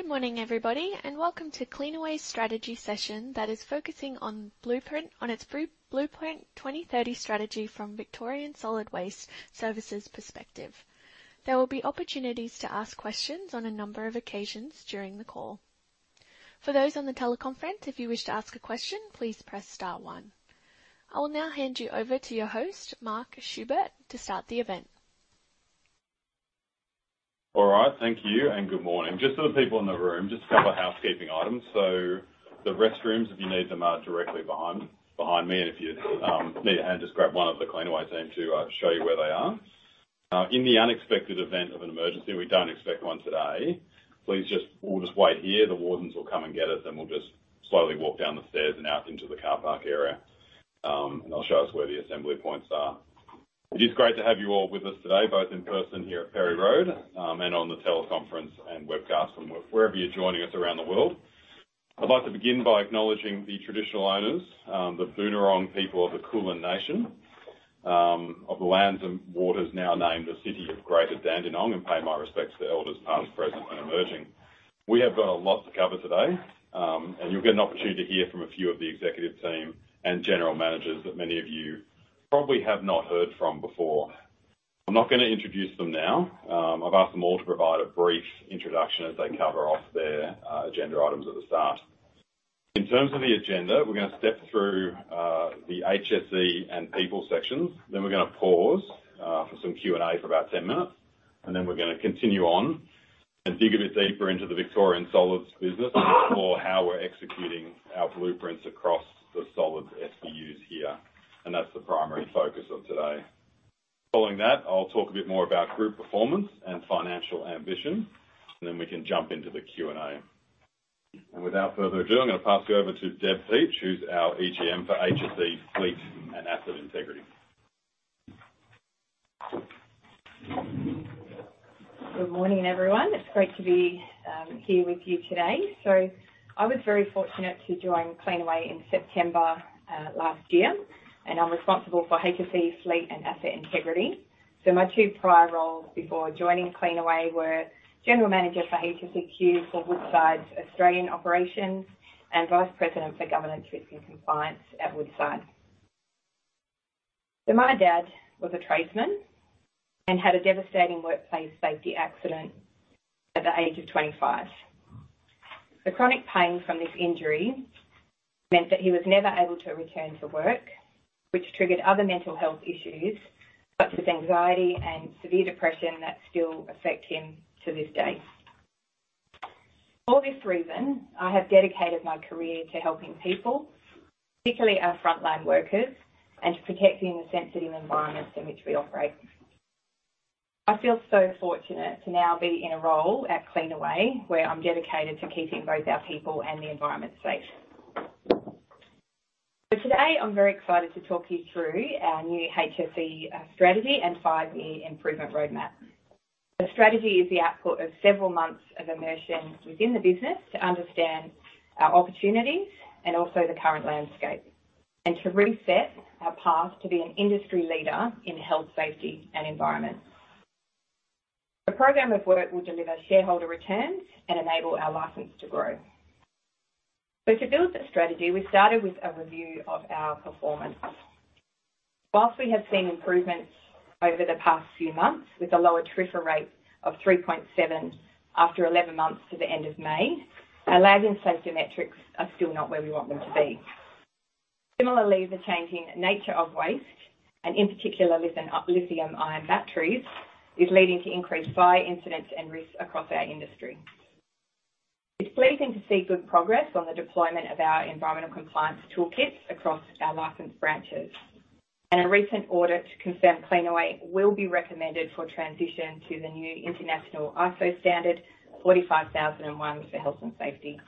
Good morning, everybody. Welcome to Cleanaway's Strategy Session that is Focusing on Blueprint 2030 Strategy from Victorian Solid Waste Services perspective. There will be opportunities to ask questions on a number of occasions during the call. For those on the teleconference, if you wish to ask a question, please press star one. I will now hand you over to your host, Mark Schubert, to start the event. All right, thank you and good morning. Just for the people in the room, just a couple of housekeeping items. The restrooms, if you need them, are directly behind me. If you need a hand, just grab one of the Cleanaway team to show you where they are. In the unexpected event of an emergency, we don't expect one today, please we'll just wait here. The wardens will come and get us, and we'll just slowly walk down the stairs and out into the car park area, and they'll show us where the assembly points are. It is great to have you all with us today, both in person here at Perry Road, and on the teleconference and webcast from wherever you're joining us around the world. I'd like to begin by acknowledging the traditional owners, the Boonwurrung people of the Kulin Nation, of the lands and waters now named the City of Greater Dandenong, and pay my respects to elders, past, present, and emerging. We have got a lot to cover today. You'll get an opportunity to hear from a few of the executive team and general managers that many of you probably have not heard from before. I'm not going to introduce them now. I've asked them all to provide a brief introduction as they cover off their agenda items at the start. In terms of the agenda, we're going to step through the HSE and people sections, then we're going to pause for some Q&A for about 10 minutes, then we're going to continue on and dig a bit deeper into the Victorian Solids business or how we're executing our blueprints across the Solids SBUs here, and that's the primary focus of today. Following that, I'll talk a bit more about group performance and financial ambition, then we can jump into the Q&A. Without further ado, I'm going to pass you over to Deborah Peach, who's our EGM for HSE, Fleet and Asset Integrity. Good morning, everyone. It's great to be here with you today. I was very fortunate to join Cleanaway in September last year, and I'm responsible for HSE, Fleet and Asset Integrity. My two prior roles before joining Cleanaway were General Manager for HSEQ for Woodside's Australian Operations, and Vice President for Governance, Risk, and Compliance at Woodside. My dad was a tradesman and had a devastating workplace safety accident at the age of 25. The chronic pain from this injury meant that he was never able to return to work, which triggered other mental health issues, such as anxiety and severe depression, that still affect him to this day. For this reason, I have dedicated my career to helping people, particularly our frontline workers, and to protecting the sensitive environments in which we operate. I feel so fortunate to now be in a role at Cleanaway, where I'm dedicated to keeping both our people and the environment safe. Today, I'm very excited to talk you through our new HSE strategy and five-year improvement roadmap. The strategy is the output of several months of immersion within the business to understand our opportunities and also the current landscape, and to reset our path to be an industry leader in health, safety, and environment. The program of work will deliver shareholder returns and enable our license to grow. To build the strategy, we started with a review of our performance. Whilst we have seen improvements over the past few months with a lower TRIFR rate of 3.7 after 11 months to the end of May, our lag in safety metrics are still not where we want them to be. Similarly, the changing nature of waste, and in particular, lithium-ion batteries, is leading to increased fire incidents and risks across our industry. It's pleasing to see good progress on the deployment of our environmental compliance toolkits across our licensed branches, and a recent audit confirmed Cleanaway will be recommended for transition to the new international ISO 45001 for health and safety,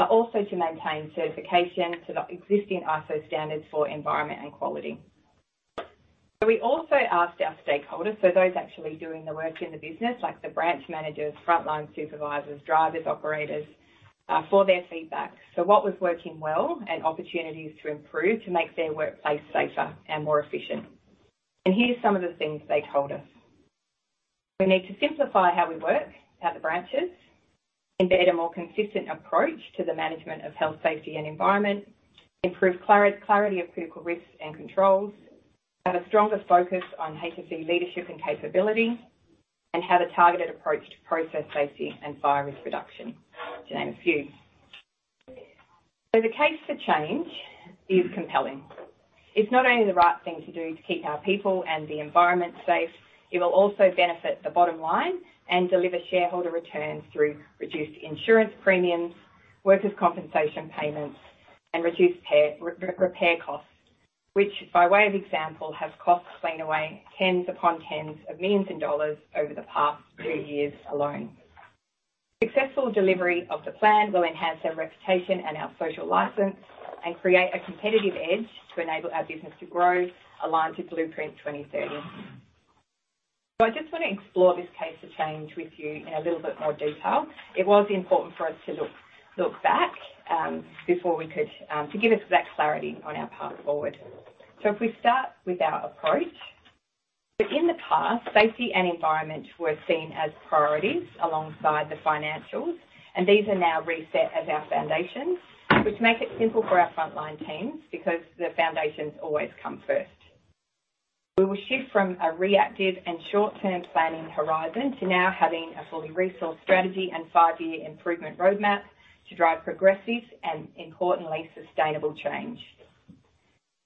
but also to maintain certification to the existing ISO standards for environment and quality. We also asked our stakeholders, so those actually doing the work in the business, like the branch managers, frontline supervisors, drivers, operators, for their feedback. What was working well and opportunities to improve to make their workplace safer and more efficient. Here's some of the things they told us: We need to simplify how we work at the branches, embed a more consistent approach to the management of Health, Safety, and Environment, improve clarity of critical risks and controls, have a stronger focus on HSE leadership and capability, and have a targeted approach to process safety and fire risk reduction, to name a few. The case for change is compelling. It's not only the right thing to do to keep our people and the environment safe, it will also benefit the bottom line and deliver shareholder returns through reduced insurance premiums, workers' compensation payments, and reduced repair costs, which, by way of example, have cost Cleanaway tens upon tens of millions of AUD over the past three years alone. Successful delivery of the plan will enhance our reputation and our social license, create a competitive edge to enable our business to grow aligned to Blueprint 2030. I just want to explore this case of change with you in a little bit more detail. It was important for us to look back before we could. To give us that clarity on our path forward. In the past, safety and environment were seen as priorities alongside the financials, and these are now reset as our foundations, which make it simple for our frontline teams because the foundations always come first. We will shift from a reactive and short-term planning horizon to now having a fully resourced strategy and five-year improvement roadmap to drive progressive and, importantly, sustainable change.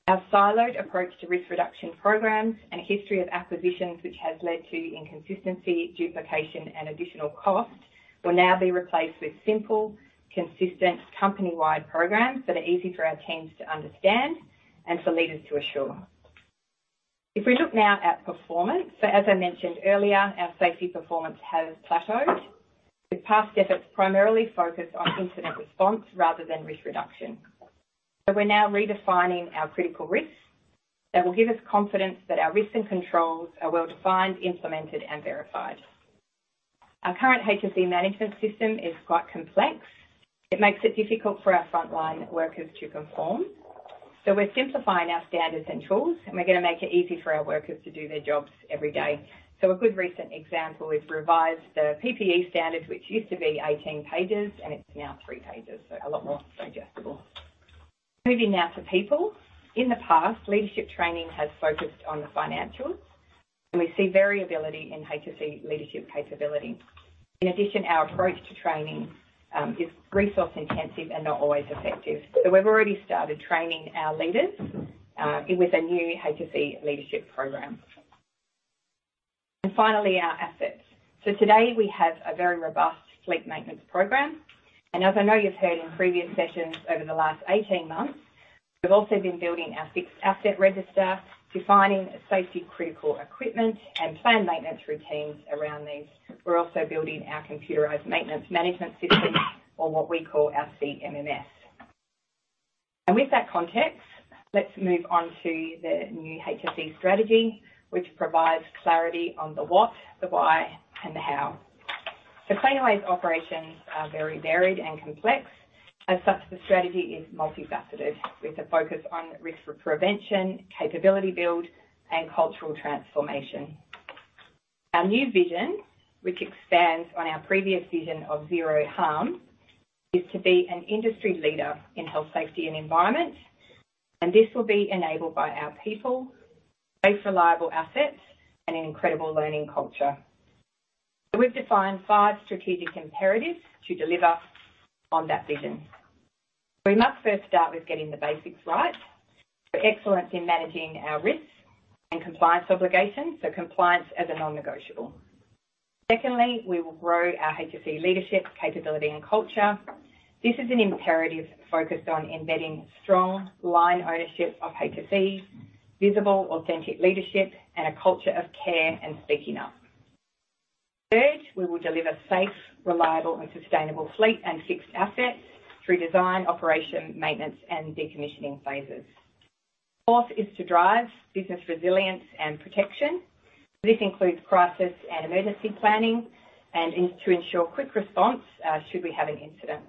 Our siloed approach to risk reduction programs and a history of acquisitions, which has led to inconsistency, duplication, and additional costs, will now be replaced with simple, consistent, company-wide programs that are easy for our teams to understand and for leaders to assure. If we look now at performance, so as I mentioned earlier, our safety performance has plateaued, with past efforts primarily focused on incident response rather than risk reduction. We're now redefining our critical risks that will give us confidence that our risks and controls are well-defined, implemented, and verified. Our current HSE management system is quite complex. It makes it difficult for our frontline workers to conform, so we're simplifying our standards and tools, and we're going to make it easy for our workers to do their jobs every day. A good recent example, we've revised the PPE standards, which used to be 18 pages, and it's now three pages, so a lot more digestible. Moving now to people. In the past, leadership training has focused on the financials, and we see variability in HSE leadership capability. In addition, our approach to training is resource intensive and not always effective. We've already started training our leaders in with a new HSE leadership program. Finally, our assets. Today we have a very robust fleet maintenance program, and as I know you've heard in previous sessions over the last 18 months, we've also been building our fixed asset register, defining safety-critical equipment, and planned maintenance routines around these. We're also building our computerized maintenance management system, or what we call our CMMS. With that context, let's move on to the new HSE strategy, which provides clarity on the what, the why, and the how. Cleanaway's operations are very varied and complex. As such, the strategy is multifaceted, with a focus on risk prevention, capability build, and cultural transformation. Our new vision, which expands on our previous vision of zero harm, is to be an industry leader in health, safety, and environment, and this will be enabled by our people, safe, reliable assets, and an incredible learning culture. We've defined five strategic imperatives to deliver on that vision. We must first start with getting the basics right. Excellence in managing our risks and compliance obligations, so compliance as a non-negotiable. Secondly, we will grow our HSE leadership, capability, and culture. This is an imperative focused on embedding strong line ownership of HSE, visible, authentic leadership, and a culture of care and speaking up. Third, we will deliver safe, reliable, and sustainable fleet and fixed assets through design, operation, maintenance, and decommissioning phases. Fourth is to drive business resilience and protection. This includes crisis and emergency planning and is to ensure quick response should we have an incident.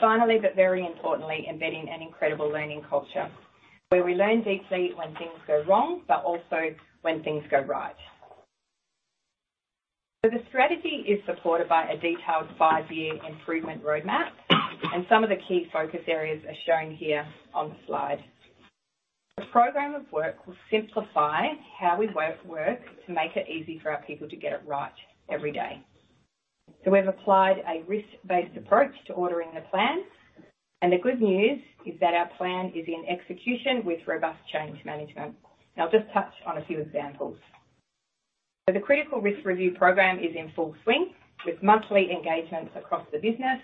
Finally, but very importantly, embedding an incredible learning culture where we learn deeply when things go wrong, but also when things go right. The strategy is supported by a detailed five-year improvement roadmap, and some of the key focus areas are shown here on the slide. The program of work will simplify how we work to make it easy for our people to get it right every day. We've applied a risk-based approach to ordering the plan, and the good news is that our plan is in execution with robust change management. I'll just touch on a few examples. The critical risk review program is in full swing with monthly engagements across the business,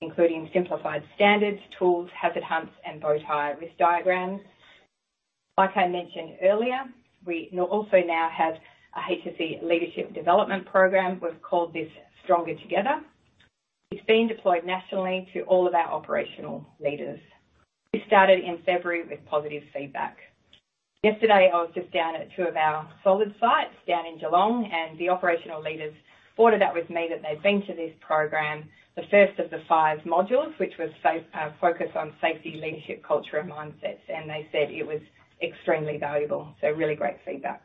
including simplified standards, tools, hazard hunts, and bowtie risk diagrams. Like I mentioned earlier, we also now have a HSE leadership development program. We've called this Stronger Together. It's being deployed nationally to all of our operational leaders. We started in February with positive feedback. Yesterday, I was just down at two of our solid sites down in Geelong, and the operational leaders brought it up with me that they've been to this program. The first of the 5 modules, which was focused on safety, leadership, culture, and mindsets, and they said it was extremely valuable. Really great feedback.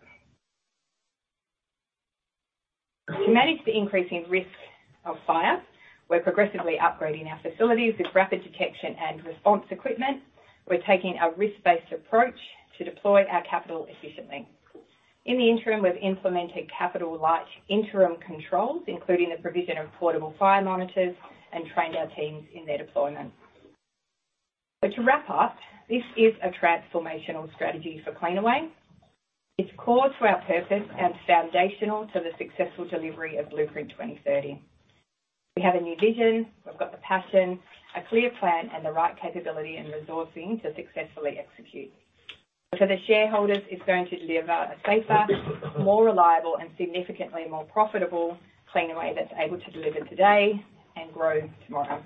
To manage the increasing risk of fire, we're progressively upgrading our facilities with rapid detection and response equipment. We're taking a risk-based approach to deploy our capital efficiently. In the interim, we've implemented capital light interim controls, including the provision of portable fire monitors, and trained our teams in their deployment. To wrap up, this is a transformational strategy for Cleanaway. It's core to our purpose and foundational to the successful delivery of Blueprint 2030. We have a new vision. We've got the passion, a clear plan, and the right capability and resourcing to successfully execute. The shareholders is going to deliver a safer, more reliable, and significantly more profitable Cleanaway that's able to deliver today and grow tomorrow.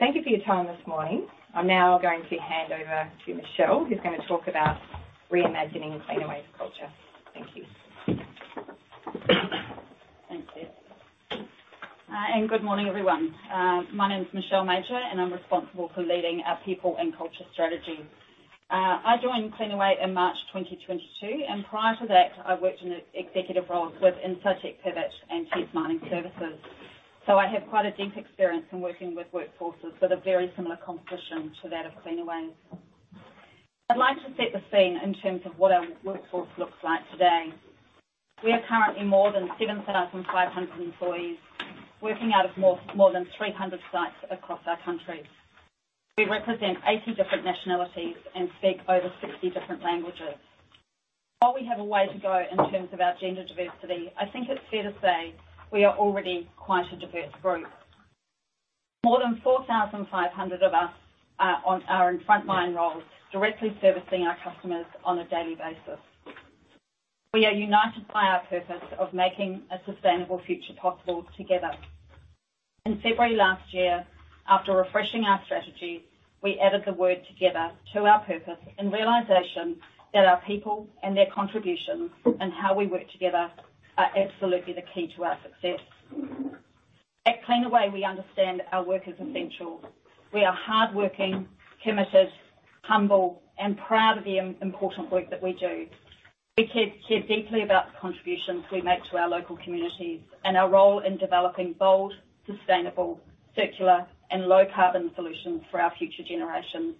Thank you for your time this morning. I'm now going to hand over to Michele, who's going to talk about reimagining Cleanaway's culture. Good morning, everyone. My name is Michele Mauger, and I'm responsible for leading our people and culture strategy. I joined Cleanaway in March 2022, and prior to that, I worked in executive roles with Incitec Pivot and Chess Mining Services. I have quite a deep experience in working with workforces that are very similar composition to that of Cleanaway. I'd like to set the scene in terms of what our workforce looks like today. We are currently more than 7,500 employees, working out of more than 300 sites across our country. We represent 80 different nationalities and speak over 60 different languages. While we have a way to go in terms of our gender diversity, I think it's fair to say we are already quite a diverse group. More than 4,500 of us are in frontline roles, directly servicing our customers on a daily basis. We are united by our purpose of making a sustainable future possible together. In February last year, after refreshing our strategy, we added the word 'together' to our purpose in realization that our people and their contributions and how we work together are absolutely the key to our success. At Cleanaway, we understand our work is essential. We are hardworking, committed, humble, and proud of the important work that we do. We care deeply about the contributions we make to our local communities and our role in developing bold, sustainable, circular, and low-carbon solutions for our future generations.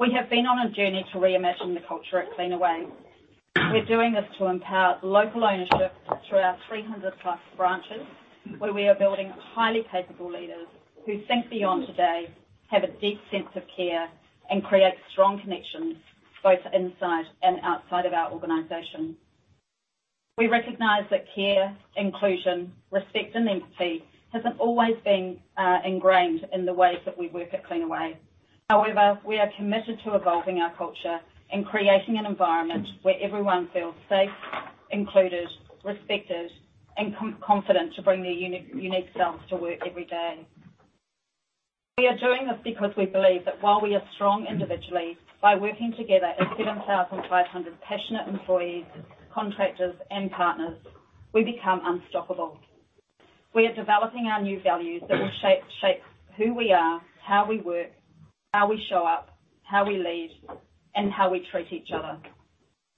We have been on a journey to reimagine the culture at Cleanaway. We're doing this to empower local ownership through our 300+ branches, where we are building highly capable leaders who think beyond today, have a deep sense of care, and create strong connections both inside and outside of our organization. We recognize that care, inclusion, respect, and empathy hasn't always been ingrained in the ways that we work at Cleanaway. However, we are committed to evolving our culture and creating an environment where everyone feels safe, included, respected, and confident to bring their unique selves to work every day. We are doing this because we believe that while we are strong individually, by working together as 7,500 passionate employees, contractors, and partners, we become unstoppable. We are developing our new values that will shape who we are, how we work, how we show up, how we lead, and how we treat each other.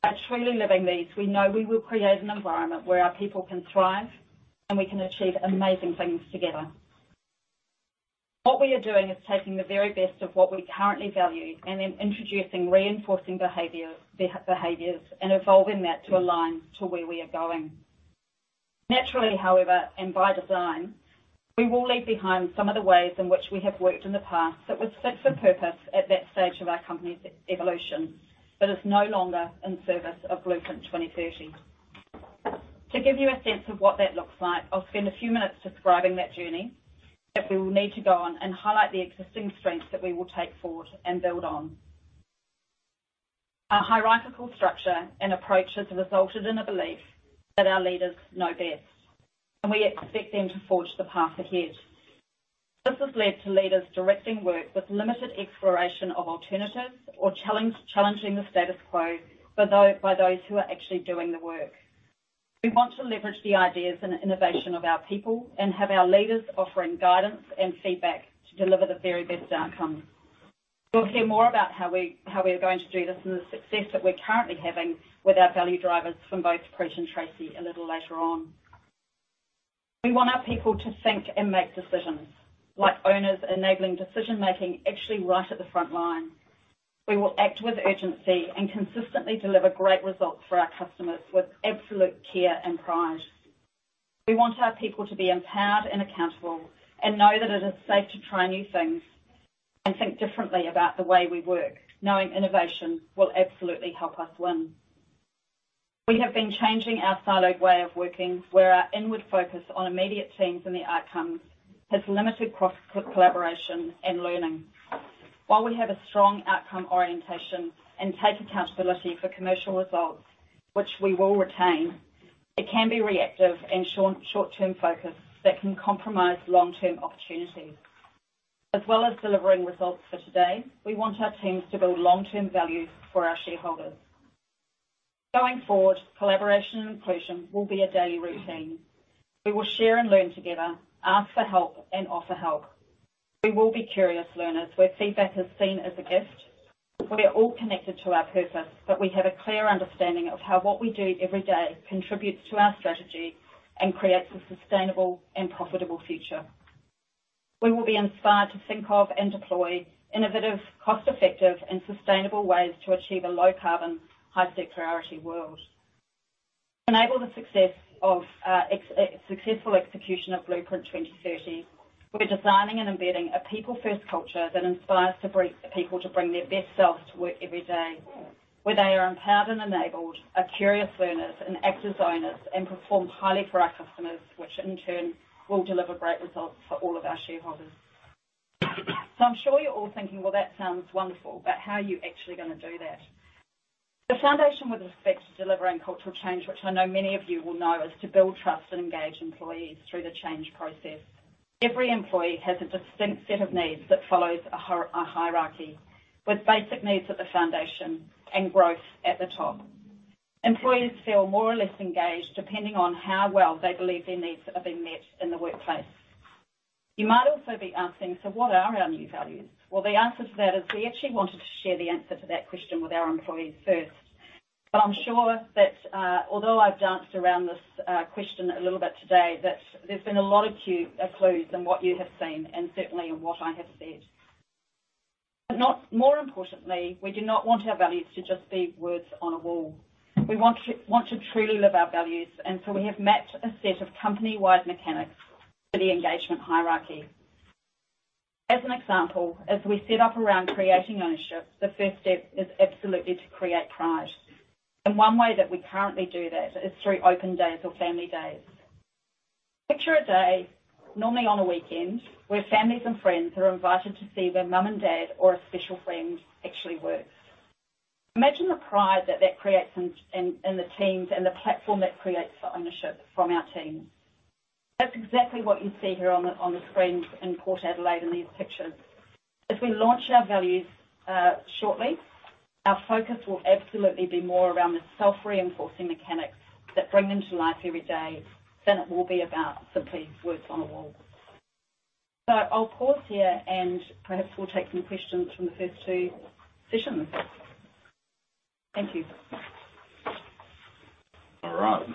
By truly living these, we know we will create an environment where our people can thrive, and we can achieve amazing things together. What we are doing is taking the very best of what we currently value and then introducing reinforcing behaviors and evolving that to align to where we are going. Naturally, however, and by design, we will leave behind some of the ways in which we have worked in the past that would fit for purpose at that stage of our company's evolution, but it's no longer in service of Blueprint 2030. To give you a sense of what that looks like, I'll spend a few minutes describing that journey that we will need to go on and highlight the existing strengths that we will take forward and build on. Our hierarchical structure and approaches resulted in a belief that our leaders know best, and we expect them to forge the path ahead. This has led to leaders directing work with limited exploration of alternatives or challenge, challenging the status quo by those who are actually doing the work. We want to leverage the ideas and innovation of our people and have our leaders offering guidance and feedback to deliver the very best outcomes. We'll hear more about how we are going to do this and the success that we're currently having with our value drivers from both Chris and Tracey a little later on. We want our people to think and make decisions, like owners enabling decision-making actually right at the front line. We will act with urgency and consistently deliver great results for our customers with absolute care and pride. We want our people to be empowered and accountable and know that it is safe to try new things and think differently about the way we work, knowing innovation will absolutely help us win. We have been changing our siloed way of working, where our inward focus on immediate teams and the outcomes has limited cross-collaboration and learning. While we have a strong outcome orientation and take accountability for commercial results, which we will retain, it can be reactive and short-term focus that can compromise long-term opportunities. As well as delivering results for today, we want our teams to build long-term value for our shareholders. Going forward, collaboration and inclusion will be a daily routine. We will share and learn together, ask for help and offer help. We will be curious learners, where feedback is seen as a gift. We are all connected to our purpose, but we have a clear understanding of how what we do every day contributes to our strategy and creates a sustainable and profitable future. We will be inspired to think of and deploy innovative, cost-effective, and sustainable ways to achieve a low-carbon, high circularity world. To enable the successful execution of Blueprint 2030, we're designing and embedding a people-first culture that inspires to bring people to bring their best selves to work every day, where they are empowered and enabled, are curious learners and act as owners, and perform highly for our customers, which in turn will deliver great results for all of our shareholders. I'm sure you're all thinking: Well, that sounds wonderful, but how are you actually gonna do that? The foundation with respect to delivering cultural change, which I know many of you will know, is to build trust and engage employees through the change process. Every employee has a distinct set of needs that follows a hierarchy, with basic needs at the foundation and growth at the top. Employees feel more or less engaged, depending on how well they believe their needs are being met in the workplace. You might also be asking: What are our new values? The answer to that is we actually wanted to share the answer to that question with our employees first. I'm sure that although I've danced around this question a little bit today, that there's been a lot of clues in what you have seen and certainly in what I have said. More importantly, we do not want our values to just be words on a wall. We want to truly live our values, we have mapped a set of company-wide mechanics for the engagement hierarchy. As an example, as we set off around creating ownership, the first step is absolutely to create pride. One way that we currently do that is through open days or family days. Picture a day, normally on a weekend, where families and friends are invited to see where mom and dad or a special friend actually works. Imagine the pride that that creates in the teams and the platform that creates for ownership from our teams. That's exactly what you see here on the screens in Port Adelaide in these pictures. As we launch our values, shortly, our focus will absolutely be more around the self-reinforcing mechanics that bring them to life every day, than it will be about simply words on a wall. I'll pause here, and perhaps we'll take some questions from the first two sessions. Thank you. All right.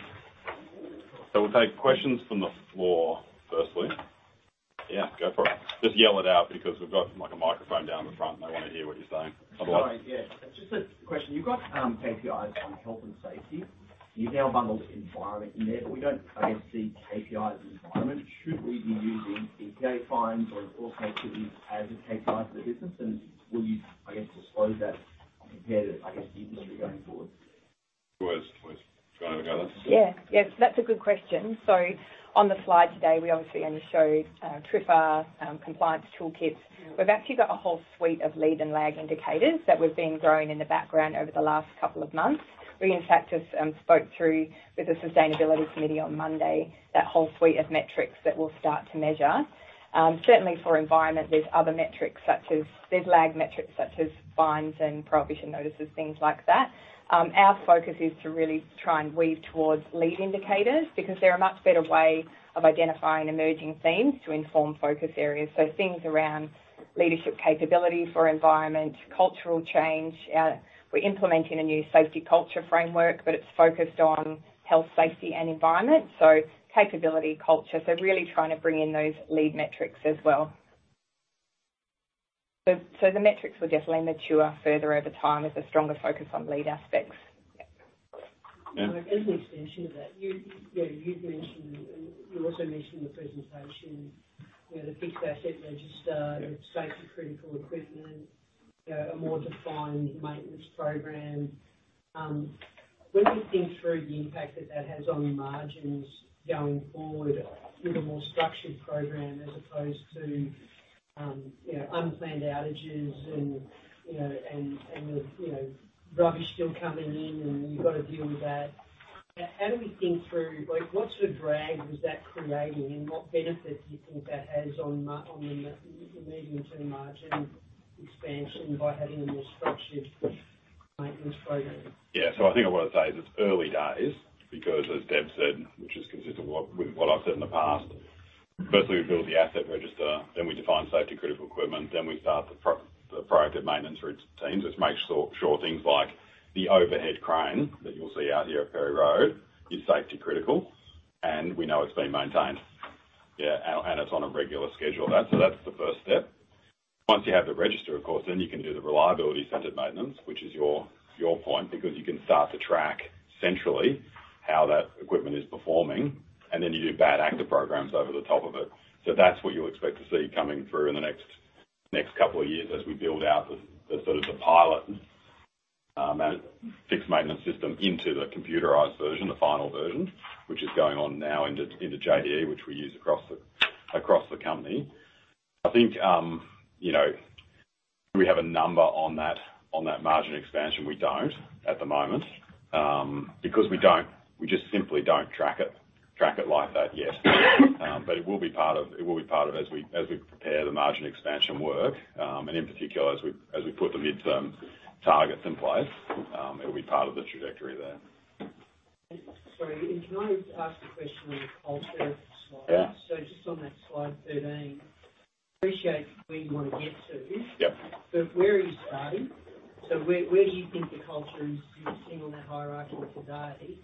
We'll take questions from the floor firstly. Yeah, go for it. Just yell it out, because we've got, like, a microphone down the front, and they want to hear what you're saying. Sorry, yeah. Just a question. You've got KPIs on health and safety. You've now bundled environment in there, but we don't, I guess, see KPIs environment. Should we be using EPA fines or enforcement activities as a KPI for the business? Will you, I guess, disclose that compared to, I guess, the industry going forward? Go ahead, please. Go over, go. Yeah. Yes, that's a good question. On the slide today, we obviously only showed TRIFR compliance toolkits. We've actually got a whole suite of lead and lag indicators that we've been growing in the background over the last couple of months. We, in fact, just spoke through with the sustainability committee on Monday, that whole suite of metrics that we'll start to measure. Certainly for environment, there's other metrics, such as lag metrics, such as fines and prohibition notices, things like that. Our focus is to really try and weave towards lead indicators because they're a much better way of identifying emerging themes to inform focus areas. Things around leadership capability for environment, cultural change. We're implementing a new safety culture framework, but it's focused on health, safety, and environment, so capability culture. Really trying to bring in those lead metrics as well. The metrics will definitely mature further over time as a stronger focus on lead aspects. Yeah. Yeah. As an extension of that, you've mentioned, and you also mentioned in the presentation, you know, the fixed asset register, safety-critical equipment, a more defined maintenance program. When we think through the impact that that has on the margins going forward with a more structured program, as opposed to, you know, unplanned outages and, you know, and, you know, rubbish still coming in and you've got to deal with that, how do we think through, like, what sort of drag is that creating, and what benefit do you think that has on the medium to margin expansion by having a more structured maintenance program? Yeah. I think I want to say, it's early days because, as Deb said, which is consistent with what I've said in the past, firstly, we build the asset register, then we define safety-critical equipment, then we start the proactive maintenance route teams, which makes sure things like the overhead crane that you'll see out here at Perry Road is safety critical, and we know it's being maintained. Yeah, and it's on a regular schedule. That's the first step. Once you have the register, of course, then you can do the reliability-centered maintenance, which is your point, because you can start to track centrally how that equipment is performing, and then you do bad actor programs over the top of it. That's what you'll expect to see coming through in the next couple of years as we build out the sort of the pilot, fixed maintenance system into the computerized version, the final version, which is going on now into JDE, which we use across the company. I think, you know, do we have a number on that margin expansion? We don't at the moment, because we don't, we just simply don't track it like that yet. It will be part of as we prepare the margin expansion work, and in particular, as we put the midterm targets in place, it'll be part of the trajectory there. Sorry, can I ask a question on the culture slide? Yeah. Just on that slide 13, appreciate where you want to get to. Yep. Where are you starting? Where, where do you think the culture is sitting on the hierarchy today,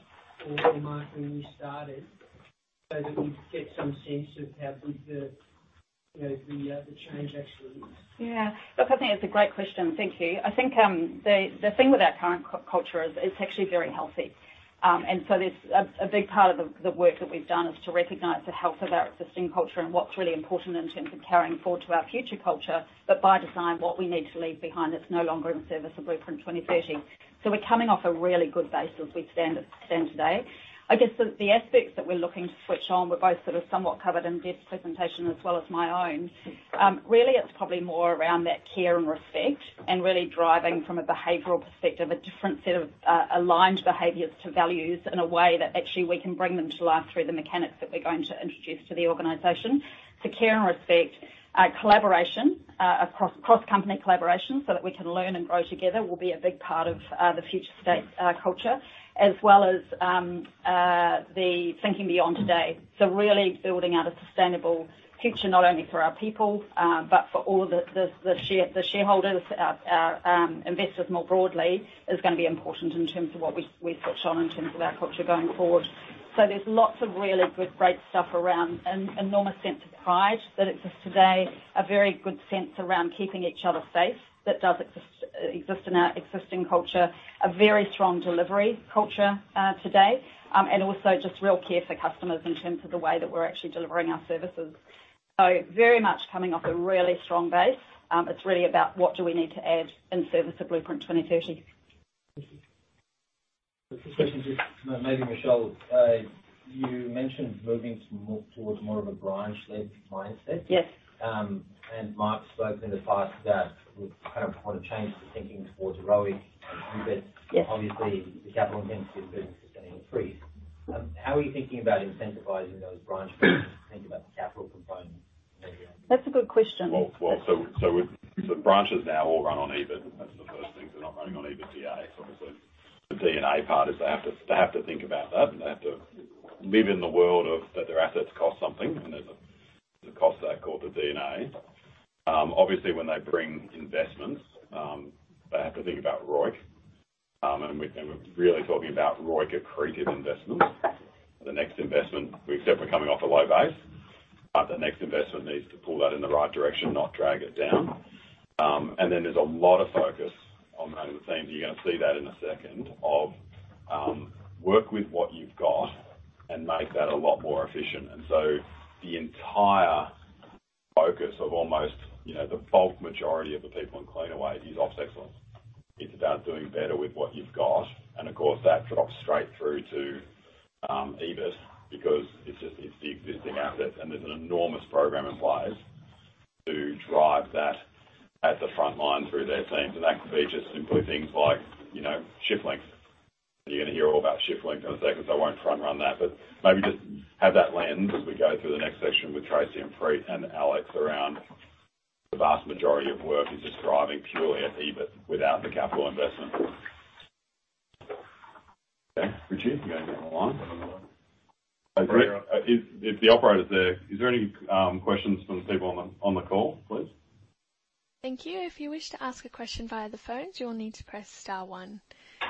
or it might when you started, so that we get some sense of how good the, you know, the change actually is? Yeah, look, I think it's a great question. Thank you. I think, the thing with our current culture is it's actually very healthy. There's a big part of the work that we've done is to recognize the health of our existing culture and what's really important in terms of carrying forward to our future culture, but by design, what we need to leave behind that's no longer in service of Blueprint 2030. We're coming off a really good base as we stand today. I guess the aspects that we're looking to switch on were both sort of somewhat covered in Deb's presentation as well as my own. Really, it's probably more around that care and respect, and really driving from a behavioral perspective, a different set of aligned behaviors to values in a way that actually we can bring them to life through the mechanics that we're going to introduce to the organization. Care and respect, collaboration, cross-company collaboration, so that we can learn and grow together, will be a big part of the future state culture, as well as the thinking beyond today. Really building out a sustainable future not only for our people, but for all the shareholders, our investors more broadly, is gonna be important in terms of what we switch on in terms of our culture going forward. There's lots of really good, great stuff around, and enormous sense of pride that exists today. A very good sense around keeping each other safe, that does exist in our existing culture. A very strong delivery culture today. Also just real care for customers in terms of the way that we're actually delivering our services. Very much coming off a really strong base. It's really about what do we need to add in service of Blueprint 2030. Just a question, just maybe, Michele, you mentioned moving to more, towards more of a branch-led mindset. Yes. Mark spoke in the past that we kind of want to change the thinking towards ROIC and EBIT. Yes. Obviously, the capital intensity is going to increase. How are you thinking about incentivizing those branch banks, thinking about the capital component maybe? That's a good question. Branches now all run on EBIT. That's the first thing. They're not running on EBITDA. Obviously, the DNA part is they have to think about that, and they have to live in the world of that their assets cost something, and there's a cost to that called the DNA. Obviously, when they bring investments, they have to think about ROIC. We're really talking about ROIC accretive investments. The next investment, we accept we're coming off a low base, but the next investment needs to pull that in the right direction, not drag it down. Then there's a lot of focus on the teams. You're going to see that in one second, of work with what you've got and make that a lot more efficient. The entire focus of almost, you know, the bulk majority of the people in Cleanaway is OpEx excellence. It's about doing better with what you've got, and of course, that drops straight through to EBIT, because it's the existing assets, and there's an enormous program in place to drive that at the front line through their teams. That could be just simply things like, you know, ShiftLink. You're going to hear all about ShiftLink in a second, so I won't front run that. Maybe just have that lens as we go through the next section with Tracey and Preet and Alex around the vast majority of work is just driving purely at EBIT without the capital investment. Richie, you going to get on the line? If the operator's there, is there any questions from the people on the call, please? Thank you. If you wish to ask a question via the phone, you will need to press star one.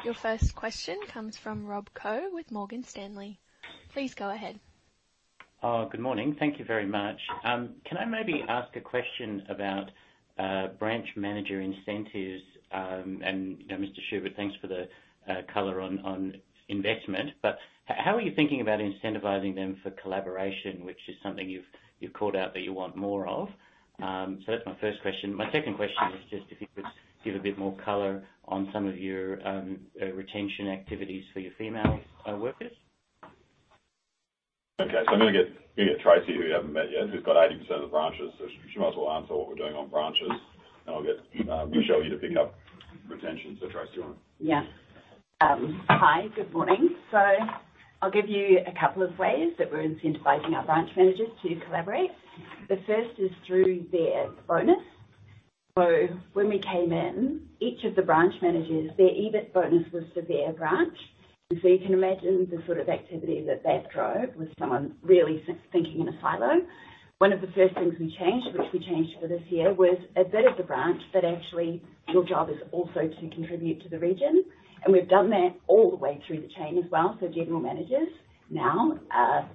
Your first question comes from Rob Koh with Morgan Stanley. Please go ahead. Good morning. Thank you very much. Can I maybe ask a question about branch manager incentives? You know, Mr. Schubert, thanks for the color on investment, but how are you thinking about incentivizing them for collaboration, which is something you've called out that you want more of? That's my first question. My second question is just if you could give a bit more color on some of your retention activities for your female workers. I'm gonna get Tracey, who you haven't met yet, who's got 80% of the branches, so she might as well answer what we're doing on branches, and I'll get Michele here to pick up retention for Tracey. Hi, good morning. I'll give you a couple of ways that we're incentivizing our branch managers to collaborate. The first is through their bonus. When we came in, each of the branch managers, their EBIT bonus, was for their branch. You can imagine the sort of activity that that drove, with someone really thinking in a silo. One of the first things we changed, which we changed for this year, was a bit of the branch, but actually your job is also to contribute to the region. We've done that all the way through the chain as well. General managers now,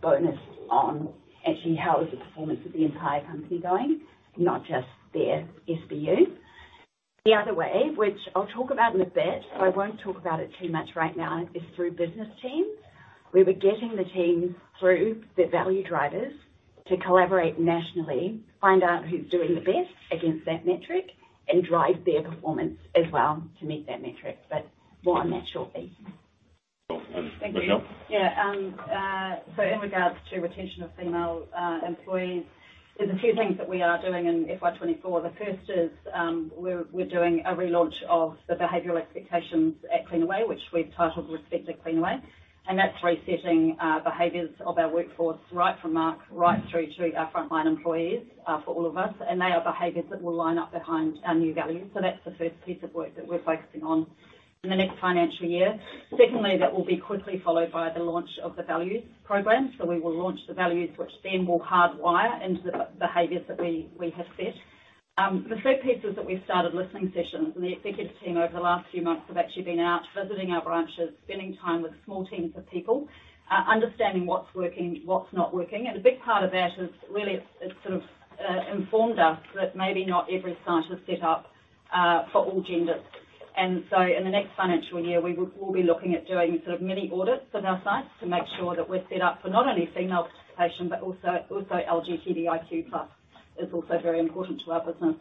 bonus on actually how is the performance of the entire company going, not just their SBU. The other way, which I'll talk about in a bit, so I won't talk about it too much right now, is through business teams. We were getting the teams through the value drivers to collaborate nationally, find out who's doing the best against that metric, and drive their performance as well to meet that metric. More on that shortly. Thank you. In regards to retention of female employees, there's a few things that we are doing in FY24. The first is, we're doing a relaunch of the behavioral expectations at Cleanaway, which we've titled Respect at Cleanaway, and that's resetting behaviors of our workforce, right from Mark Schubert, right through to our frontline employees for all of us. They are behaviors that will line up behind our new values. That's the first piece of work that we're focusing on in the next financial year. Secondly, that will be quickly followed by the launch of the values program. We will launch the values, which then will hardwire into the behaviors that we have set. The third piece is that we've started listening sessions. The executive team over the last few months have actually been out visiting our branches, spending time with small teams of people, understanding what's working, what's not working. A big part of that is really, it's sort of informed us that maybe not every site is set up for all genders. In the next financial year, we will be looking at doing sort of mini audits of our sites to make sure that we're set up for not only female participation, but also LGBTQ+. It's also very important to our business.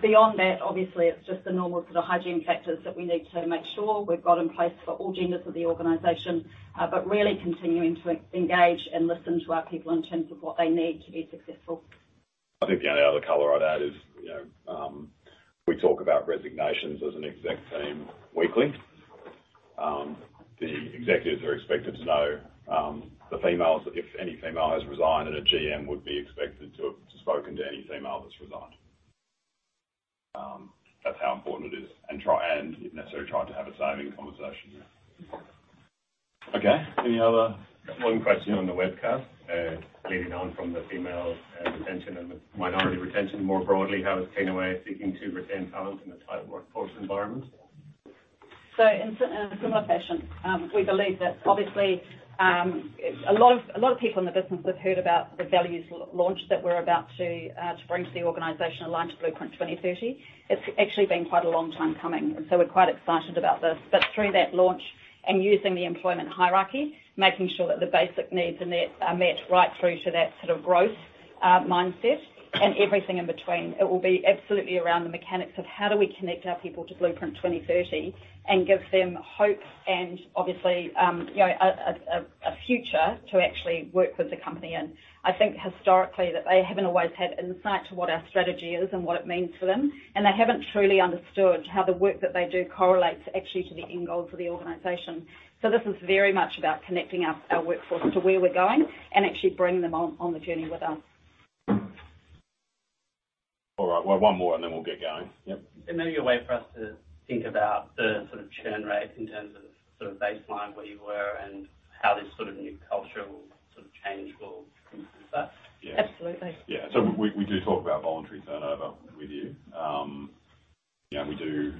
Beyond that, obviously, it's just the normal sort of hygiene factors that we need to make sure we've got in place for all genders of the organization, but really continuing to engage and listen to our people in terms of what they need to be successful. I think the only other color I'd add is, you know, we talk about resignations as an exec team weekly. The executives are expected to know, the females, if any female has resigned, and a GM would be expected to have spoken to any female that's resigned. That's how important it is, and if necessary, trying to have a saving conversation. Okay. Any other- One question on the webcast, leading on from the female retention and the minority retention. More broadly, how is Cleanaway seeking to retain talent in a tight workforce environment? In a similar fashion, we believe that obviously, a lot of people in the business have heard about the values launch that we're about to bring to the organization, aligned to Blueprint 2030. It's actually been quite a long time coming, we're quite excited about this. Through that launch and using the employment hierarchy, making sure that the basic needs are met right through to that sort of growth mindset and everything in between, it will be absolutely around the mechanics of how do we connect our people to Blueprint 2030 and give them hope and obviously, you know, a future to actually work with the company? I think historically, that they haven't always had insight to what our strategy is and what it means for them, and they haven't truly understood how the work that they do correlates actually to the end goal for the organization. This is very much about connecting our workforce to where we're going and actually bringing them on the journey with us. All right, well, one more, and then we'll get going. Yep. Is there maybe a way for us to think about the sort of churn rates in terms of sort of baseline, where you were and how this sort of new culture will sort of change or influence that? Absolutely. Yeah. We do talk about voluntary turnover with you. Yeah, we do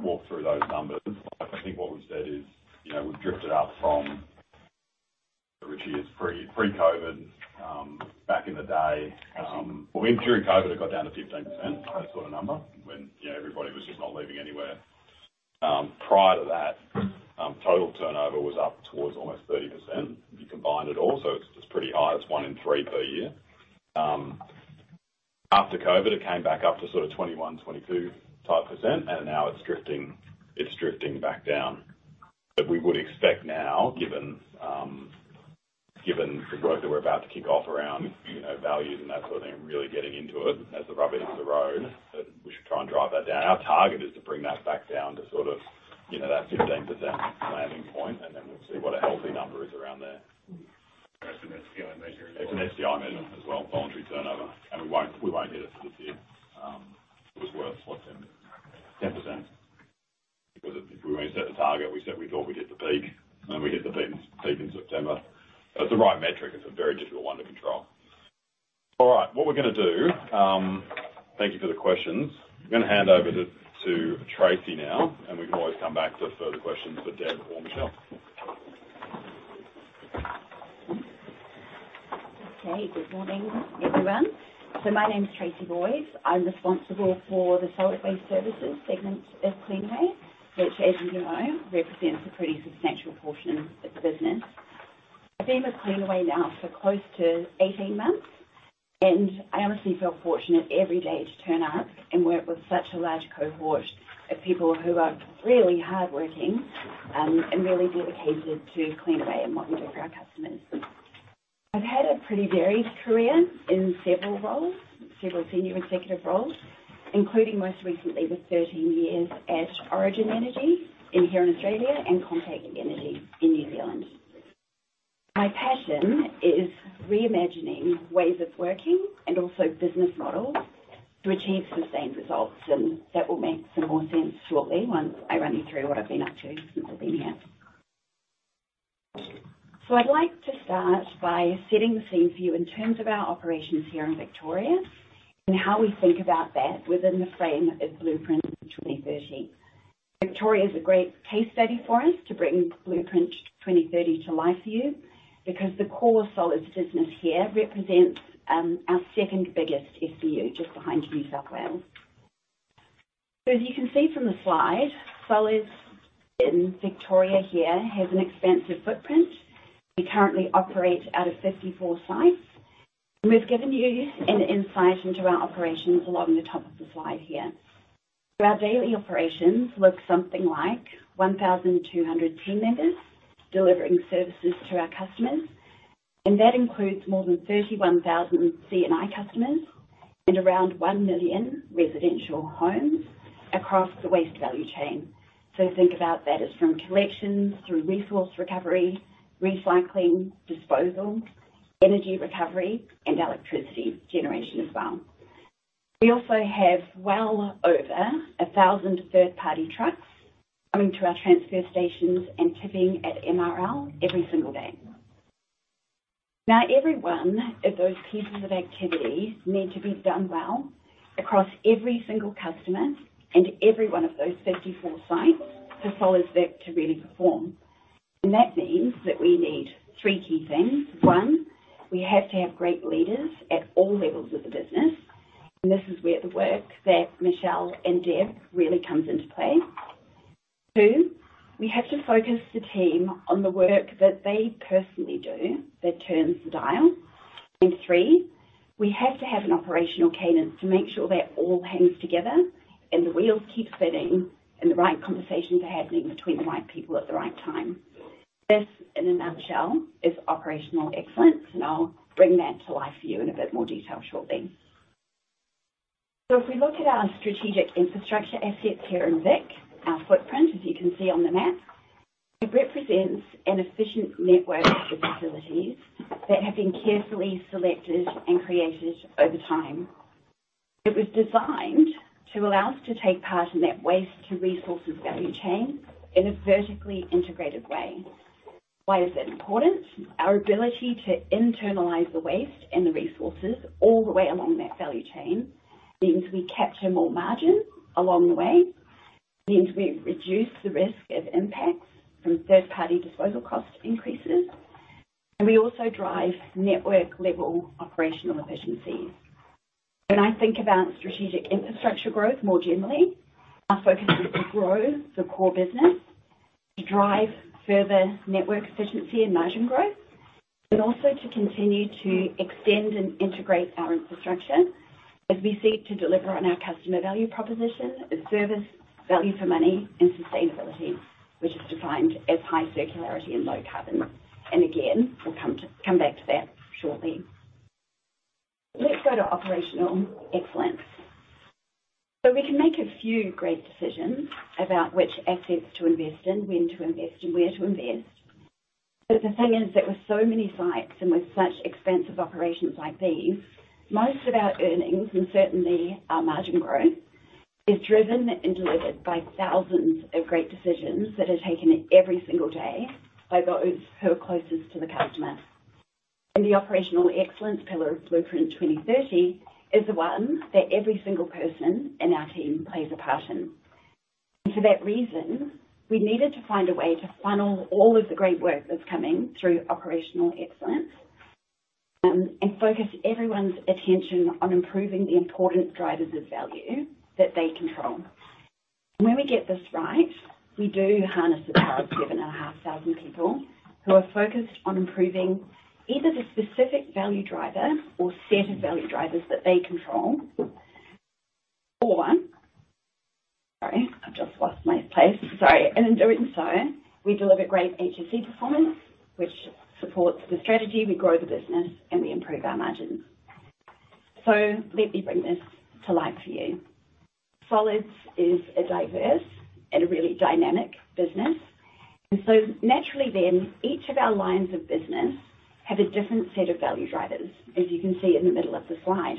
walk through those numbers. I think what we've said is, you know, we've drifted up from the previous pre-COVID, back in the day. During COVID, it got down to 15%, sort of number, when, you know, everybody was just not leaving anywhere. Prior to that, total turnover was up towards almost 30%. If you combined it all, so it's pretty high. It's one in three per year. After COVID, it came back up to sort of 21% to 22% [inaudible] percent, and now it's drifting back down. We would expect now, given the work that we're about to kick off around, you know, values and that sort of thing, and really getting into it as the rubber hits the road, that we should try and drive that down. Our target is to bring that back down to sort of, you know, that 15% landing point, and then we'll see what a healthy number is around there. It's an SDI measure as well. It's an SDI measure as well, voluntary turnover. We won't hit it for this year. It was worth what, 10%? Because if we set the target, we said we thought we'd hit the peak, and then we hit the peak in September. It's the right metric. It's a very difficult one to control. All right, what we're gonna do. Thank you for the questions. I'm gonna hand over to Tracey now, and we can always come back to further questions for Deb or Michele. Good morning, everyone. My name is Tracey Boyes. I am responsible for the Solid Waste Services segment at Cleanaway, which, as you know, represents a pretty substantial portion of the business. I have been with Cleanaway now for close to 18 months, and I honestly feel fortunate every day to turn up and work with such a large cohort of people who are really hardworking and really dedicated to Cleanaway and what we do for our customers. I have had a pretty varied career in several roles, several senior executive roles, including most recently, the 13 years at Origin Energy here in Australia and Contact Energy in New Zealand. My passion is reimagining ways of working and also business models to achieve sustained results, and that will make some more sense shortly once I run you through what I have been up to since I have been here. I'd like to start by setting the scene for you in terms of our operations here in Victoria and how we think about that within the frame of Blueprint 2030. Victoria is a great case study for us to bring Blueprint 2030 to life for you because the core solids business here represents our second biggest SBU, just behind New South Wales. As you can see from the slide, solids in Victoria here has an expansive footprint. We currently operate out of 54 sites, and we've given you an insight into our operations along the top of the slide here. Our daily operations look something like 1,200 team members delivering services to our customers, and that includes more than 31,000 C&I customers and around one million residential homes across the waste value chain. Think about that as from collections through resource recovery, recycling, disposal, energy recovery, and electricity generation as well. We also have well over 1,000 third-party trucks coming to our transfer stations and tipping at MRL every single day. Every one of those pieces of activity need to be done well across every single customer and every one of those 54 sites for Solids Vic to really perform. That means that we need three key things. One, we have to have great leaders at all levels of the business, and this is where the work that Michele and Deb really comes into play. Two, we have to focus the team on the work that they personally do that turns the dial. Three, we have to have an Operational Excellence cadence to make sure that all hangs together and the wheels keep spinning, and the right conversations are happening between the right people at the right time. This, in a nutshell, is Operational Excellence, and I'll bring that to life for you in a bit more detail shortly. If we look at our strategic infrastructure assets here in Vic, our footprint, as you can see on the map, it represents an efficient network of facilities that have been carefully selected and created over time. It was designed to allow us to take part in that waste-to-resources value chain in a vertically integrated way. Why is that important? Our ability to internalize the waste and the resources all the way along that value chain means we capture more margin along the way, means we reduce the risk of impacts from third-party disposal cost increases, and we also drive network-level operational efficiencies. When I think about strategic infrastructure growth more generally, our focus is to grow the core business, to drive further network efficiency and margin growth, but also to continue to extend and integrate our infrastructure as we seek to deliver on our customer value proposition of service, value for money, and sustainability, which is defined as high circularity and low carbon. Again, we'll come back to that shortly. Let's go to operational excellence. We can make a few great decisions about which assets to invest in, when to invest, and where to invest. The thing is that with so many sites and with such expansive operations like these, most of our earnings and certainly our margin growth, is driven and delivered by thousands of great decisions that are taken every single day by those who are closest to the customer. The Operational Excellence pillar of Blueprint 2030 is the one that every single person in our team plays a part in. For that reason, we needed to find a way to funnel all of the great work that's coming through Operational Excellence and focus everyone's attention on improving the important drivers of value that they control. When we get this right, we do harness the power of 7,500 people who are focused on improving either the specific value driver or set of value drivers that they control. Sorry, I've just lost my place. Sorry. In doing so, we deliver great HSE performance, which supports the strategy, we grow the business, and we improve our margins. Let me bring this to life for you. Solids is a diverse and a really dynamic business. Naturally then, each of our lines of business have a different set of value drivers, as you can see in the middle of the slide.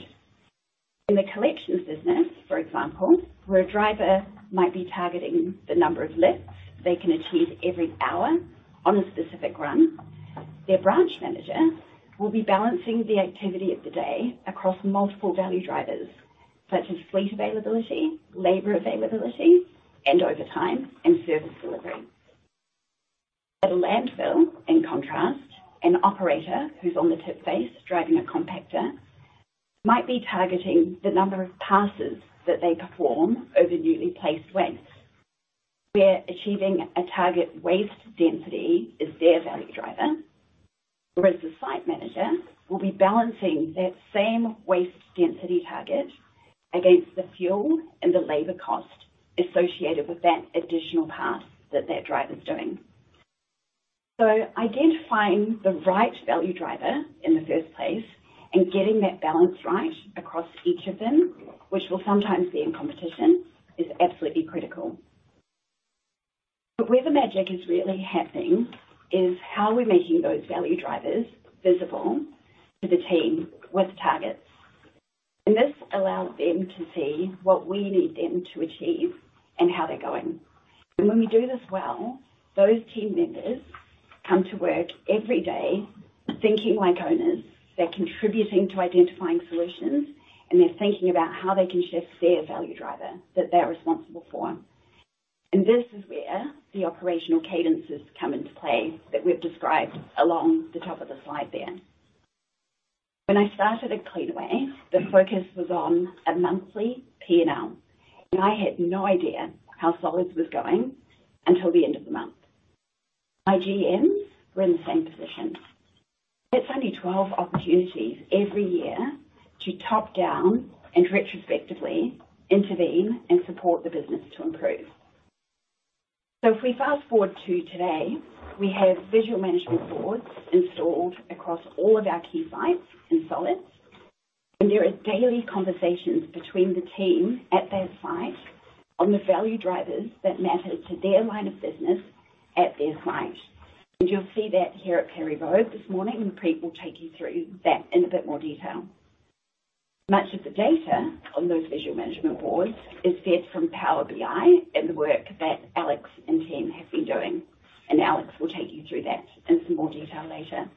In the collections business, for example, where a driver might be targeting the number of lifts they can achieve every hour on a specific run, their branch manager will be balancing the activity of the day across multiple value drivers, such as fleet availability, labor availability, and overtime and service delivery. At a landfill, in contrast, an operator who's on the tip face driving a compactor might be targeting the number of passes that they perform over newly placed waste, where achieving a target waste density is their value driver. Whereas the site manager will be balancing that same waste density target against the fuel and the labor cost associated with that additional pass that that driver's doing. Identifying the right value driver in the first place and getting that balance right across each of them, which will sometimes be in competition, is absolutely critical. Where the magic is really happening is how we're making those value drivers visible to the team with targets, and this allows them to see what we need them to achieve and how they're going. When we do this well, those team members come to work every day thinking like owners. They're contributing to identifying solutions, they're thinking about how they can shift their value driver that they're responsible for. This is where the operational cadences come into play that we've described along the top of the slide there. When I started at Cleanaway, the focus was on a monthly P&L, and I had no idea how Solids was going until the end of the month. My GMs were in the same position. It's only 12 opportunities every year to top down and retrospectively intervene and support the business to improve. If we fast-forward to today, we have visual management boards installed across all of our key sites in Solids, and there are daily conversations between the team at that site on the value drivers that matter to their line of business at their site. You'll see that here at Perry Road this morning, and Pete will take you through that in a bit more detail. Much of the data on those visual management boards is fed from Power BI and the work that Alex and team have been doing, and Alex will take you through that in some more detail later.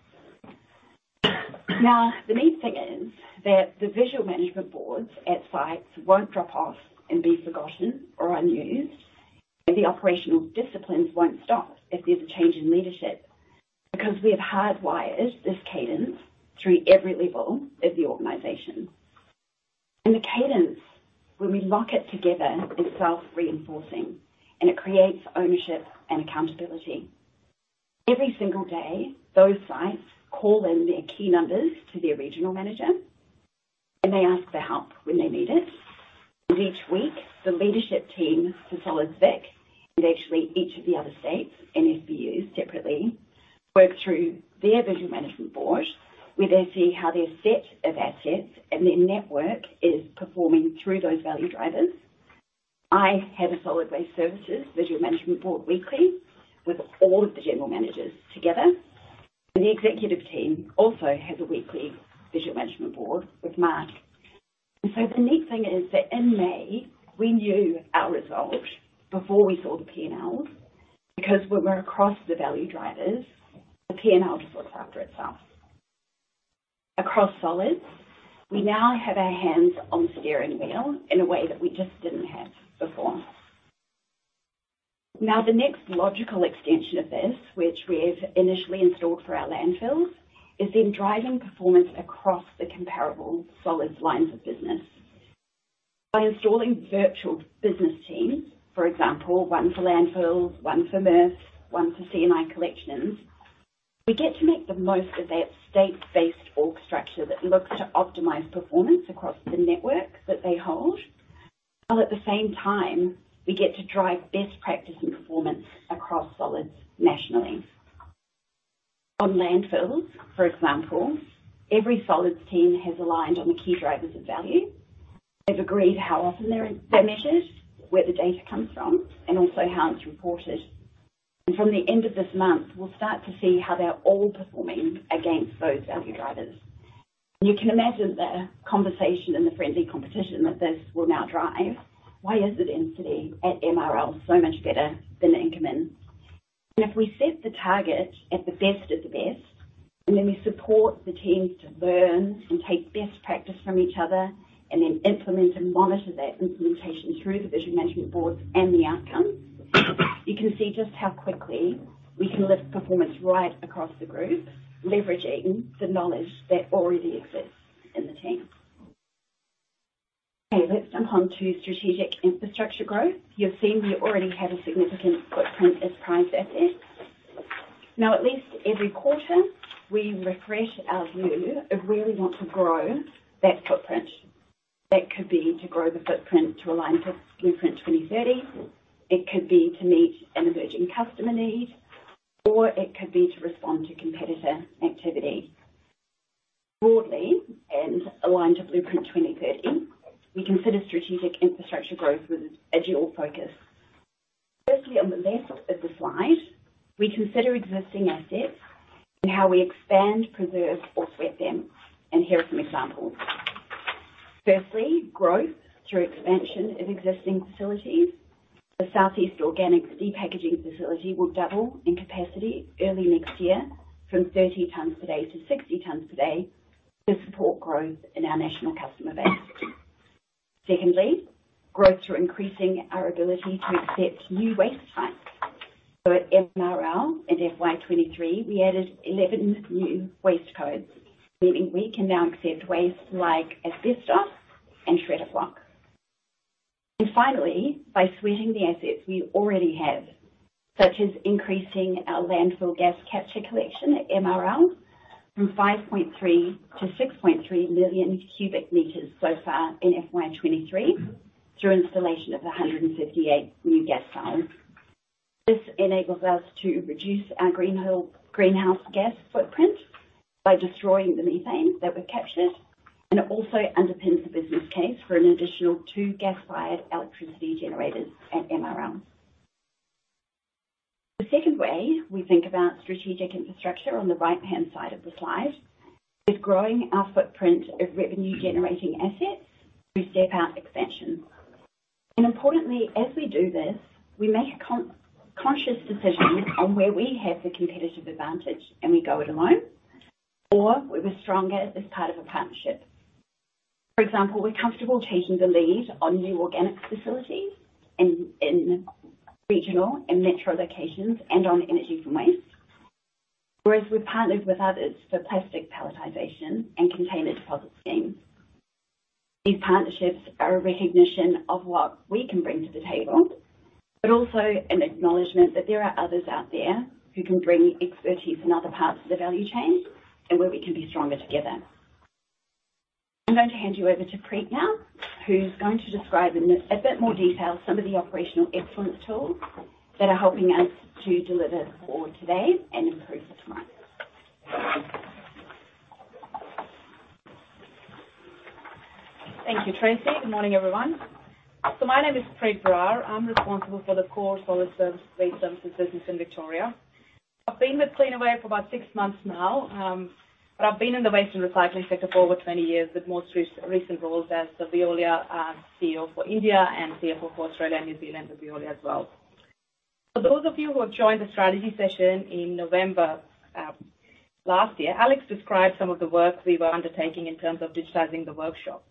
Now, the neat thing is that the visual management boards at sites won't drop off and be forgotten or unused, and the operational disciplines won't stop if there's a change in leadership, because we have hardwired this cadence through every level of the organization. The cadence, when we lock it together, is self-reinforcing, and it creates ownership and accountability. Every single day, those sites call in their key numbers to their regional manager, and they ask for help when they need it. Each week, the leadership team for Solids VIC, and actually each of the other states and SBUs separately, work through their visual management board, where they see how their set of assets and their network is performing through those value drivers. I have a Solid Waste Services visual management board weekly with all of the general managers together. The executive team also has a weekly visual management board with Mark. The neat thing is that in May, we knew our result before we saw the P&Ls, because when we're across the value drivers, the P&L just looks after itself. Across solids, we now have our hands on the steering wheel in a way that we just didn't have before. The next logical extension of this, which we've initially installed for our landfills, is then driving performance across the comparable solids lines of business. By installing virtual business teams, for example, one for landfills, one for MRF, one for C&I collections, we get to make the most of that state-based org structure that looks to optimize performance across the network that they hold, while at the same time, we get to drive best practice and performance across solids nationally. On landfills, for example, every solids team has aligned on the key drivers of value. They've agreed how often they're measured, where the data comes from, and also how it's reported. From the end of this month, we'll start to see how they're all performing against those value drivers. You can imagine the conversation and the friendly competition that this will now drive. Why is the density at MRL so much better than Inkerman? If we set the target at the best of the best, then we support the teams to learn and take best practice from each other and then implement and monitor that implementation through the visual management boards and the outcomes, you can see just how quickly we can lift performance right across the group, leveraging the knowledge that already exists in the team. Okay, let's jump on to strategic infrastructure growth. You've seen we already have a significant footprint as prized assets. Now, at least every quarter, we refresh our view of where we want to grow that footprint. That could be to grow the footprint to align to Blueprint 2030. It could be to meet an emerging customer need, or it could be to respond to competitor activity. Broadly and aligned to Blueprint 2030, we consider strategic infrastructure growth with a dual focus. Firstly, on the left of the slide, we consider existing assets and how we expand, preserve, or sweat them, and here are some examples. Firstly, growth through expansion of existing facilities. The South East Organics repackaging facility will double in capacity early next year from 30 tons per day to 60 tons per day, to support growth in our national customer base. Secondly, growth through increasing our ability to accept new waste types. At MRL in FY23, we added 11 new waste codes, meaning we can now accept waste like asbestos and shredded block. Finally, by sweating the assets we already have, such as increasing our landfill gas capture collection at MRL from 5.3 to 6.3 million cubic meters so far in FY23, through installation of 158 new gas cells. This enables us to reduce our greenhouse gas footprint by destroying the methane that we've captured. It also underpins the business case for an additional two gas-fired electricity generators at MRL. The second way we think about strategic infrastructure on the right-hand side of the slide, is growing our footprint of revenue-generating assets through step-out expansion. Importantly, as we do this, we make a conscious decision on where we have the competitive advantage and we go it alone, or where we're stronger as part of a partnership. For example, we're comfortable taking the lead on new organics facilities in regional and metro locations and on Energy from Waste. Whereas we've partnered with others for plastic palletization and container deposit schemes. These partnerships are a recognition of what we can bring to the table, but also an acknowledgement that there are others out there who can bring expertise in other parts of the value chain and where we can be stronger together. I'm going to hand you over to Preet now, who's going to describe in a bit more detail some of the operational excellence tools that are helping us to deliver for today and improve tomorrow. Thank you, Tracey. Good morning, everyone. My name is Preet Brar. I'm responsible for the Core Solid Service, Fleet Services business in Victoria. I've been with Cleanaway for about six months now, but I've been in the waste and recycling sector for over 20 years, with most recent roles as the Veolia CEO for India and CFO for Australia and New Zealand for Veolia as well. For those of you who have joined the strategy session in November last year, Alex described some of the work we were undertaking in terms of digitizing the workshop.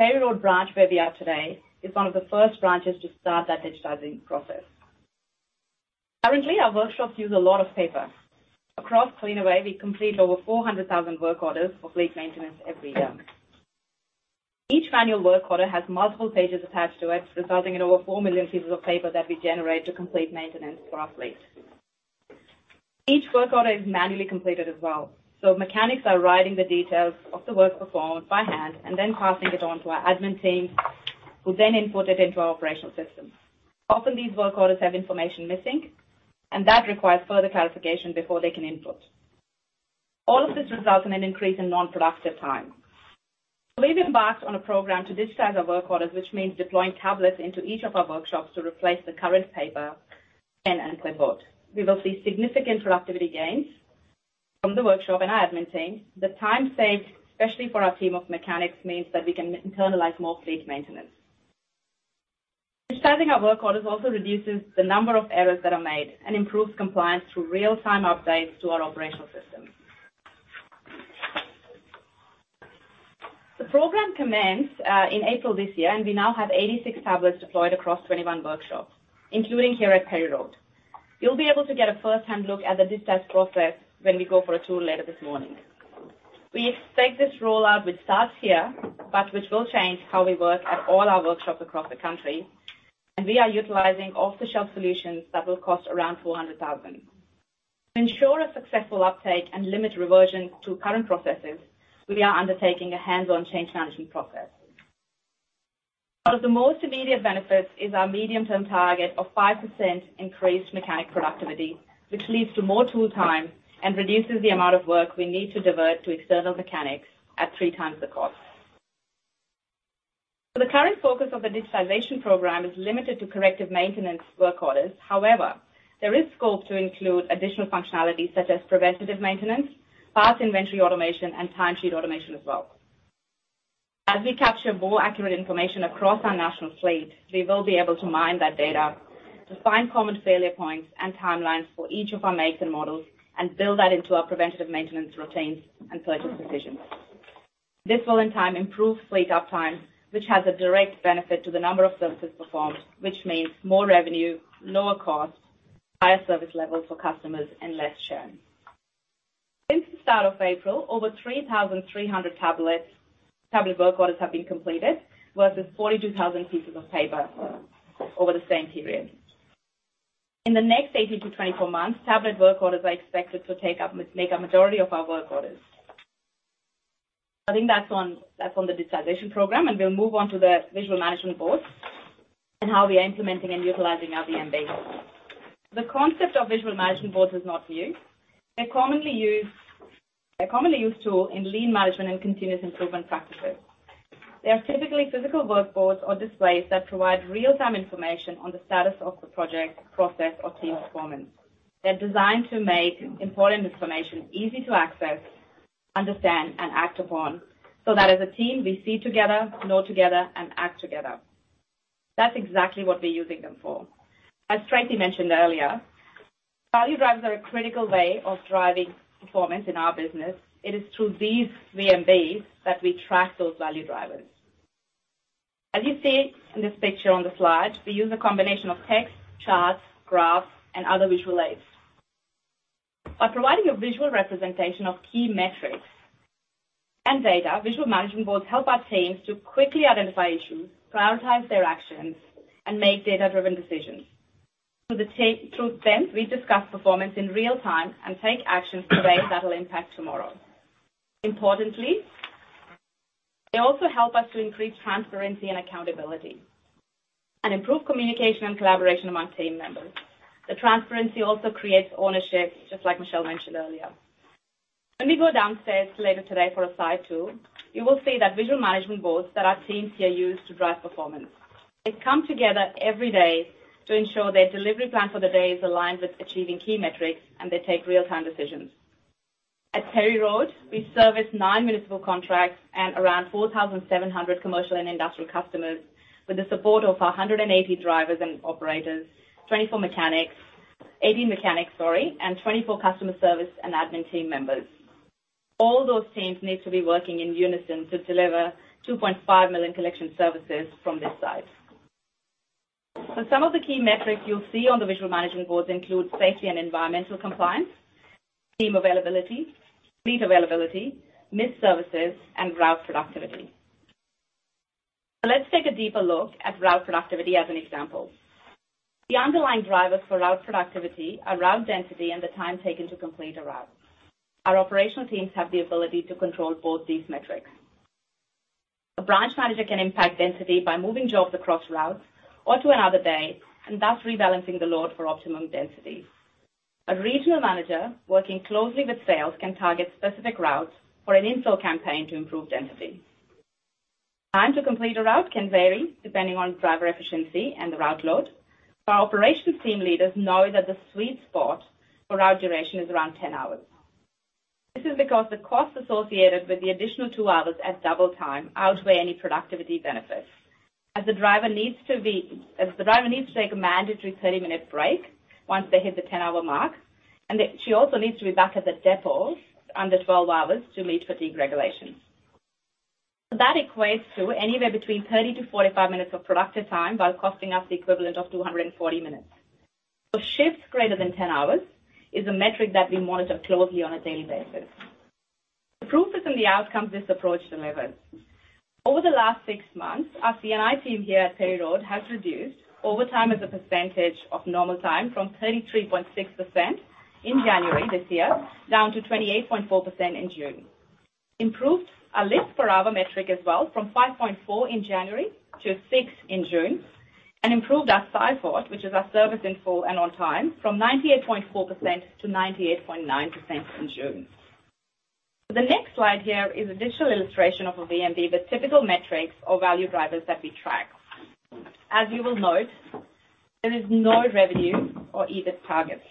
Perry Road branch, where we are today, is one of the first branches to start that digitizing process. Currently, our workshops use a lot of paper. Across Cleanaway, we complete over 400,000 work orders for fleet maintenance every year. Each annual work order has multiple pages attached to it, resulting in over four million pieces of paper that we generate to complete maintenance for our fleet. Each work order is manually completed as well, so mechanics are writing the details of the work performed by hand and then passing it on to our admin team, who then input it into our operational system. Often, these work orders have information missing, and that requires further clarification before they can input. All of this results in an increase in non-productive time. We've embarked on a program to digitize our work orders, which means deploying tablets into each of our workshops to replace the current paper and clipboard. We will see significant productivity gains from the workshop and our admin team. The time saved, especially for our team of mechanics, means that we can internalize more fleet maintenance. Starting our work orders also reduces the number of errors that are made and improves compliance through real-time updates to our operational systems. The program commenced in April this year. We now have 86 tablets deployed across 21 workshops, including here at Perry Road. You'll be able to get a first-hand look at the digital process when we go for a tour later this morning. We expect this rollout, which starts here, but which will change how we work at all our workshops across the country, and we are utilizing off-the-shelf solutions that will cost around 400,000. To ensure a successful uptake and limit reversion to current processes, we are undertaking a hands-on change management process. One of the most immediate benefits is our medium-term target of 5% increased mechanic productivity, which leads to more tool time and reduces the amount of work we need to divert to external mechanics at 3x the cost. The current focus of the digitalization program is limited to corrective maintenance work orders. However, there is scope to include additional functionalities such as preventative maintenance, parts inventory automation, and timesheet automation as well. As we capture more accurate information across our national fleet, we will be able to mine that data to find common failure points and timelines for each of our makes and models and build that into our preventative maintenance routines and purchasing decisions. This will, in time, improve fleet uptime, which has a direct benefit to the number of services performed, which means more revenue, lower costs, higher service levels for customers, and less churn. Since the start of April, over 3,300 tablets, tablet work orders have been completed, versus 42,000 pieces of paper over the same period. In the next 18 to 24 months, tablet work orders are expected to make a majority of our work orders. I think that's on the digitalization program, and we'll move on to the visual management boards and how we are implementing and utilizing our VMB. The concept of visual management boards is not new. They're a commonly used tool in lean management and continuous improvement practices. They are typically physical work boards or displays that provide real-time information on the status of the project, process, or team performance. They're designed to make important information easy to access, understand, and act upon, so that as a team, we see together, know together, and act together. That's exactly what we're using them for. As Tracey mentioned earlier, value drivers are a critical way of driving performance in our business. It is through these VMBs that we track those value drivers. As you see in this picture on the slide, we use a combination of text, charts, graphs, and other visual aids. By providing a visual representation of key metrics and data, visual management boards help our teams to quickly identify issues, prioritize their actions, and make data-driven decisions. Through them, we discuss performance in real time and take actions today that will impact tomorrow. Importantly, they also help us to increase transparency and accountability and improve communication and collaboration among team members. The transparency also creates ownership, just like Michele mentioned earlier. When we go downstairs later today for a site tour, you will see that visual management boards that our teams here use to drive performance. They come together every day to ensure their delivery plan for the day is aligned with achieving key metrics. They take real-time decisions. At Perry Road, we service nine municipal contracts and around 4,700 commercial and industrial customers with the support of our 180 drivers and operators, 80 mechanics, sorry, and 24 customer service and admin team members. All those teams need to be working in unison to deliver 2.5 million collection services from this site. Some of the key metrics you'll see on the visual management boards include safety and environmental compliance, team availability, fleet availability, missed services, and route productivity. Let's take a deeper look at route productivity as an example. The underlying drivers for route productivity are route density and the time taken to complete a route. Our operational teams have the ability to control both these metrics. A branch manager can impact density by moving jobs across routes or to another day, and thus rebalancing the load for optimum density. A regional manager working closely with sales can target specific routes for an infill campaign to improve density. Time to complete a route can vary depending on driver efficiency and the route load. Our operations team leaders know that the sweet spot for route duration is around 10 hours. This is because the costs associated with the additional two hours at double time outweigh any productivity benefits. As the driver needs to be... The driver needs to take a mandatory 30-minute break once they hit the 10-hour mark, she also needs to be back at the depot under 12 hours to meet fatigue regulations. That equates to anywhere between 30 to 45 minutes of productive time, while costing us the equivalent of 240 minutes. Shifts greater than 10 hours is a metric that we monitor closely on a daily basis. The proof is in the outcomes this approach delivers. Over the last 6 months, our C&I team here at Perry Road has reduced overtime as a percentage of normal time from 33.6% in January this year, down to 28.4% in June. Improved our lifts per hour metric as well from 5.4 in January to 6 in June... Improved our SIFOT, which is our service in full and on time, from 98.4% to 98.9% in June. The next slide here is a digital illustration of a VMB, the typical metrics or value drivers that we track. As you will note, there is no revenue or EBIT targets.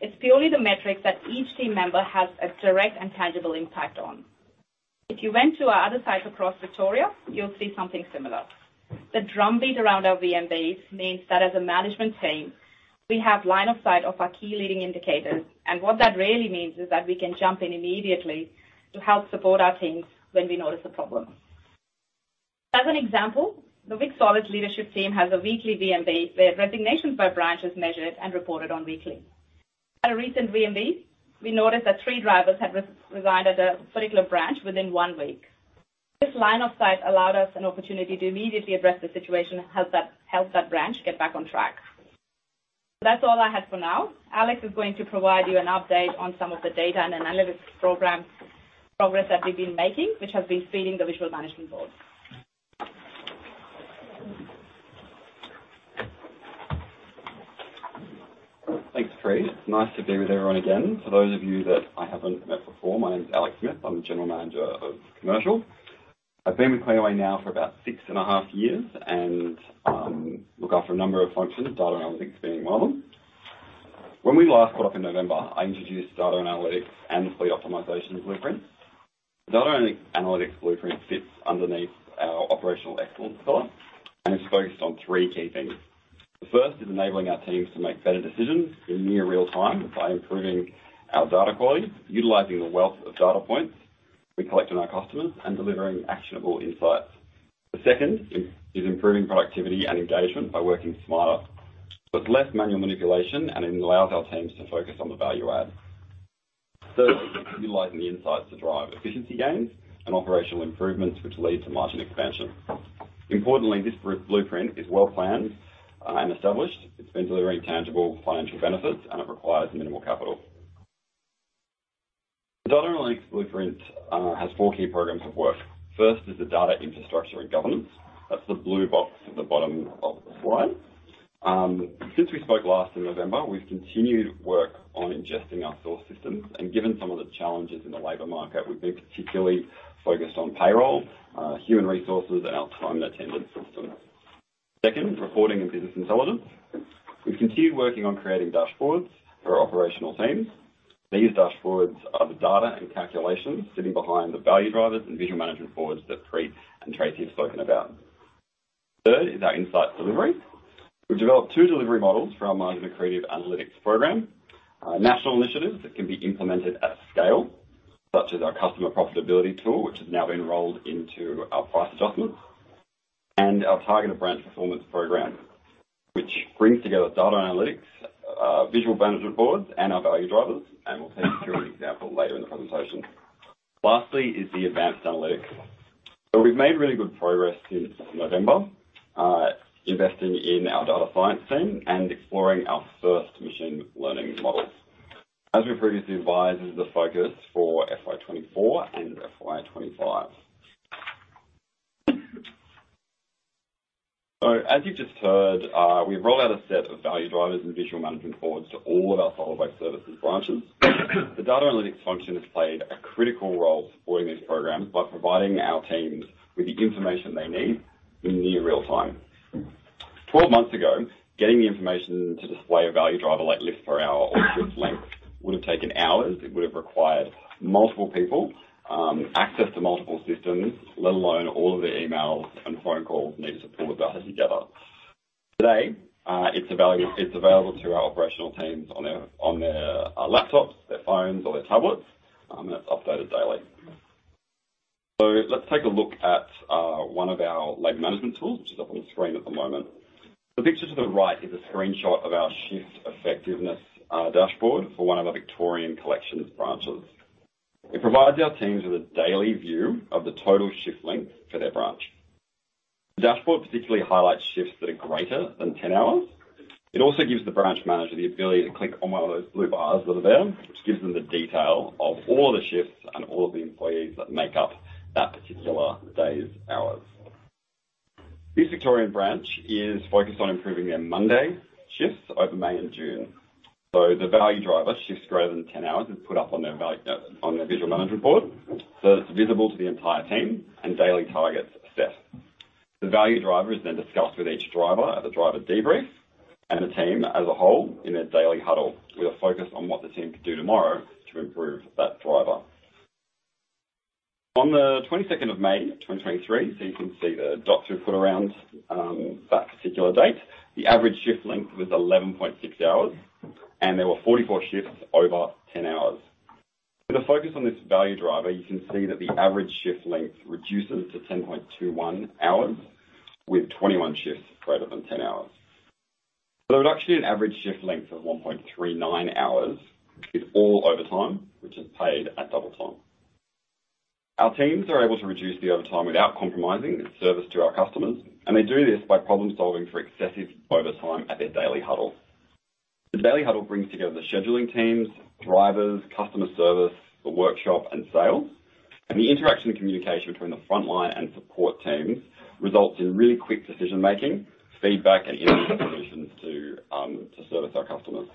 It's purely the metrics that each team member has a direct and tangible impact on. If you went to our other sites across Victoria, you'll see something similar. The drumbeat around our VMBs means that as a management team, we have line of sight of our key leading indicators. What that really means is that we can jump in immediately to help support our teams when we notice a problem. As an example, the Vic Solids leadership team has a weekly VMB, where resignations by branch is measured and reported on weekly. At a recent VMB, we noticed that three drivers had resigned at a particular branch within one week. This line of sight allowed us an opportunity to immediately address the situation and help that branch get back on track. That's all I have for now. Alex is going to provide you an update on some of the data and analytics programs, progress that we've been making, which has been feeding the visual management board. Thanks, Preet. Nice to be with everyone again. For those of you that I haven't met before, my name is Alex Smith. I'm the General Manager of Commercial. I've been with Cleanaway now for about six and a half years and look after a number of functions, data analytics being one of them. When we last caught up in November, I introduced data analytics and the fleet optimization blueprint. Data analytics blueprint fits underneath our operational excellence pillar and is focused on three key things. The first is enabling our teams to make better decisions in near real time by improving our data quality, utilizing the wealth of data points we collect on our customers, and delivering actionable insights. The second is improving productivity and engagement by working smarter. With less manual manipulation, it allows our teams to focus on the value add. Thirdly, utilizing the insights to drive efficiency gains and operational improvements, which lead to margin expansion. Importantly, this blueprint is well planned and established. It's been delivering tangible financial benefits, and it requires minimal capital. Data analytics blueprint has 4 key programs of work. First is the data infrastructure and governance. That's the blue box at the bottom of the slide. Since we spoke last in November, we've continued work on ingesting our source systems, and given some of the challenges in the labor market, we've been particularly focused on payroll, human resources, and our time and attendance system. Second, reporting and business intelligence. We've continued working on creating dashboards for our operational teams. These dashboards are the data and calculations sitting behind the value drivers and visual management boards that Preet and Tracey have spoken about. Third is our insight delivery. We've developed two delivery models for our management creative analytics program. National initiatives that can be implemented at scale, such as our customer profitability tool, which has now been rolled into our price adjustments, and our targeted branch performance program, which brings together data analytics, visual management boards, and our value drivers. We'll take you through an example later in the presentation. Lastly, is the advanced analytics. We've made really good progress since November, investing in our data science team and exploring our first machine learning models. As we previously advised, this is the focus for FY24 and FY25. As you've just heard, we've rolled out a set of value drivers and visual management boards to all of our Solid Waste Services branches. The data analytics function has played a critical role supporting this program by providing our teams with the information they need in near real time. 12 months ago, getting the information to display a value driver, like lifts per hour or shift length, would have taken hours. It would have required multiple people, access to multiple systems, let alone all of the emails and phone calls needed to pull the data together. Today, it's available, it's available to our operational teams on their laptops, their phones, or their tablets, and it's updated daily. Let's take a look at one of our labor management tools, which is up on the screen at the moment. The picture to the right is a screenshot of our shift effectiveness dashboard for one of our Victorian collections branches. It provides our teams with a daily view of the total shift length for their branch. The dashboard particularly highlights shifts that are greater than 10 hours. It also gives the branch manager the ability to click on one of those blue bars that are there, which gives them the detail of all the shifts and all of the employees that make up that particular day's hours. This Victorian branch is focused on improving their Monday shifts over May and June. The value driver shifts greater than 10 hours is put up on their visual management board, so it's visible to the entire team and daily targets are set. The value driver is discussed with each driver at the driver debrief and the team as a whole in their daily huddle, with a focus on what the team could do tomorrow to improve that driver. On the 22nd of May 2023, so you can see the dots we've put around that particular date. The average shift length was 11.6 hours, and there were 44 shifts over 10 hours. With a focus on this value driver, you can see that the average shift length reduces to 10.21 hours, with 21 shifts greater than 10 hours. The reduction in average shift length of 1.39 hours is all overtime, which is paid at double time. Our teams are able to reduce the overtime without compromising the service to our customers, and they do this by problem-solving for excessive overtime at their daily huddle. The daily huddle brings together the scheduling teams, drivers, customer service, the workshop, and sales. The interaction and communication between the frontline and support teams results in really quick decision-making, feedback, and immediate solutions to service our customers.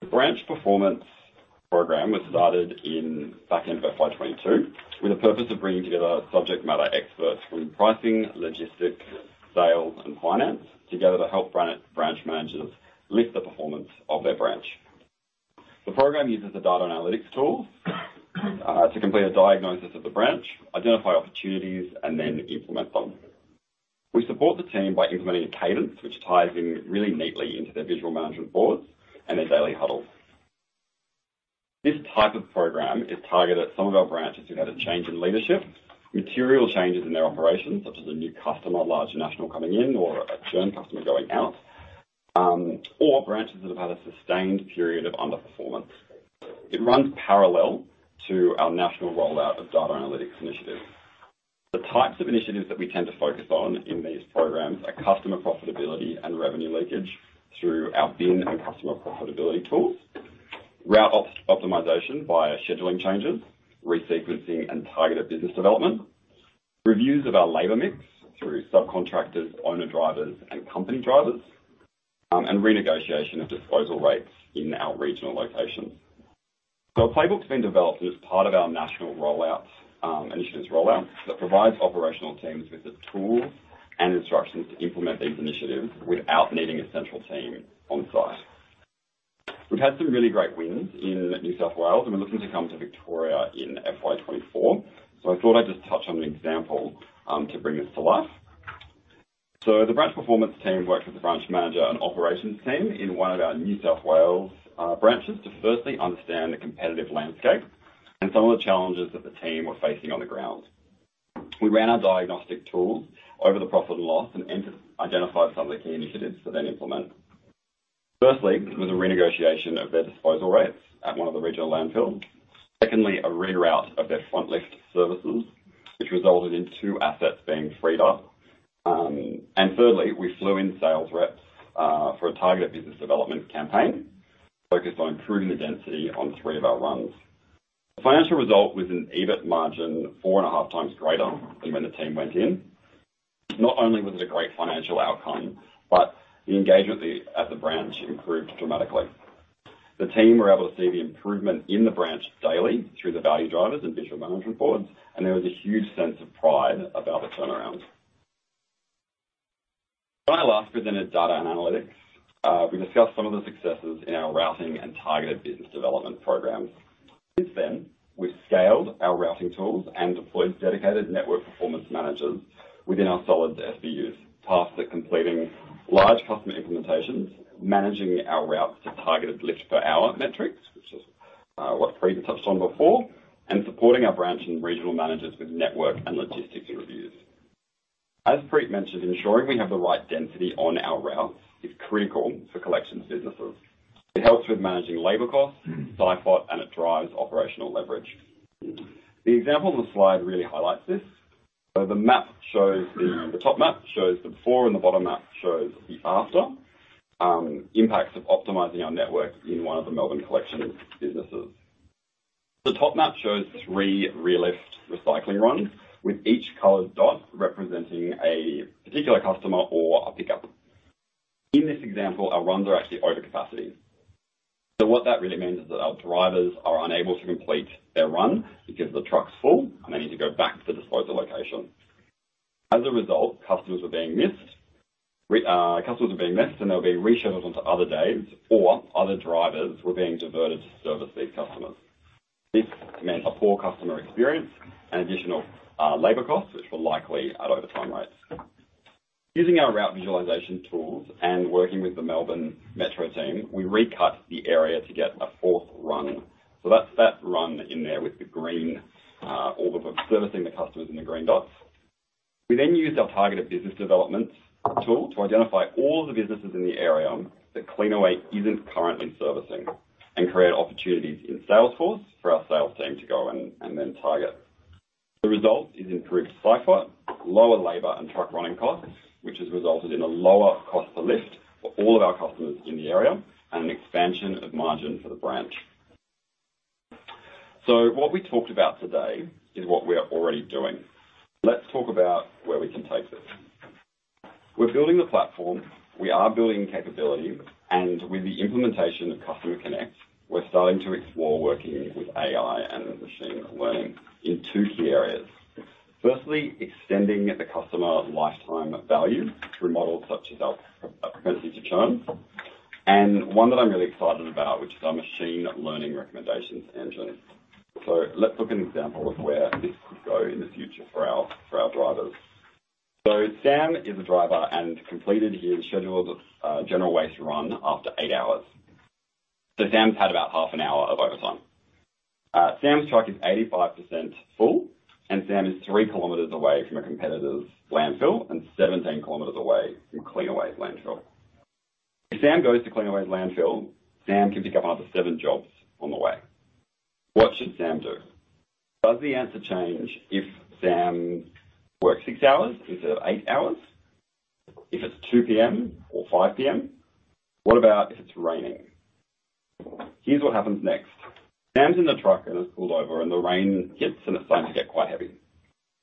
The branch performance program was started in back end of FY22, with the purpose of bringing together subject matter experts from pricing, logistics, sales, and finance together to help branch managers lift the performance of their branch. The program uses a data analytics tool to complete a diagnosis of the branch, identify opportunities, and then implement them. We support the team by implementing a cadence, which ties in really neatly into their visual management boards and their daily huddles. This type of program is targeted at some of our branches who've had a change in leadership, material changes in their operations, such as a new customer, large national coming in, or a churn customer going out, or branches that have had a sustained period of underperformance. It runs parallel to our national rollout of data analytics initiatives. The types of initiatives that we tend to focus on in these programs are customer profitability and revenue leakage through our bin and customer profitability tools, route opt-optimization via scheduling changes, resequencing, and targeted business development, reviews of our labor mix through subcontractors, owner-drivers, and company drivers, and renegotiation of disposal rates in our regional locations. A playbook's been developed, and it's part of our national rollout initiatives rollout, that provides operational teams with the tools and instructions to implement these initiatives without needing a central team on site. We've had some really great wins in New South Wales, and we're looking to come to Victoria in FY24. I thought I'd just touch on an example to bring this to life. The branch performance team worked with the branch manager and operations team in one of our New South Wales branches to firstly understand the competitive landscape and some of the challenges that the team were facing on the ground. We ran our diagnostic tools over the profit and loss and identified some of the key initiatives to then implement. Firstly, this was a renegotiation of their disposal rates at one of the regional landfills. Secondly, a reroute of their front list services, which resulted in two assets being freed up. Thirdly, we flew in sales reps for a targeted business development campaign focused on improving the density on three of our runs. The financial result was an EBIT margin, four and a half times greater than when the team went in. Not only was it a great financial outcome, but the engagement at the branch improved dramatically. The team were able to see the improvement in the branch daily through the value drivers and visual management boards. There was a huge sense of pride about the turnaround. When I last presented data and analytics, we discussed some of the successes in our routing and targeted business development programs. Since then, we've scaled our routing tools and deployed dedicated network performance managers within our Solids SBUs, tasked with completing large customer implementations, managing our routes to targeted lifts per hour metrics, which is what Preet touched on before, and supporting our branch and regional managers with network and logistics reviews. As Preet mentioned, ensuring we have the right density on our routes is critical for collections businesses. It helps with managing labor costs, SIFOT, and it drives operational leverage. The example on the slide really highlights this. The top map shows the before, and the bottom map shows the after impacts of optimizing our network in one of the Melbourne collection businesses. The top map shows three re-lift recycling runs, with each colored dot representing a particular customer or a pickup. In this example, our runs are actually over capacity. What that really means is that our drivers are unable to complete their run because the truck's full and they need to go back to the disposal location. As a result, customers were being missed. Customers were being missed, and they were being rescheduled onto other days, or other drivers were being diverted to service these customers. This meant a poor customer experience and additional labor costs, which were likely at overtime rates. Using our route visualization tools and working with the Melbourne Metro team, we recut the area to get a fourth run. That's that run in there with the green, servicing the customers in the green dots. We used our targeted business development tool to identify all the businesses in the area that Cleanaway isn't currently servicing and create opportunities in Salesforce for our sales team to go and then target. The result is improved SIFOT, lower labor and truck running costs, which has resulted in a lower cost per lift for all of our customers in the area and an expansion of margin for the branch. What we talked about today is what we are already doing. Let's talk about where we can take this. We're building the platform, we are building capability, and with the implementation of Customer Connect, we're starting to explore working with AI and machine learning in two key areas. Firstly, extending the customer lifetime value through models such as our propensity to churn, and one that I'm really excited about, which is our machine learning recommendations engine. Let's look at an example of where this could go in the future for our, for our drivers. Sam is a driver and completed his scheduled general waste run after eight hours. Sam's had about half an hour of overtime. Sam's truck is 85% full, and Sam is three km away from a competitor's landfill and 17 km away from Cleanaway's landfill. If Sam goes to Cleanaway's landfill, Sam can pick up another seven jobs on the way. What should Sam do? Does the answer change if Sam works six hours instead of eight hours? If it's 2:00P.M. or 5:00P.M.? What about if it's raining? Here's what happens next. Sam's in the truck, and it's pulled over, and the rain starts to get quite heavy.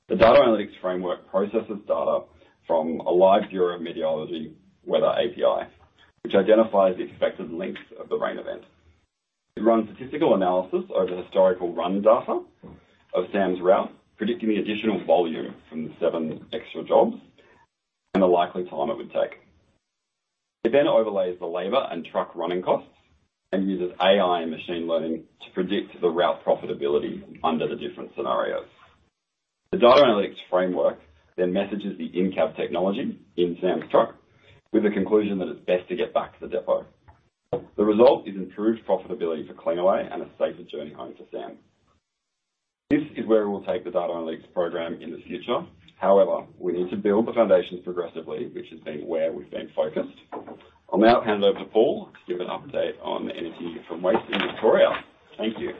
The data analytics framework processes data from a live Bureau of Meteorology weather API, which identifies the expected length of the rain event. It runs statistical analysis over historical run data of Sam's route, predicting the additional volume from the seven extra jobs and the likely time it would take. It then overlays the labor and truck running costs and uses AI and machine learning to predict the route profitability under the different scenarios. The data analytics framework then messages the in-cab technology in Sam's truck with the conclusion that it's best to get back to the depot. The result is improved profitability for Cleanaway and a safer journey home for Sam. This is where we'll take the data analytics program in the future. However, we need to build the foundation progressively, which has been where we've been focused. I'll now hand over to Paul to give an update on Energy from Waste in Victoria. Thank you.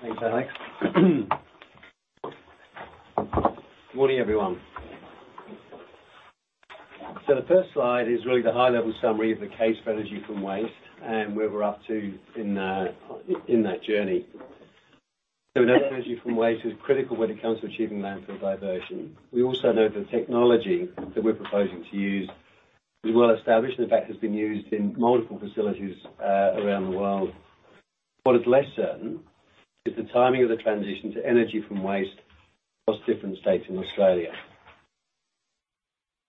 Thanks, Alex. Good morning, everyone. The first slide is really the high-level summary of the case for energy from waste and where we're up to in that journey. We know energy from waste is critical when it comes to achieving landfill diversion. We also know the technology that we're proposing to use is well established. In fact, it's been used in multiple facilities around the world. What is less certain is the timing of the transition to energy from waste across different states in Australia.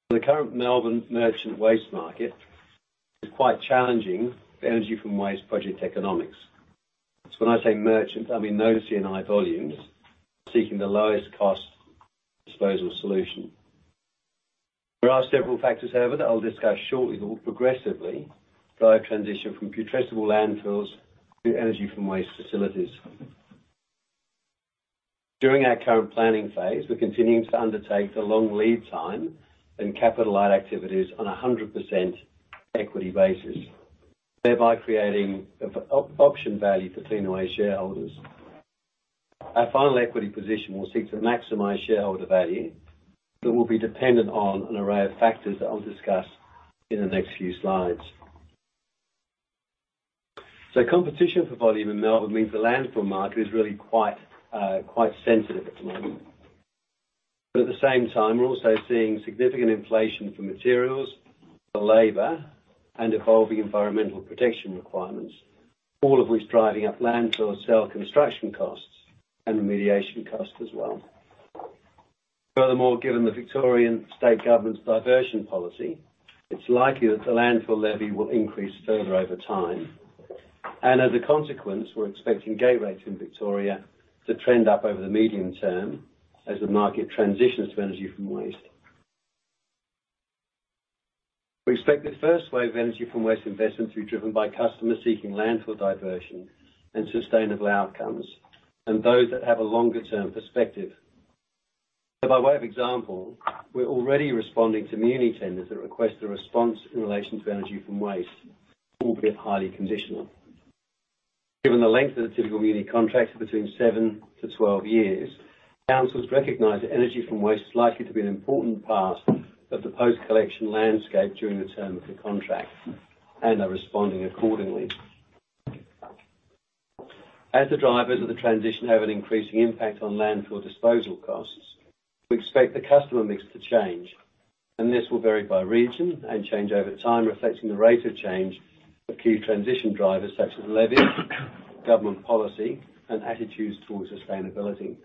The current Melbourne merchant waste market is quite challenging for energy from waste project economics. When I say merchant, I mean those C&I volumes seeking the lowest cost disposal solution. There are several factors, however, that I'll discuss shortly, that will progressively drive transition from putrescible landfills to energy from waste facilities. During our current planning phase, we're continuing to undertake the long lead time and capitalize activities on a 100% equity basis, thereby creating option value for Cleanaway shareholders. Our final equity position will seek to maximize shareholder value, will be dependent on an array of factors that I'll discuss in the next few slides. Competition for volume in Melbourne means the landfill market is really quite sensitive at the moment. At the same time, we're also seeing significant inflation for materials, for labor, and evolving environmental protection requirements, all of which driving up landfill and cell construction costs and remediation costs as well. Furthermore, given the Victorian State Government's diversion policy, it's likely that the landfill levy will increase further over time. As a consequence, we're expecting gate rates in Victoria to trend up over the medium term as the market transitions to energy from waste. We expect the first wave of energy from waste investments to be driven by customers seeking landfill diversion and sustainable outcomes, and those that have a longer-term perspective. By way of example, we're already responding to Muni tenders that request a response in relation to energy from waste, albeit highly conditional. Given the length of the typical Muni contract, between seven to 12 years, councils recognize that energy from waste is likely to be an important part of the post-collection landscape during the term of the contract and are responding accordingly. As the drivers of the transition have an increasing impact on landfill disposal costs, we expect the customer mix to change. This will vary by region and change over time, reflecting the rate of change of key transition drivers such as levy, government policy, and attitudes towards sustainability.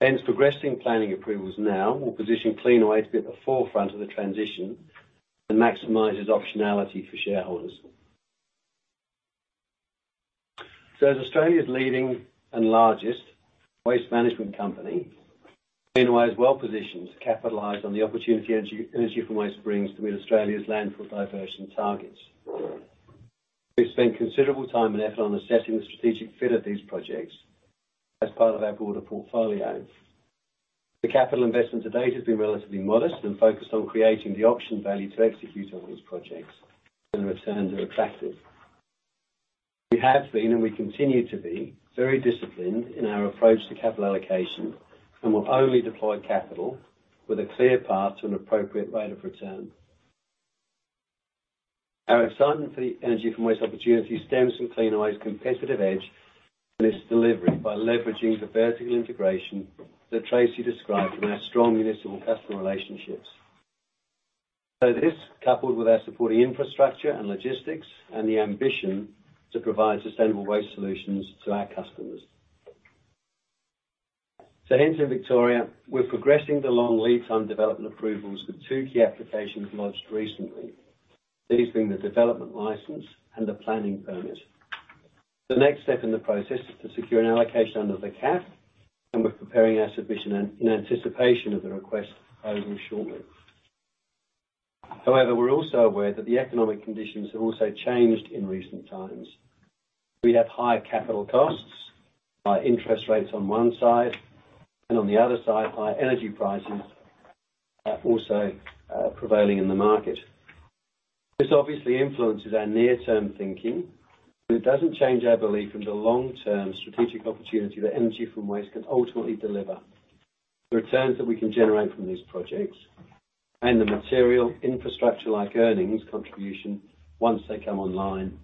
Hence, progressing planning approvals now will position Cleanaway to be at the forefront of the transition and maximize its optionality for shareholders. As Australia's leading and largest waste management company, Cleanaway is well positioned to capitalize on the opportunity energy from waste brings to meet Australia's landfill diversion targets. We've spent considerable time and effort on assessing the strategic fit of these projects as part of our broader portfolio. The capital investment to date has been relatively modest and focused on creating the option value to execute on these projects when the returns are attractive. We have been, and we continue to be, very disciplined in our approach to capital allocation and will only deploy capital with a clear path to an appropriate rate of return. Our excitement for the energy from waste opportunity stems from Cleanaway's competitive edge in this delivery by leveraging the vertical integration that Tracey described and our strong municipal customer relationships. This, coupled with our supporting infrastructure and logistics and the ambition to provide sustainable waste solutions to our customers. Hence, in Victoria, we're progressing the long lead time development approvals with two key applications lodged recently, these being the development license and the planning permit. The next step in the process is to secure an allocation under the cap, and we're preparing our submission in anticipation of the request closing shortly. However, we're also aware that the economic conditions have also changed in recent times. We have higher capital costs, interest rates on one side, and on the other side, higher energy prices, also prevailing in the market. This obviously influences our near-term thinking, but it doesn't change our belief in the long-term strategic opportunity that energy from waste can ultimately deliver, the returns that we can generate from these projects, and the material infrastructure, like earnings contribution, once they come online.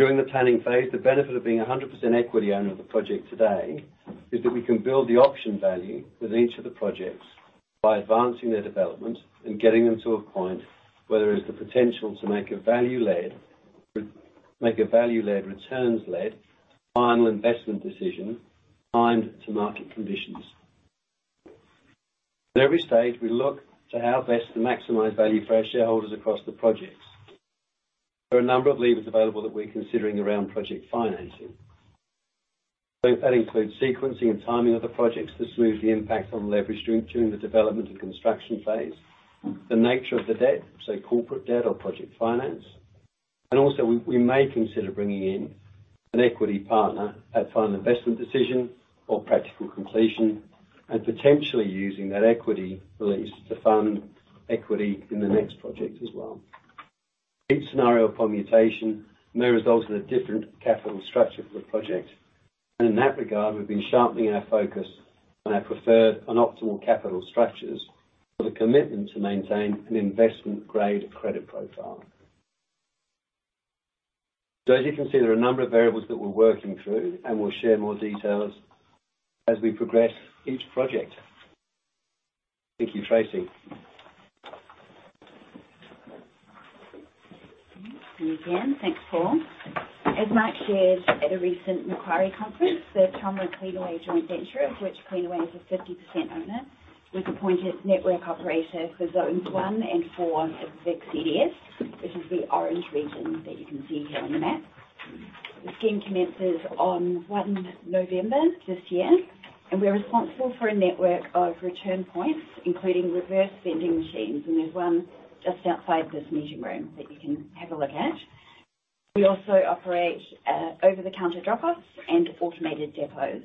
During the planning phase, the benefit of being 100% equity owner of the project today is that we can build the option value with each of the projects by advancing their development and getting them to a point where there is the potential to make a value-led, returns-led, final investment decision timed to market conditions. At every stage, we look to how best to maximize value for our shareholders across the projects. There are a number of levers available that we're considering around project financing. That includes sequencing and timing of the projects to smooth the impact on leverage during the development and construction phase. The nature of the debt, so corporate debt or project finance, we may consider bringing in an equity partner at final investment decision or practical completion, and potentially using that equity release to fund equity in the next project as well. Each scenario permutation may result in a different capital structure for the project, in that regard, we've been sharpening our focus on our preferred and optimal capital structures with a commitment to maintain an investment-grade credit profile. As you can see, there are a number of variables that we're working through, and we'll share more details as we progress each project. Thank you, Tracey. Thank you again. Thanks, Paul. As Mark shared at a recent Macquarie conference, the TOMRA Cleanaway joint venture, of which Cleanaway is a 50% owner, was appointed network operator for zones one and four of the CDS, which is the orange region that you can see here on the map. The scheme commences on one November this year. We're responsible for a network of return points, including reverse vending machines. There's one just outside this meeting room that you can have a look at. We also operate over-the-counter drop-offs and automated depots.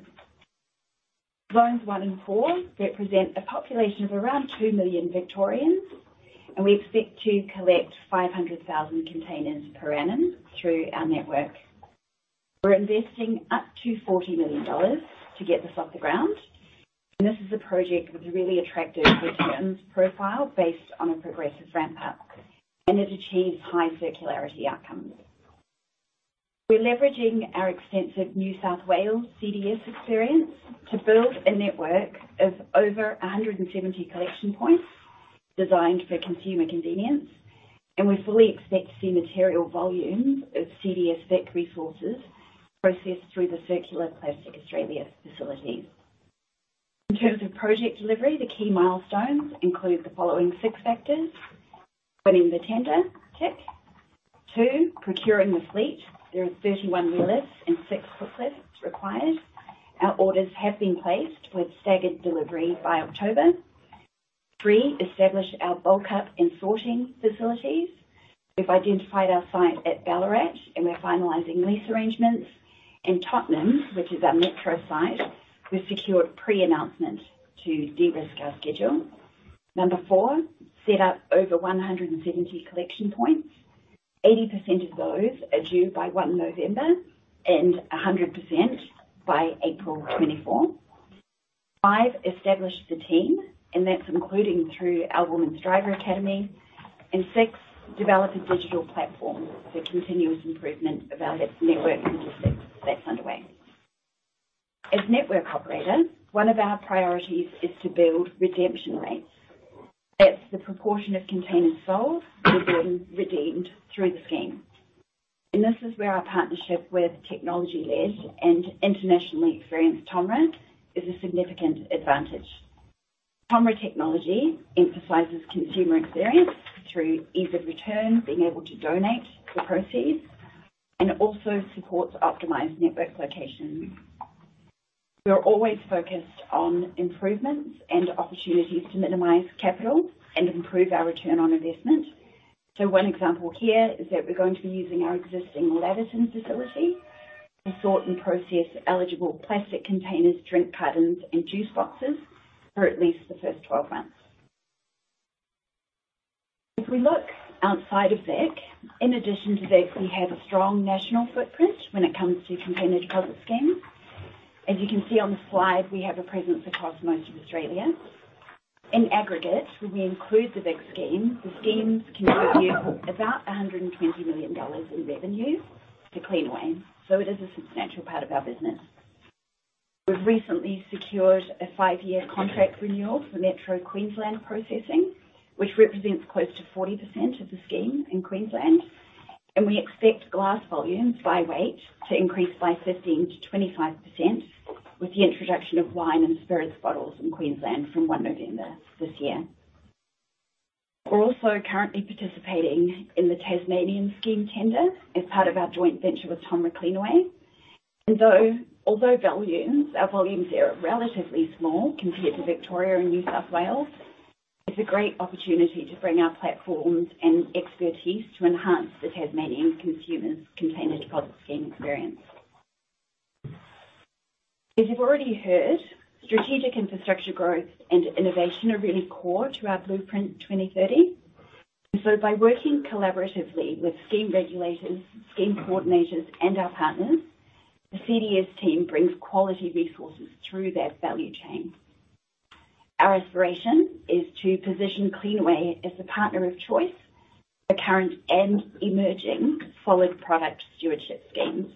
Zones one and four represent a population of around two million Victorians. We expect to collect 500,000 containers per annum through our network. We're investing up to 40 million dollars to get this off the ground, this is a project with a really attractive returns profile based on a progressive ramp-up, it achieves high circularity outcomes. We're leveraging our extensive New South Wales CDS experience to build a network of over 170 collection points designed for consumer convenience, we fully expect to see material volumes of CDS Vic resources processed through the Circular Plastics Australia facilities. In terms of project delivery, the key milestones include the following six factors: winning the tender, tick. Two, procuring the fleet. There are 31 wheel lifts and six hook lifts required. Our orders have been placed with staggered delivery by October. Three, establish our bulk up and sorting facilities. We've identified our site at Ballarat, we're finalizing lease arrangements. In Tottenham, which is our metro site, we've secured pre-announcement to de-risk our schedule. Number four, set up over 170 collection points. 80% of those are due by 1 November 2023 and 100% by April 2024. Five, establish the team, including through our Women's Driver Academy. Six, develop a digital platform for continuous improvement of our network, and that's underway. As network operator, one of our priorities is to build redemption rates. That's the proportion of containers sold being redeemed through the scheme, this is where our partnership with technology-led and internationally experienced TOMRA is a significant advantage. TOMRA technology emphasizes consumer experience through ease of return, being able to donate the proceeds, it also supports optimized network locations. We are always focused on improvements and opportunities to minimize capital and improve our return on investment. One example here is that we're going to be using our existing Laverton facility to sort and process eligible plastic containers, drink cartons, and juice boxes for at least the first 12 months. If we look outside of VIC, in addition to VIC, we have a strong national footprint when it comes to container deposit schemes. As you can see on the slide, we have a presence across most of Australia. In aggregate, when we include the VIC scheme, the schemes contribute about 120 million dollars in revenues to Cleanaway, so it is a substantial part of our business. We've recently secured a five-year contract renewal for Metro Queensland processing, which represents close to 40% of the scheme in Queensland, and we expect glass volumes by weight to increase by 15% to 25% with the introduction of wine and spirits bottles in Queensland from 1 November this year. We're also currently participating in the Tasmanian scheme tender as part of our joint venture with TOMRA Cleanaway, although volumes, our volumes there are relatively small compared to Victoria and New South Wales, it's a great opportunity to bring our platforms and expertise to enhance the Tasmanian consumers' container deposit scheme experience. As you've already heard, strategic infrastructure, growth, and innovation are really core to our Blueprint 2030 by working collaboratively with scheme regulators, scheme coordinators, and our partners, the CDS team brings quality resources through their value chain. Our aspiration is to position Cleanaway as the partner of choice for current and emerging solid product stewardship schemes.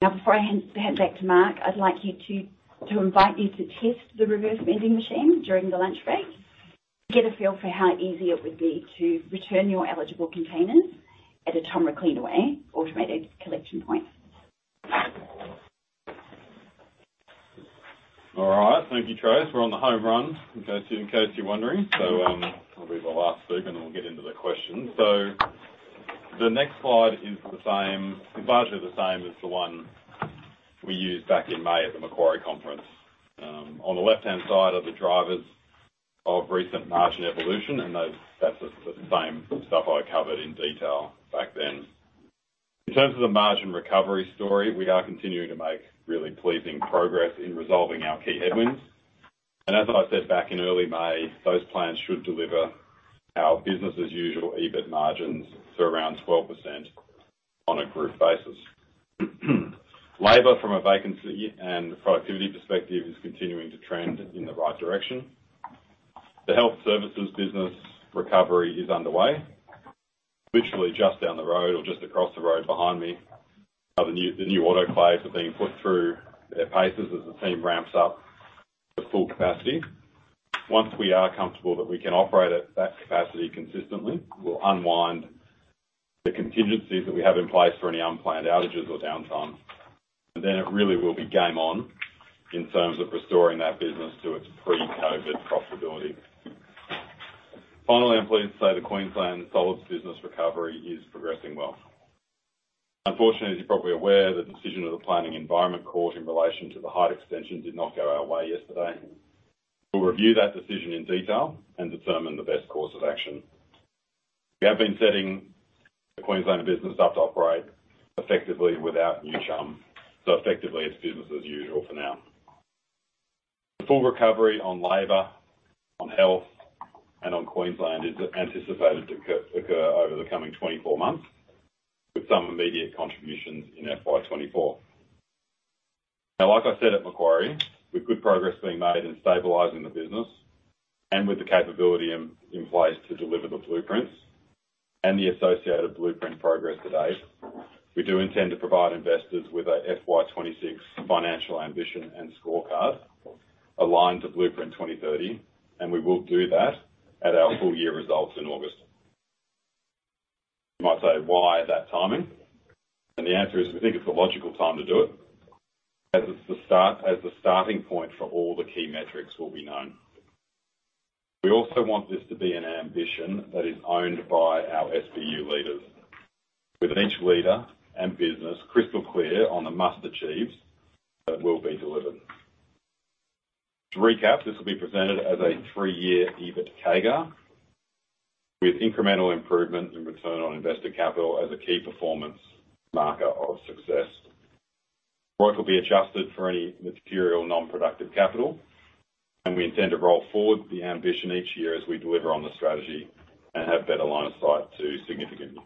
Before I hand back to Mark, I'd like you to invite you to test the reverse vending machine during the lunch break, to get a feel for how easy it would be to return your eligible containers at a TOMRA Cleanaway automated collection point. All right, thank you, Trace. We're on the home run, in case you're wondering. I'll be the last speaker, and then we'll get into the questions. The next slide is largely the same as the one we used back in May at the Macquarie conference. On the left-hand side are the drivers of recent margin evolution, and that's the same stuff I covered in detail back then. In terms of the margin recovery story, we are continuing to make really pleasing progress in resolving our key headwinds. As I said back in early May, those plans should deliver our business as usual, EBIT margins to around 12% on a group basis. Labor, from a vacancy and productivity perspective, is continuing to trend in the right direction. The health services business recovery is underway. Literally, just down the road or just across the road behind me, are the new autoclaves being put through their paces as the team ramps up to full capacity. Once we are comfortable that we can operate at that capacity consistently, we'll unwind the contingencies that we have in place for any unplanned outages or downtime. It really will be game on in terms of restoring that business to its pre-COVID profitability. Finally, I'm pleased to say the Queensland Solids business recovery is progressing well. Unfortunately, as you're probably aware, the decision of the Planning and Environment Court in relation to the height extension did not go our way yesterday. We'll review that decision in detail and determine the best course of action. We have been setting the Queensland business up to operate effectively without New Chum, so effectively, it's business as usual for now. The full recovery on labor, on health, and on Queensland is anticipated to occur over the coming 24 months, with some immediate contributions in FY 2024. Like I said at Macquarie, with good progress being made in stabilizing the business and with the capability in place to deliver the blueprints and the associated blueprint progress to date, we do intend to provide investors with a FY 2026 financial ambition and scorecard aligned to Blueprint 2030, and we will do that at our full year results in August. You might say, "Why that timing?" The answer is, we think it's a logical time to do it, as the starting point for all the key metrics will be known. We also want this to be an ambition that is owned by our SBU leaders, with each leader and business crystal clear on the must-achieves that will be delivered. To recap, this will be presented as a three-year EBIT CAGR, with incremental improvement in return on invested capital as a key performance marker of success. Growth will be adjusted for any material non-productive capital, and we intend to roll forward the ambition each year as we deliver on the strategy and have better line of sight to significant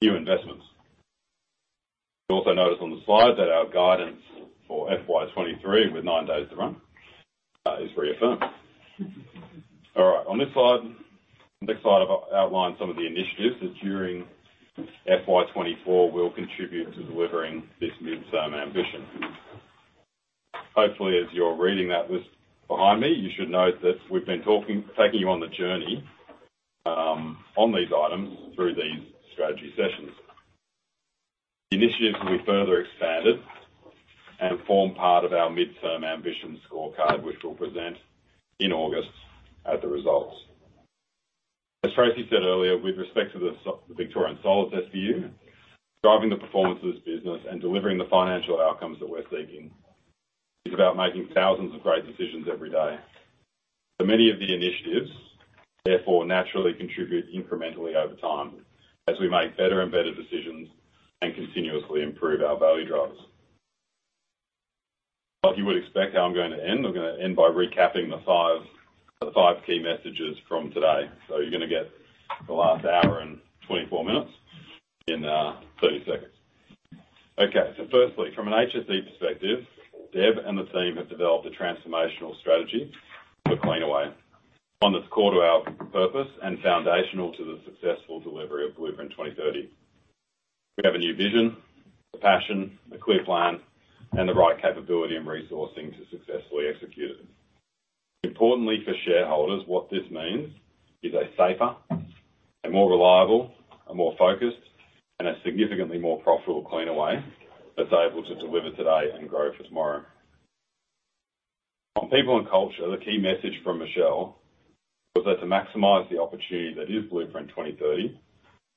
new investments. You'll also notice on the slide that our guidance for FY 2023, with nine days to run, is reaffirmed. All right, on this slide, the next slide, I've outlined some of the initiatives that during FY 2024, will contribute to delivering this midterm ambition. Hopefully, as you're reading that list behind me, you should note that we've been talking, taking you on the journey, on these items through these strategy sessions. The initiatives will be further expanded and form part of our midterm ambition scorecard, which we'll present in August at the results. As Tracey said earlier, with respect to the Victorian Solids SBU, driving the performance of this business and delivering the financial outcomes that we're seeking is about making thousands of great decisions every day. Many of the initiatives, therefore, naturally contribute incrementally over time as we make better and better decisions and continuously improve our value drivers. Like you would expect, how I'm going to end, I'm going to end by recapping the 5 key messages from today. You're going to get the last hour and 24 minutes in 30 seconds. Okay, firstly, from an HSE perspective, Deb and the team have developed a transformational strategy for Cleanaway. One that's core to our purpose and foundational to the successful delivery of Blueprint 2030. We have a new vision, the passion, a clear plan, and the right capability and resourcing to successfully execute it. Importantly, for shareholders, what this means is a safer, a more reliable, a more focused, and a significantly more profitable Cleanaway that's able to deliver today and grow for tomorrow. On people and culture, the key message from Michele was that to maximize the opportunity that is Blueprint 2030,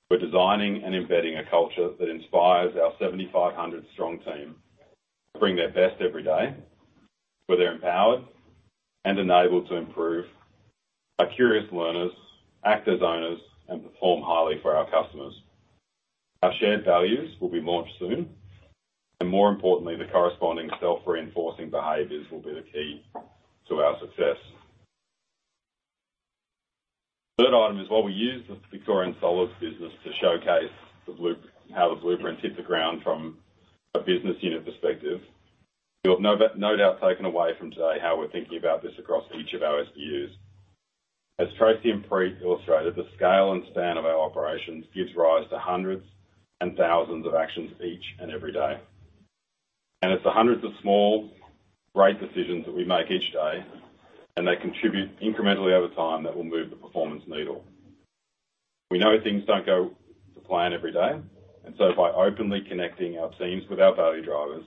we're designing and embedding a culture that inspires our 7,500 strong team to bring their best every day, where they're empowered and enabled to improve, are curious learners, act as owners, and perform highly for our customers. Our shared values will be launched soon, and more importantly, the corresponding self-reinforcing behaviors will be the key to our success. Third item is while we use the Victorian Solids business to showcase how the blueprint hit the ground from a business unit perspective, you have no doubt taken away from today how we're thinking about this across each of our SBUs. As Tracey and Preet illustrated, the scale and span of our operations gives rise to hundreds and thousands of actions each and every day. It's the hundreds of small, great decisions that we make each day, and they contribute incrementally over time, that will move the performance needle. We know things don't go to plan every day, so by openly connecting our teams with our value drivers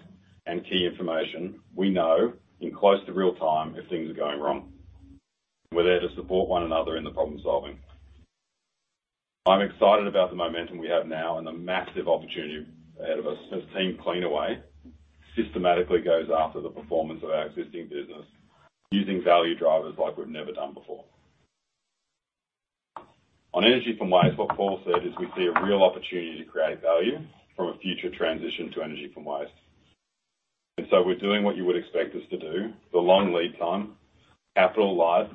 and key information, we know in close to real time if things are going wrong. We're there to support one another in the problem-solving. I'm excited about the momentum we have now and the massive opportunity ahead of us as Team Cleanaway systematically goes after the performance of our existing business using value drivers like we've never done before. On energy from waste, what Paul said is we see a real opportunity to create value from a future transition to energy from waste. We're doing what you would expect us to do. The long lead time, capital light,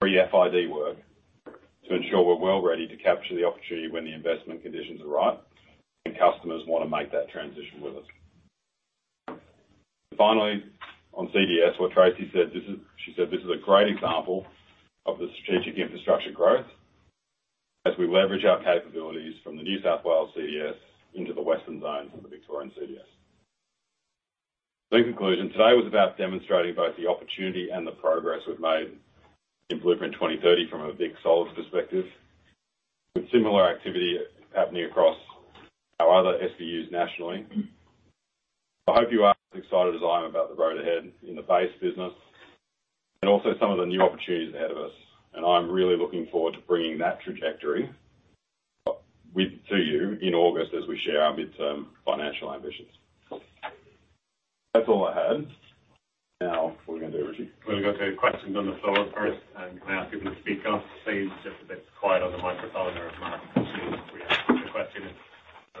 pre-FID work to ensure we're well ready to capture the opportunity when the investment conditions are right and customers want to make that transition with us. Finally, on CDS, what Tracey said, this is... She said, This is a great example of the strategic infrastructure growth as we leverage our capabilities from the New South Wales CDS into the Western zones and the Victorian CDS. In conclusion, today was about demonstrating both the opportunity and the progress we've made in Blueprint 2030 from a big solids perspective, with similar activity happening across our other SBUs nationally. I hope you are as excited as I am about the road ahead in the base business and also some of the new opportunities ahead of us, I'm really looking forward to bringing that trajectory to you in August as we share our midterm financial ambitions. That's all I have. What are we gonna do, Richie? We're gonna go to questions on the floor first. Yes. Can I ask people to speak up please? It's just a bit quiet on the microphone there as well. The question is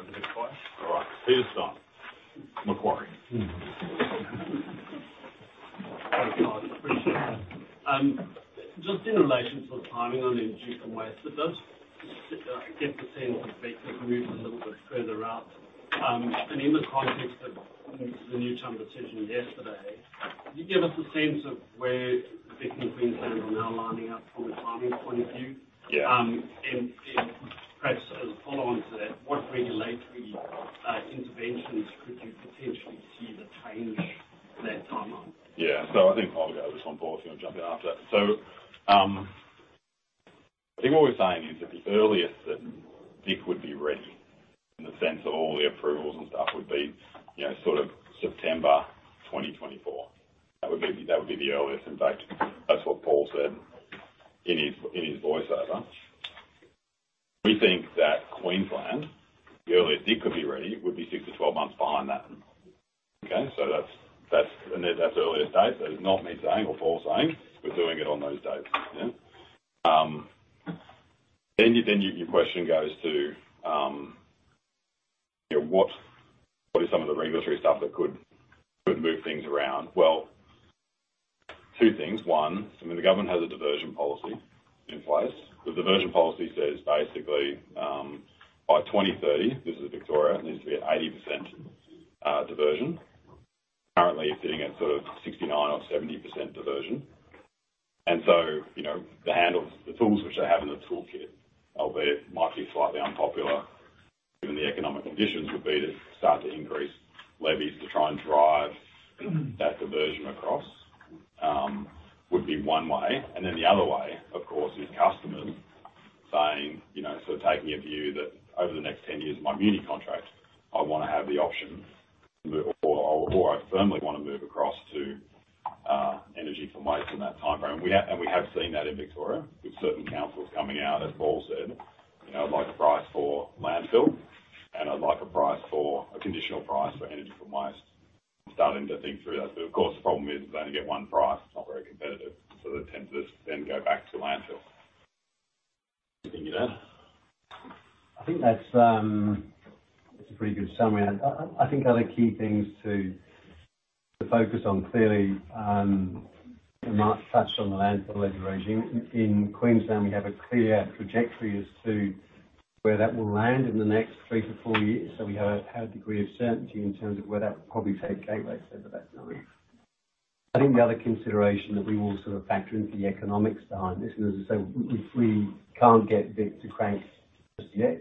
a bit quiet. All right. Peter Scott, Macquarie. Just in relation to the timing on the Energy from Waste, it does get the sense that moving a little bit further out. In the context of the new term decision yesterday, can you give us a sense of where VIC and Queensland are now lining up from a timing point of view? Yeah. Perhaps as a follow on to that, what regulatory interventions could you potentially see that change that timeline? I think I'll go this one, Paul's gonna jump in after. I think what we're saying is that the earliest that CDS Vic would be ready, in the sense of all the approvals and stuff, would be, you know, sort of September 2024. That would be the earliest. In fact, that's what Paul said in his voice over. We think that Queensland, the earliest CDS Vic could be ready, would be six to 12 months behind that. Okay? That's the earliest date. That is not me saying or Paul saying we're doing it on those dates. Then your question goes to, you know, what are some of the regulatory stuff that could move things around? Well, two things. One, I mean, the government has a diversion policy in place. The diversion policy says basically, by 2030, this is Victoria, it needs to be at 80% diversion. Currently, it's sitting at sort of 69% or 70% diversion. You know, the handle, the tools which they have in the toolkit, albeit might be slightly unpopular, given the economic conditions, would be to start to increase levies to try and drive that diversion across, would be one way. Then the other way, of course, is customers saying, you know, so taking a view that over the next 10 years of my muni contract, I want to have the option to move or I firmly want to move across to energy from waste in that timeframe. We have seen that in Victoria, with certain councils coming out, as Paul said, "You know, I'd like a price for landfill, and I'd like a price for a conditional price for energy from waste." Starting to think through that. Of course, the problem is they only get one price. It's not very competitive, they're tempted to then go back to landfill. Anything to add? I think that's a pretty good summary. I think other key things to focus on, clearly, Mark touched on the landfill levy regime. In Queensland, we have a clear trajectory as to where that will land in the next three to four years, so we have a high degree of certainty in terms of where that will probably take gateway for the best now. I think the other consideration that we will sort of factor into the economics behind this, as I say, if we can't get Vic to crank just yet,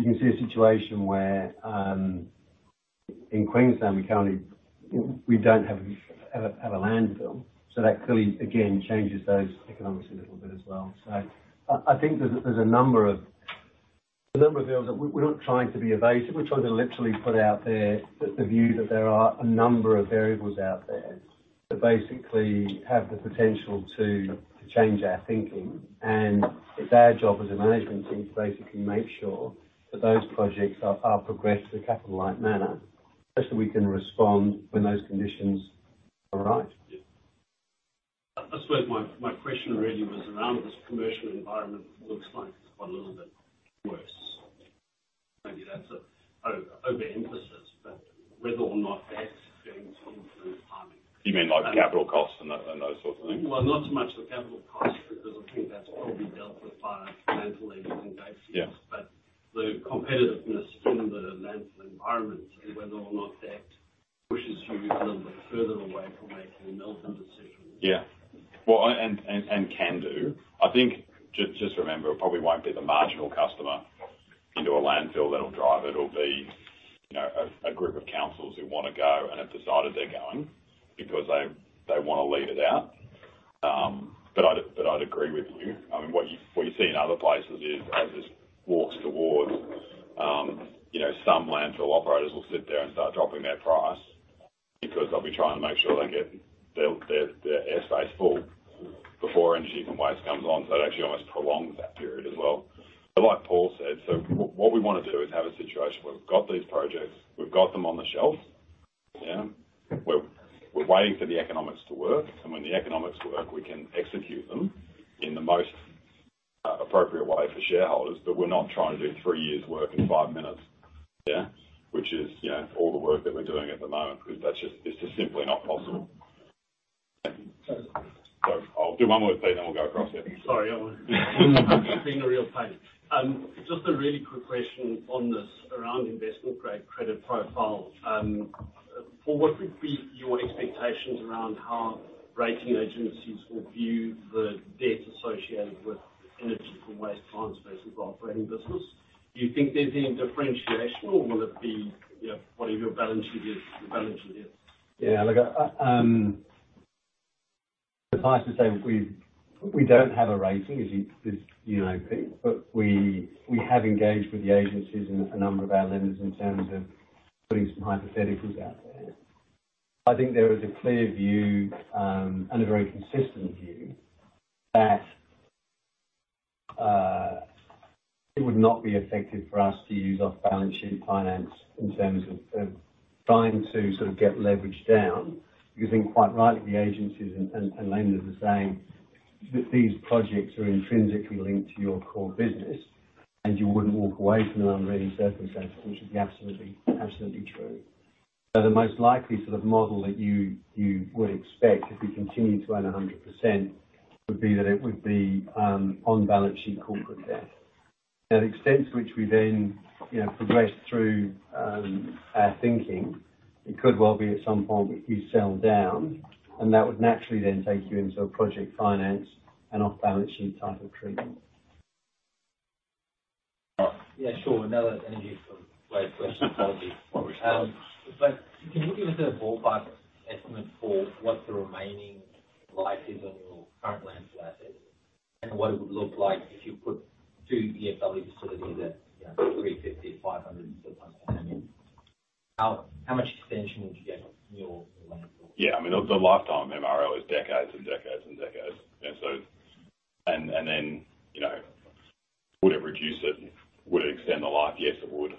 you can see a situation where in Queensland, we currently don't have a landfill. That clearly, again, changes those economics a little bit as well. I think there's a number of areas that we're not trying to be evasive. We're trying to literally put out there the view that there are a number of variables out there, that basically have the potential to change our thinking. It's our job as a management team to basically make sure that those projects are progressed in a capital-like manner. We can respond when those conditions arrive. Yeah. I suppose my question really was around this commercial environment looks like it's got a little bit worse. Maybe that's an overemphasis, but whether or not that's going to influence timing? You mean like capital costs and that, and those sorts of things? Not so much the capital costs, because I think that's probably dealt with by landfill leasing bases. Yeah. The competitiveness in the landfill environment, and whether or not that pushes you a little bit further away from making a Milton decision. Yeah. Well, and can do. I think, just remember, it probably won't be the marginal customer into a landfill that'll drive it. It'll be, you know, a group of councils who want to go and have decided they're going because they want to leave it out. I'd agree with you. I mean, what you see in other places is, as this walks towards, you know, some landfill operators will sit there and start dropping their price because they'll be trying to make sure they get their airspace full before Energy from Waste comes on. It actually almost prolongs that period as well. Like Paul said, what we want to do is have a situation where we've got these projects, we've got them on the shelf, yeah? We're waiting for the economics to work. When the economics work, we can execute them in the most appropriate way for shareholders. We're not trying to do three years' work in five minutes, yeah? Which is, you know, all the work that we're doing at the moment, because it's just simply not possible. Thank you. I'll do one more, Pete, then we'll go across here. Sorry, I'm being a real pain. Just a really quick question on this, around investment-grade credit profile. Well, what would be your expectations around how rating agencies will view the debt associated with Energy from Waste time space as well for any business? Do you think there's any differentiation, or will it be, you know, part of your balance sheet is? Look, I, suffice to say, we don't have a rating, as you know, Pete, we have engaged with the agencies and a number of our lenders in terms of putting some hypotheticals out there. I think there is a clear view and a very consistent view that it would not be effective for us to use off-balance sheet finance in terms of trying to sort of get leverage down, because I think, quite rightly, the agencies and lenders are saying that these projects are intrinsically linked to your core business, and you wouldn't walk away from it under any circumstances, which would be absolutely true. The most likely sort of model that you would expect if we continue to own 100%, would be that it would be on-balance sheet corporate debt. The extent to which we then, you know, progress through our thinking, it could well be at some point we do sell down. That would naturally then take you into a project finance and off-balance sheet type of treatment. Yeah, sure. Another Energy from Waste question, apologies. Can you give us a ballpark estimate for what the remaining life is on your current landfill assets, and what it would look like if you put two EFW facilities at, you know, 350, 500, how much extension would you get on your landfill? Yeah, I mean, the lifetime MRL is decades and decades and decades. Then, you know, would it reduce it? Would it extend the life? Yes, it would,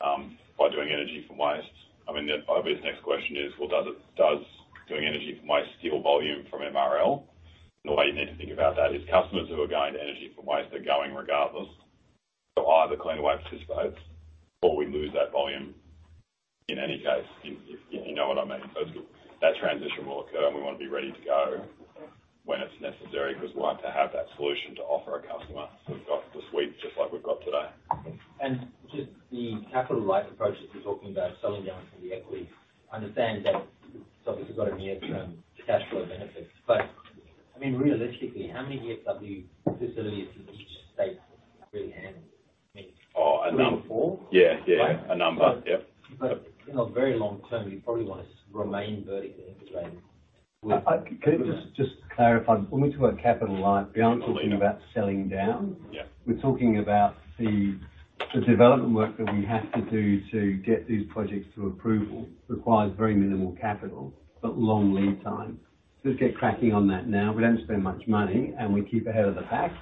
by doing Energy from Waste. I mean, the obvious next question is: Well, does doing Energy from Waste steal volume from MRL? The way you need to think about that is customers who are going to Energy from Waste are going regardless. Either Cleanaway participates, or we lose that volume in any case, if you know what I mean? That transition will occur, and we want to be ready to go when it's necessary, because we want to have that solution to offer a customer. We've got the suite, just like we've got today. Just the capital light approach that you're talking about, selling down some of the equity. I understand that obviously you've got a near-term cash flow benefit, but I mean, realistically, how many EFW facilities can each state really handle? Oh, a number. Three or four? Yeah, yeah, a number. Yep. You know, very long term, you probably want to remain vertical, right? I Can you just clarify? When we talk capital light, we aren't talking about selling down. Yeah. We're talking about the development work that we have to do to get these projects through approval, requires very minimal capital, but long lead time. Let's get cracking on that now. We don't spend much money, and we keep ahead of the pack,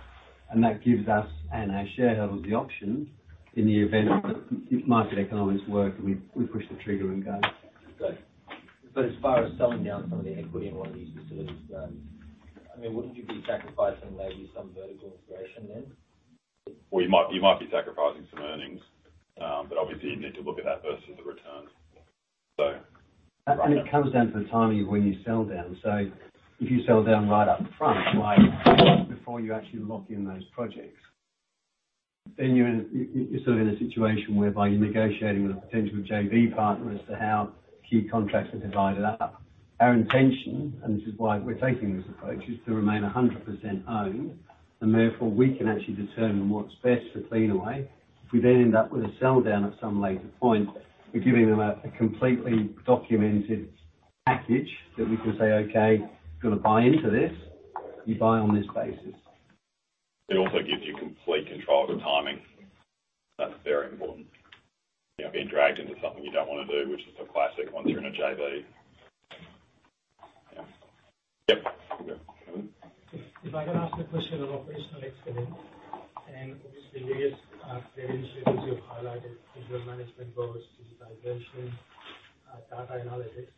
and that gives us and our shareholders the option in the event that if market economics work, we push the trigger and go. Okay. As far as selling down some of the equity in one of these facilities goes, I mean, wouldn't you be sacrificing maybe some vertical integration then? you might be sacrificing some earnings, but obviously you'd need to look at that versus the returns. It comes down to the timing of when you sell down. If you sell down right up front, like before you actually lock in those projects, then you're in, you're sort of in a situation whereby you're negotiating with a potential JV partner as to how key contracts are divided up. Our intention, this is why we're taking this approach, is to remain 100% owned, and therefore, we can actually determine what's best for Cleanaway. If we end up with a sell down at some later point, we're giving them a completely documented package that we can say, "Okay, if you're going to buy into this, you buy on this basis. It also gives you complete control of the timing. That's very important. You know, being dragged into something you don't want to do, which is the classic once you're in a JV.... Yep, okay. If I can ask a question on operational excellence, and obviously various areas you've highlighted, visual management boards, digitization, data analytics.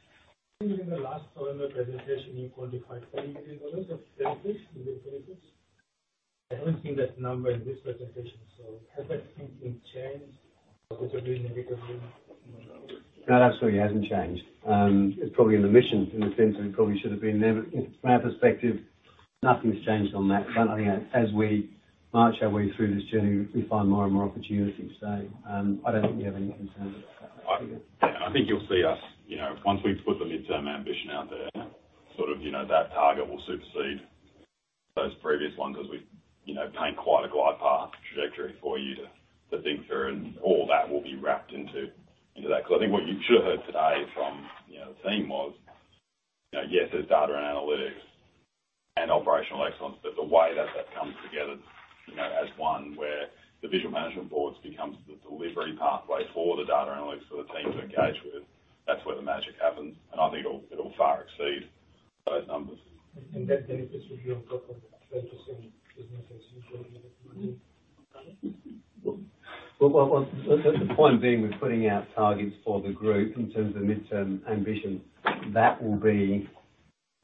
I think in the last quarter presentation, you qualified AUD 30 million of benefits in the business. I haven't seen that number in this presentation. Has that thinking changed or considering negatively? No, it absolutely hasn't changed. It's probably in the mission in the sense that it probably should have been there. From our perspective, nothing's changed on that front. I think as we march our way through this journey, we find more and more opportunities. I don't think we have any concerns. Yeah, I think you'll see us, you know, once we've put the midterm ambition out there, sort of, you know, that target will supersede those previous ones because we've, you know, paint quite a glide path trajectory for you to think through, and all that will be wrapped into that. I think what you should have heard today from, you know, the theme was, you know, yes, there's data and analytics and operational excellence, but the way that that comes together, you know, as one where the visual management boards becomes the delivery pathway for the data analytics for the team to engage with, that's where the magic happens, and I think it'll far exceed those numbers. That benefits will be on top of the 30% business as usual? Well, well, well, the point being, we're putting out targets for the group in terms of the midterm ambition. That will be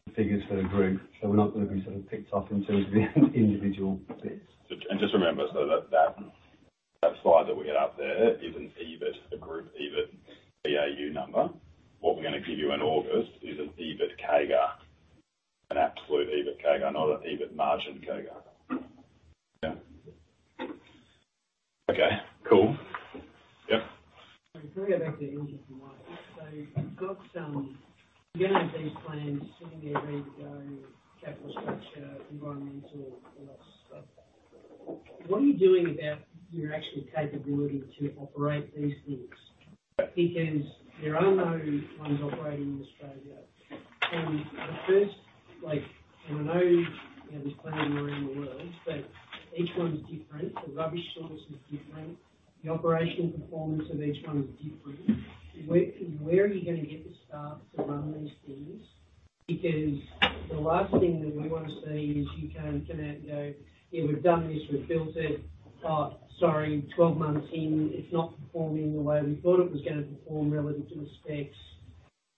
the figures for the group, we're not going to be sort of ticked off in terms of the individual bits. Just remember, so that slide that we had up there is an EBIT, a group EBIT BAU number. What we're going to give you in August is an EBIT CAGR. An absolute EBIT CAGR, not an EBIT margin CAGR. Yeah. Okay, cool. Yep. Can we go back to the interest slide? You've got some. You're going to have these plans sitting there, ready to go, capital structure, environmental, all that stuff. What are you doing about your actual capability to operate these things? There are no ones operating in Australia. The first, like, and I know there's plenty around the world, but each one's different. The rubbish source is different, the operational performance of each one is different. Where are you going to get the staff to run these things? The last thing that we want to see is you come out and go, "Yeah, we've done this. We've built it. Sorry, 12 months in, it's not performing the way we thought it was going to perform relative to the specs,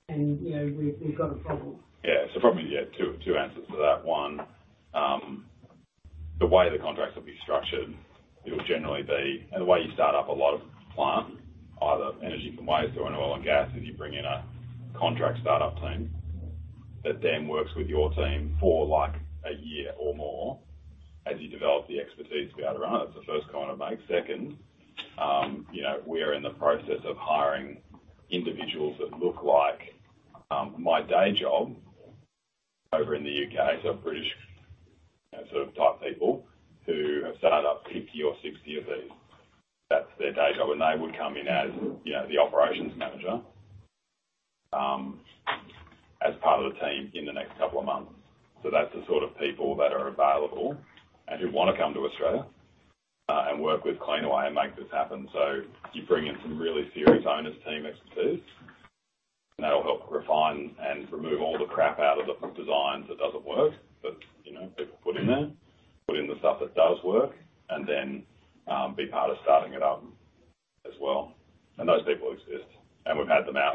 and, you know, we've got a problem. Probably, yeah, two answers to that. One, the way the contracts will be structured, it'll generally be the way you start up a lot of plant, either energy from waste or in oil and gas, is you bring in a contract start-up team that then works with your team for, like, a year or more as you develop the expertise to be able to run it. That's the first comment I'll make. Second, you know, we're in the process of hiring individuals that look like my day job over in the U.K. British, you know, sort of type people who have started up 50 or 60 of these. That's their day job, they would come in as, you know, the operations manager, as part of the team in the next couple of months. That's the sort of people that are available and who want to come to Australia and work with Cleanaway and make this happen. You bring in some really serious owners, team expertise, and that'll help refine and remove all the crap out of the designs that doesn't work, but, you know, people put in the stuff that does work, and then be part of starting it up as well. Those people exist, and we've had them out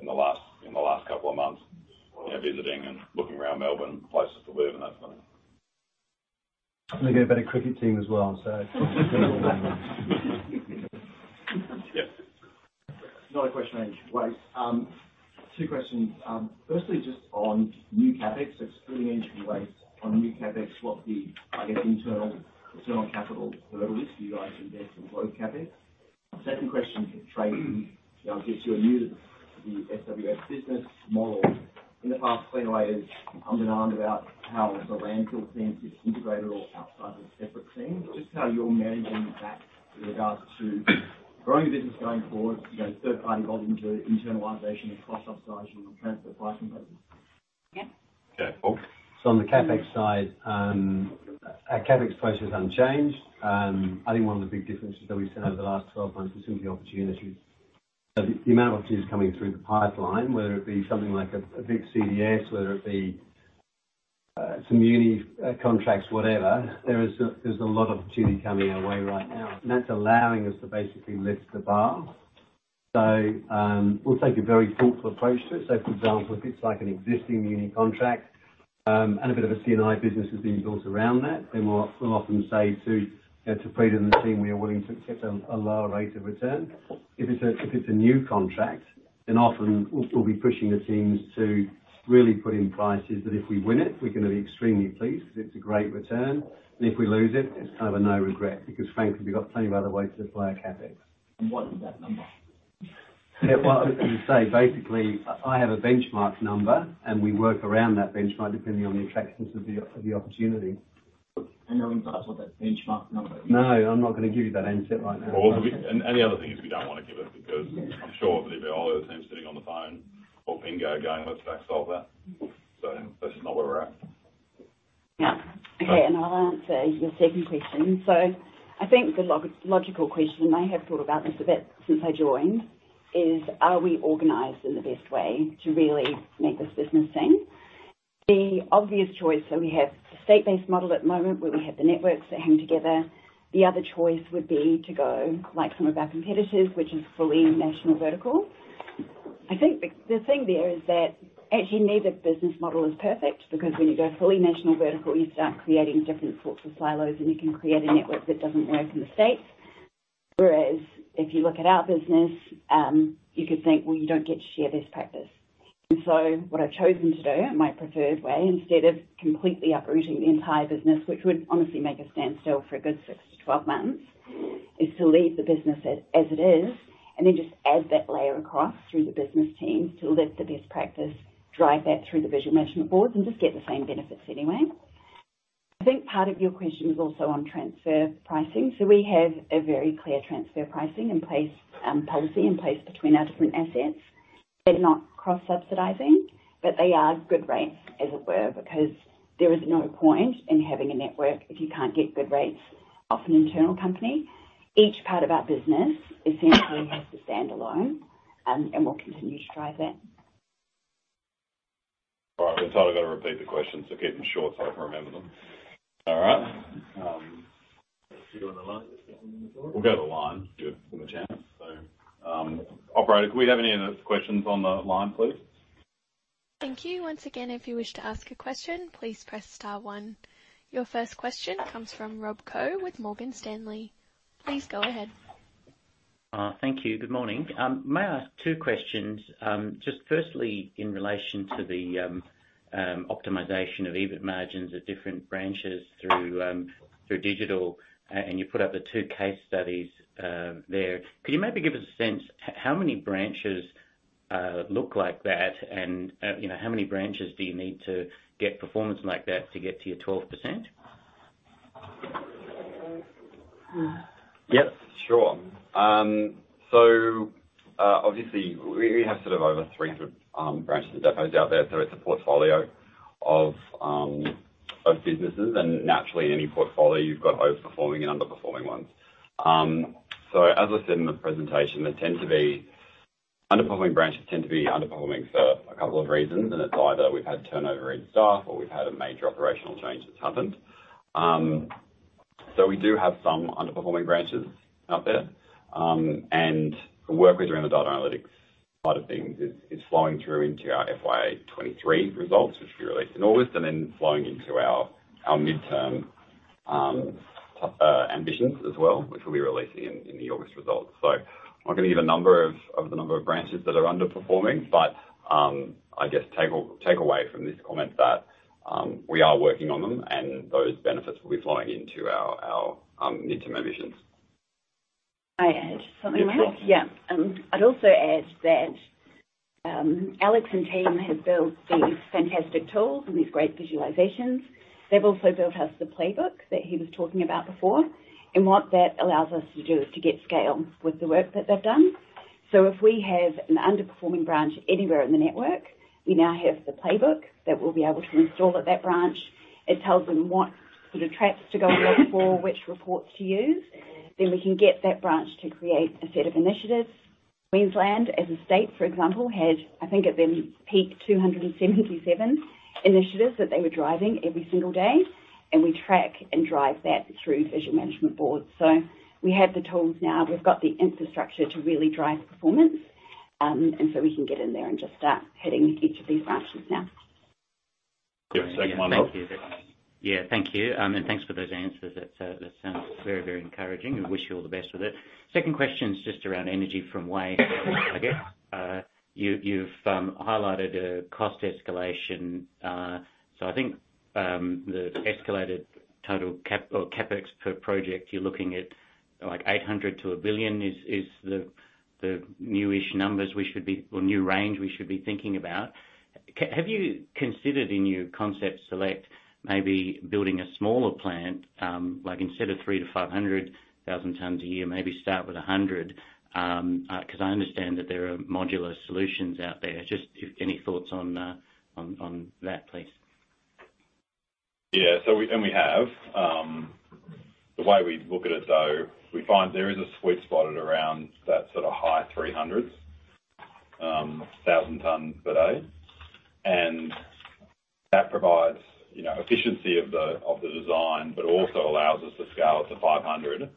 in the last couple of months, you know, visiting and looking around Melbourne, places to live and that sort of thing. We get a better cricket team as well, so. Yep. Another question on waste. two questions. Firstly, just on new CapEx, it's pretty interesting waste. On new CapEx, what the, I guess, internal capital hurdle is you guys invest in growth CapEx? Second question, Tracey, I'll get you, are new to the SWF business model. In the past, Cleanaway has around about how the landfill team is integrated or outside of the separate team. Just how you're managing that with regards to growing the business going forward, you know, third party volume to internalization and cross-subsidization and transfer pricing models. Yeah. Yeah. Paul? On the CapEx side, our CapEx process is unchanged. I think one of the big differences that we've seen over the last 12 months is simply opportunity. The amount of opportunities coming through the pipeline, whether it be something like a big CDS, whether it be some uni contracts, whatever, there is a lot of opportunity coming our way right now, and that's allowing us to basically lift the bar. We'll take a very thoughtful approach to it. For example, if it's like an existing uni contract, and a bit of a C&I business is being built around that, then we'll often say to, you know, to Fred and the team, we are willing to accept a lower rate of return. If it's a new contract, often we'll be pushing the teams to really put in prices that if we win it, we're going to be extremely pleased because it's a great return. If we lose it's kind of a no regret, because frankly, we've got plenty of other ways to deploy our CapEx. What is that number? Yeah, well, I was going to say, basically, I have a benchmark number, and we work around that benchmark depending on the attractiveness of the, of the opportunity. No insights on that benchmark number? No, I'm not going to give you that insight right now. The other thing is, we don't want to give it because I'm sure that all the other teams sitting on the phone or Pingo going, "Let's back solve that." That's not where we're at. Okay, I'll answer your second question. I think the logical question, and I have thought about this a bit since I joined, is, are we organized in the best way to really make this business sing? The obvious choice, we have the state-based model at the moment where we have the networks that hang together. The other choice would be to go like some of our competitors, which is fully national vertical. I think the thing there is that actually neither business model is perfect, because when you go fully national vertical, you start creating different sorts of silos, and you can create a network that doesn't work in the States. Whereas if you look at our business, you could think, well, you don't get to share best practice. What I've chosen to do, and my preferred way, instead of completely uprooting the entire business, which would honestly make us stand still for a good six to 12 months, is to leave the business as it is, just add that layer across through the business teams to let the best practice drive that through the visual management boards and just get the same benefits anyway. I think part of your question was also on transfer pricing. We have a very clear transfer pricing in place, policy in place between our different assets. They're not cross-subsidizing, but they are good rates, as it were, because there is no point in having a network if you can't get good rates off an internal company. Each part of our business essentially has to stand alone, and we'll continue to drive that. All right. We've sort of got to repeat the question, so keep them short so I can remember them. All right, do you want the line? We'll go to the line. Good. From a chance. Operator, could we have any of the questions on the line, please? Thank you. Once again, if you wish to ask a question, please press star one. Your first question comes from Rob Koh with Morgan Stanley. Please go ahead. Thank you. Good morning. May I ask two questions? Just firstly, in relation to the optimization of EBIT margins at different branches through digital, and you put up the two case studies there. Could you maybe give us a sense how many branches look like that? And, you know, how many branches do you need to get performance like that to get to your 12%? Yep, sure. Obviously we have sort of over 300 branches and depots out there, so it's a portfolio of businesses, and naturally, any portfolio you've got overperforming and underperforming ones. As I said in the presentation, underperforming branches tend to be underperforming for a couple of reasons, and it's either we've had turnover in staff or we've had a major operational change that's happened. We do have some underperforming branches out there. The work around the data analytics side of things is flowing through into our FY 2023 results, which we released in August, and then flowing into our midterm ambitions as well, which we'll be releasing in the August results. I'm not going to give a number of the number of branches that are underperforming, but I guess take away from this comment that we are working on them, and those benefits will be flowing into our midterm ambitions. May I add something there? Yeah, sure. I'd also add that Alex and team have built these fantastic tools and these great visualizations. They've also built us the playbook that he was talking about before. What that allows us to do is to get scale with the work that they've done. If we have an underperforming branch anywhere in the network, we now have the playbook that we'll be able to install at that branch. It tells them what sort of tracks to go and look for, which reports to use. Then we can get that branch to create a set of initiatives. Queensland, as a state, for example, had, I think, at their peak, 277 initiatives that they were driving every single day, and we track and drive that through visual management boards. We have the tools now. We've got the infrastructure to really drive performance, and so we can get in there and just start hitting each of these branches now. Yeah, second one. Thank you. Yeah, thank you. Thanks for those answers. That sounds very, very encouraging, and wish you all the best with it. Second question is just around energy from waste. I guess, you've highlighted a cost escalation. I think the escalated total CapEx per project, you're looking at, like, 800 million to 1 billion is the new-ish numbers or new range we should be thinking about. Have you considered in your concept select maybe building a smaller plant, like instead of 300,000-500,000 tons a year, maybe start with 100? Because I understand that there are modular solutions out there. Just if any thoughts on that, please. We have. The way we look at it, though, we find there is a sweet spot at around that sort of high 300,000 tons per day. That provides, you know, efficiency of the design, but also allows us to scale to 500,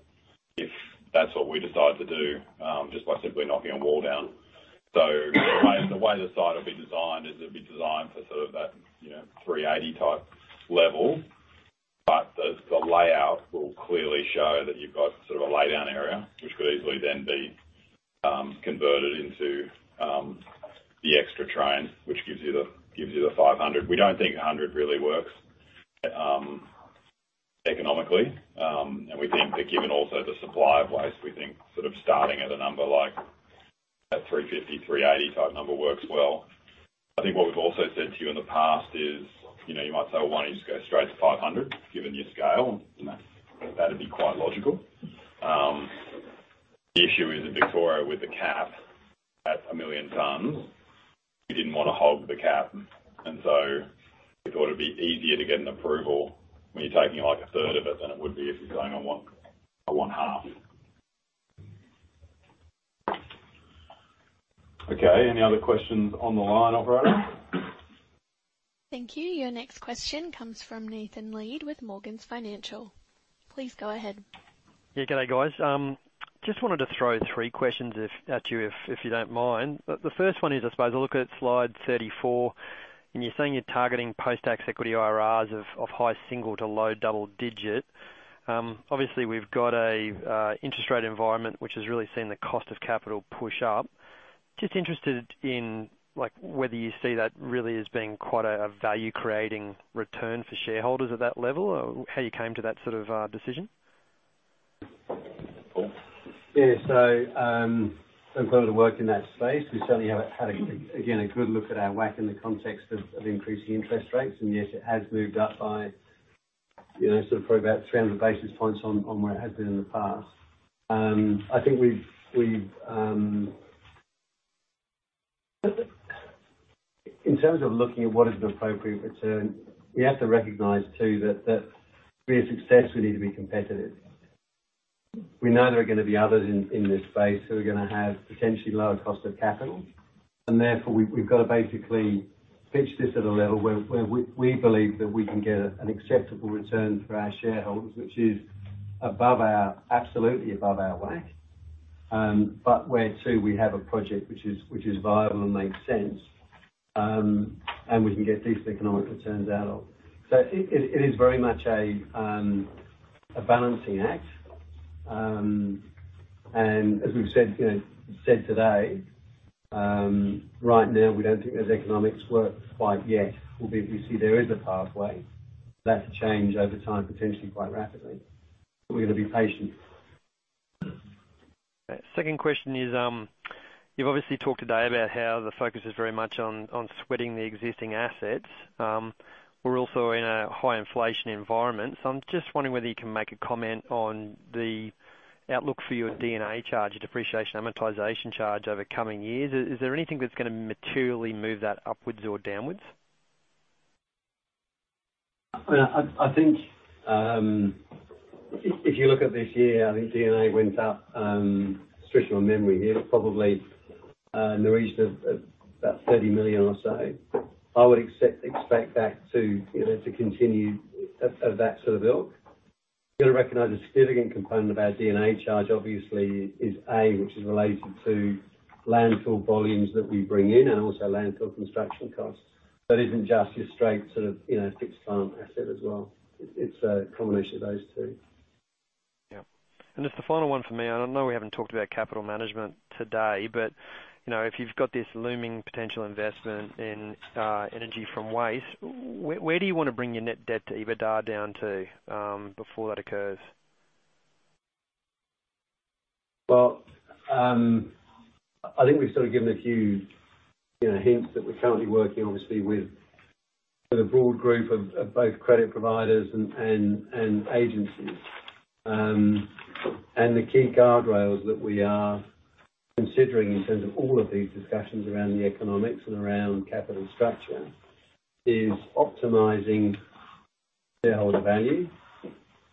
if that's what we decide to do, just by simply knocking a wall down. The way the site will be designed, is it'll be designed for sort of that, you know, 380 type level, but the layout will clearly show that you've got sort of a laydown area, which could easily then be converted into the extra train, which gives you the 500. We don't think 100 really works economically. We think that given also the supply of waste, we think starting at a number like at 350, 380 type number works well. I think what we've also said to you in the past is, you know, you might say, "Well, why don't you just go straight to 500?" Given your scale, you know, that'd be quite logical. The issue is in Victoria with the cap, that's 1 million tons. We didn't want to hog the cap, we thought it'd be easier to get an approval when you're taking, like, a third of it, than it would be if you're saying, "I want half." Okay, any other questions on the line, operator? Thank you. Your next question comes from Nathan Lead with Morgans Financial. Please go ahead. Yeah. Good day, guys. Just wanted to throw three questions at you, if you don't mind. The first one is, I suppose a look at slide 34, you're saying you're targeting post-tax equity IRRs of high single to low double digit. Obviously, we've got a interest rate environment, which has really seen the cost of capital push up. Just interested in, like, whether you see that really as being quite a value-creating return for shareholders at that level, or how you came to that sort of decision? Paul? Yeah. In terms of work in that space, we certainly have had again a good look at our WACC in the context of increasing interest rates, and yes, it has moved up by, you know, sort of probably about 300 basis points on where it has been in the past. I think we've In terms of looking at what is an appropriate return, we have to recognize, too, that to be a success, we need to be competitive. We know there are gonna be others in this space who are gonna have potentially lower cost of capital, and therefore, we've got to basically pitch this at a level where we believe that we can get an acceptable return for our shareholders, which is absolutely above our WACC. Where, too, we have a project which is viable and makes sense, and we can get decent economic returns out of. It is very much a balancing act. As we've said, you know, said today, right now, we don't think those economics work quite yet. Although, we see there is a pathway for that to change over time, potentially quite rapidly, but we're gonna be patient. Second question is, you've obviously talked today about how the focus is very much on sweating the existing assets. We're also in a high inflation environment. I'm just wondering whether you can make a comment on the outlook for your D&A charge, depreciation amortization charge, over coming years. Is there anything that's gonna materially move that upwards or downwards? I think, if you look at this year, I think D&A went up, stretching my memory here, probably in the region of about 30 million or so. I would expect that to, you know, to continue of that sort of ilk. You've got to recognize a significant component of our D&A charge obviously is, A, which is related to landfill volumes that we bring in and also landfill construction costs. That isn't just your straight sort of, you know, fixed plant asset as well. It's a combination of those two. Yeah. Just a final one for me. I know we haven't talked about capital management today, but, you know, if you've got this looming potential investment in Energy from Waste, where do you want to bring your net debt to EBITDA down to before that occurs? I think we've sort of given a few, you know, hints that we're currently working obviously with, a broad group of both credit providers and agencies. The key guardrails that we are considering in terms of all of these discussions around the economics and around capital structure, is optimizing shareholder value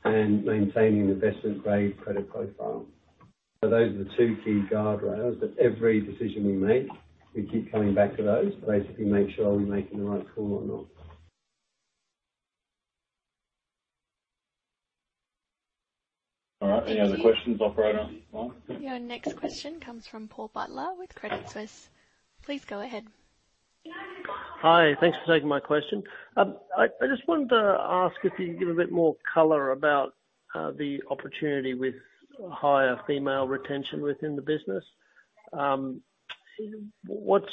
and maintaining investment-grade credit profile. Those are the two key guardrails that every decision we make, we keep coming back to those to basically make sure are we making the right call or not. All right. Any other questions, operator? Your next question comes from Paul Butler with Credit Suisse. Please go ahead. Hi, thanks for taking my question. I just wanted to ask if you could give a bit more color about the opportunity with higher female retention within the business. What's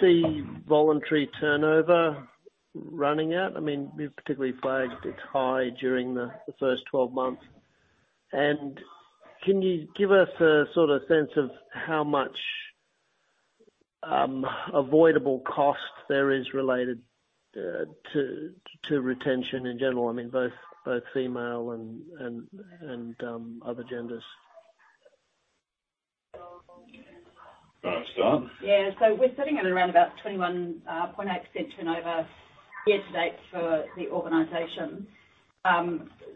the voluntary turnover running at? I mean, we've particularly flagged it's high during the first 12 months. Can you give us a sort of sense of how much avoidable costs there is related to retention in general? I mean, both female and other genders. All right, Scott? We're sitting at around about 21.8% turnover year to date for the organization.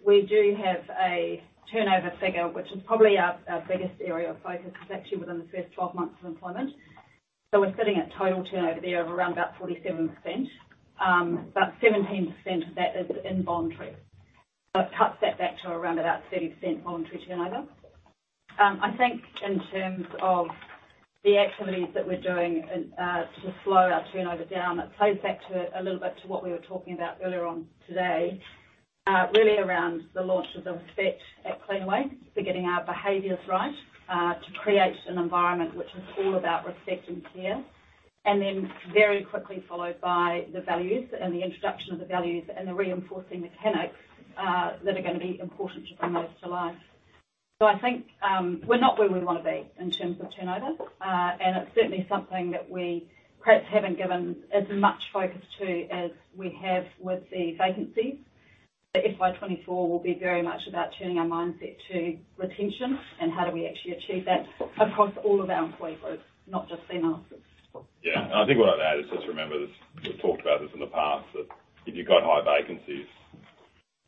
We do have a turnover figure, which is probably our biggest area of focus, is actually within the first 12 months of employment. We're sitting at total turnover there of around about 47%. About 17% of that is involuntary. It cuts that back to around about 30% voluntary turnover. I think in terms of the activities that we're doing to slow our turnover down, it plays back to a little bit to what we were talking about earlier on today, really around the launch of the Respect at Cleanaway. Getting our behaviors right to create an environment which is all about respect and care, and then very quickly followed by the values and the introduction of the values, and the reinforcing mechanics that are gonna be important to bring those to life. I think we're not where we want to be in terms of turnover, and it's certainly something that we perhaps haven't given as much focus to as we have with the vacancies. FY 2024 will be very much about turning our mindset to retention and how do we actually achieve that across all of our employee groups, not just females. I think what I'd add is just remember this, we've talked about this in the past, that if you've got high vacancies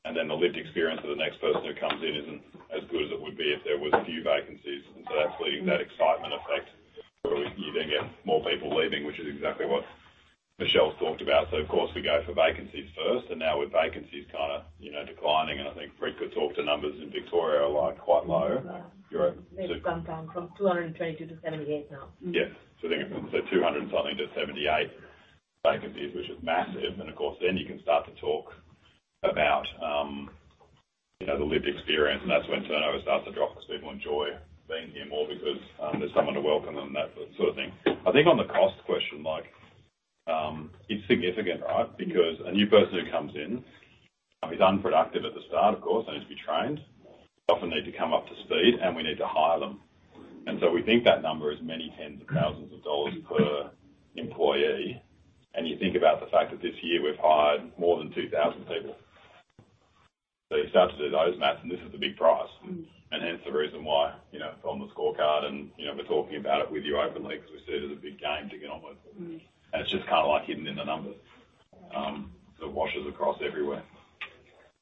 and then the lived experience of the next person who comes in isn't as good as it would be if there was a few vacancies. That's leading to that excitement effect where you then get more people leaving, which is exactly what Michele's talked about. Of course, we go for vacancies first. Now with vacancies kind of, you know, declining, and I think Preet could talk to numbers in Victoria are, like, quite low. Yeah. They've come down from 222 to 78 now. Yes. 200 and something to 78 vacancies, which is massive. Of course, then you can start to talk about, you know, the lived experience, and that's when turnover starts to drop because people enjoy being here more because there's someone to welcome them, that sort of thing. I think on the cost question, like, it's significant, right? Because a new person who comes in, is unproductive at the start, of course, they need to be trained. They often need to come up to speed, and we need to hire them. We think that number is many tens of thousands of AUD per employee, and you think about the fact that this year we've hired more than 2,000 people. You start to do those math, and this is a big price. Mm-hmm. Hence the reason why, you know, it's on the scorecard and, you know, we're talking about it with you openly because we see it as a big game to get on with. Mm-hmm. It's just kind of like hidden in the numbers, so it washes across everywhere.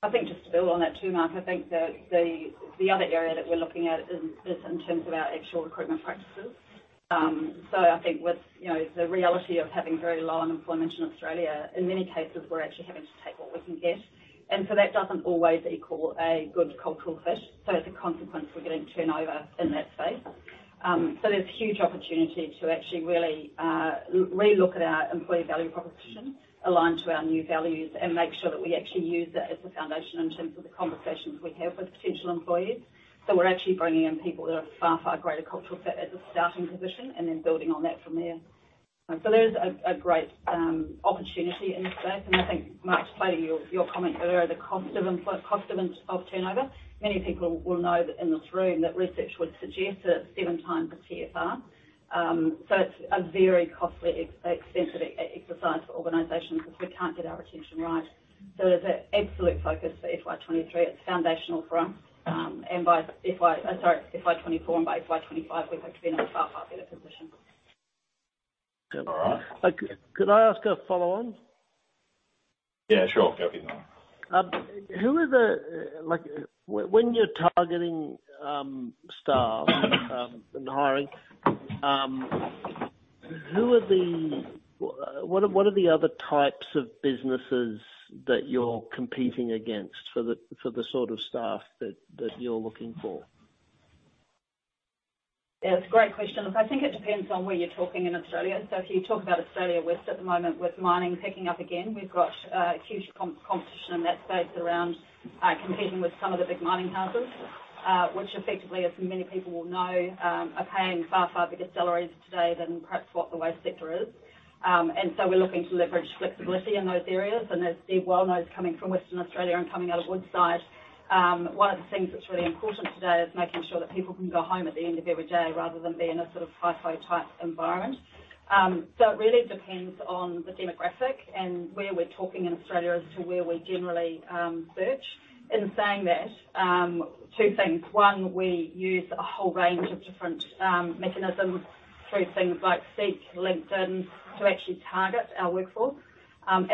I think just to build on that, too, Mark, I think that the other area that we're looking at is in terms of our actual recruitment practices. I think with, you know, the reality of having very low unemployment in Australia, in many cases, we're actually having to take what we can get, and so that doesn't always equal a good cultural fit. As a consequence, we're getting turnover in that space. There's huge opportunity to actually really relook at our employee value proposition, align to our new values, and make sure that we actually use that as a foundation in terms of the conversations we have with potential employees. We're actually bringing in people that have a far, far greater cultural fit as a starting position, and then building on that from there. There is a great opportunity in this space. I think, Mark, to play to your comment earlier, the cost of turnover, many people will know that in this room, that research would suggest that 7 times the CFR. It's a very costly, expensive exercise for organizations if we can't get our retention right. There's an absolute focus for FY23. It's foundational for us, and by FY24, and by FY25, we hope to be in a far, far better position. All right. Could I ask a follow-on? Yeah, sure. Go ahead. When you're targeting staff and hiring, what are the other types of businesses that you're competing against for the sort of staff that you're looking for? Yeah, it's a great question. I think it depends on where you're talking in Australia. If you talk about Australia West at the moment, with mining picking up again, we've got huge competition in that space around competing with some of the big mining houses, which effectively, as many people will know, are paying far, far bigger salaries today than perhaps what the waste sector is. We're looking to leverage flexibility in those areas. As Steve well knows, coming from Western Australia and coming out of Woodside, one of the things that's really important today is making sure that people can go home at the end of every day rather than be in a sort of FIFO type environment. It really depends on the demographic and where we're talking in Australia as to where we generally search. In saying that, two things: One, we use a whole range of different mechanisms through things like SEEK, LinkedIn, to actually target our workforce.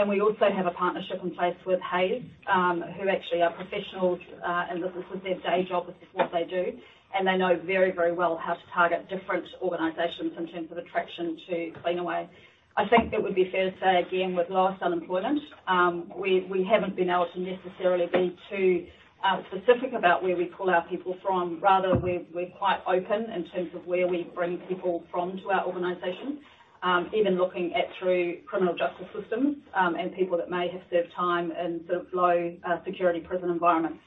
We also have a partnership in place with Hays, who actually are professionals, and this is their day job. This is what they do, and they know very, very well how to target different organizations in terms of attraction to Cleanaway. I think it would be fair to say, again, with low unemployment, we haven't been able to necessarily be too specific about where we pull our people from. Rather, we're quite open in terms of where we bring people from to our organization. Even looking at through criminal justice systems, and people that may have served time in sort of low security prison environments.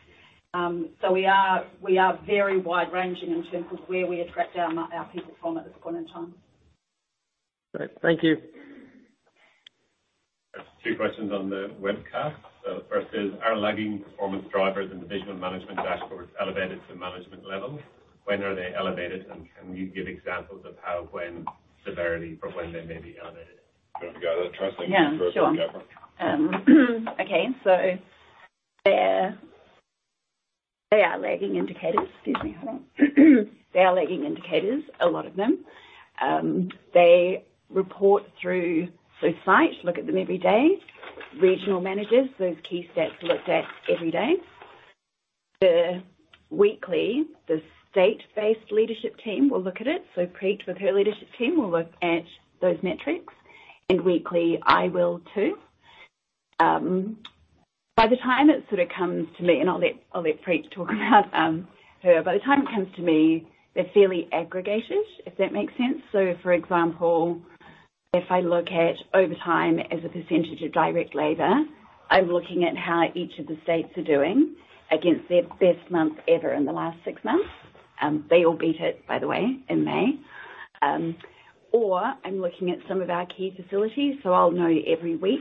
We are very wide-ranging in terms of where we attract our people from at this point in time. Great. Thank you. Two questions on the webcast. The first is: Are lagging performance drivers in the visual management dashboards elevated to management level? When are they elevated, and can you give examples of how, when, severity for when they may be elevated? Do you want me to go? I trust that. Yeah, sure They are lagging indicators. Excuse me. They are lagging indicators, a lot of them. They report through, site look at them every day. Regional managers, those key stats are looked at every day. The state-based leadership team will look at it. Preet, with her leadership team, will look at those metrics. Weekly, I will, too. By the time it comes to me, I'll let Preet talk about her. By the time it comes to me, they're fairly aggregated, if that makes sense. For example, if I look at overtime as a percent of direct labor, I'm looking at how each of the states are doing against their best month ever in the last six months. They all beat it, by the way, in May. Or I'm looking at some of our key facilities, so I'll know every week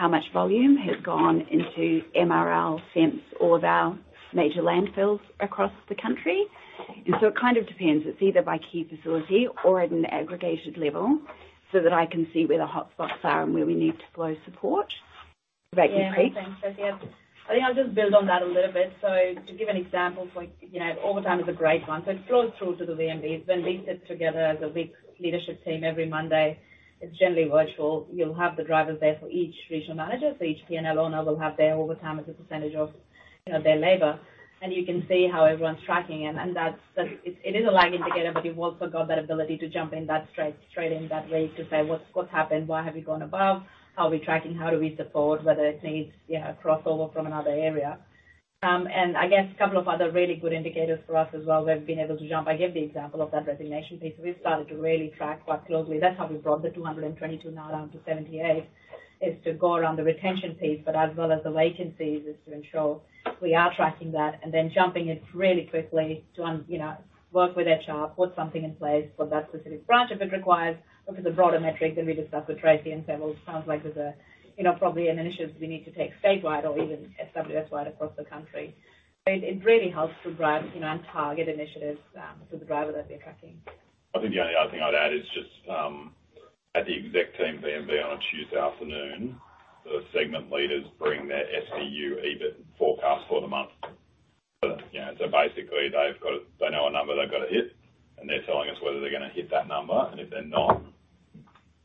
how much volume has gone into MRL, SMPS, all of our major landfills across the country. So it kind of depends. It's either by key facility or at an aggregated level so that I can see where the hotspots are and where we need to flow support. Yeah, thanks, Tracey. I think I'll just build on that a little bit. To give an example, like, you know, overtime is a great one. It flows through to the VMBs. When we sit together as a big leadership team every Monday, it's generally virtual. You'll have the drivers there for each regional manager. Each PNL owner will have their overtime as a percent of, you know, their labor, and you can see how everyone's tracking. And that's, it is a lagging indicator, but you've also got that ability to jump in that straight in that week to say, "What's, what's happened? Why have you gone above? How are we tracking? How do we support whether it needs, yeah, a crossover from another area?" I guess a couple of other really good indicators for us as well, we've been able to jump... I gave the example of that resignation piece. We've started to really track quite closely. That's how we brought the 222 now down to 78, is to go around the retention piece, but as well as the vacancies, is to ensure we are tracking that and then jumping it really quickly to, you know, work with HR, put something in place for that specific branch, if it requires, or if it's a broader metric, then we just have to raise the example. Sounds like there's a, you know, probably an initiative we need to take statewide or even SWS wide across the country. It really helps to drive, you know, and target initiatives, to the driver that we're tracking. I think the only other thing I'd add is just at the exec team VMB on a Tuesday afternoon, the segment leaders bring their SBU EBIT forecast for the month. You know, basically they've got they know a number they've got to hit, and they're telling us whether they're going to hit that number, and if they're not,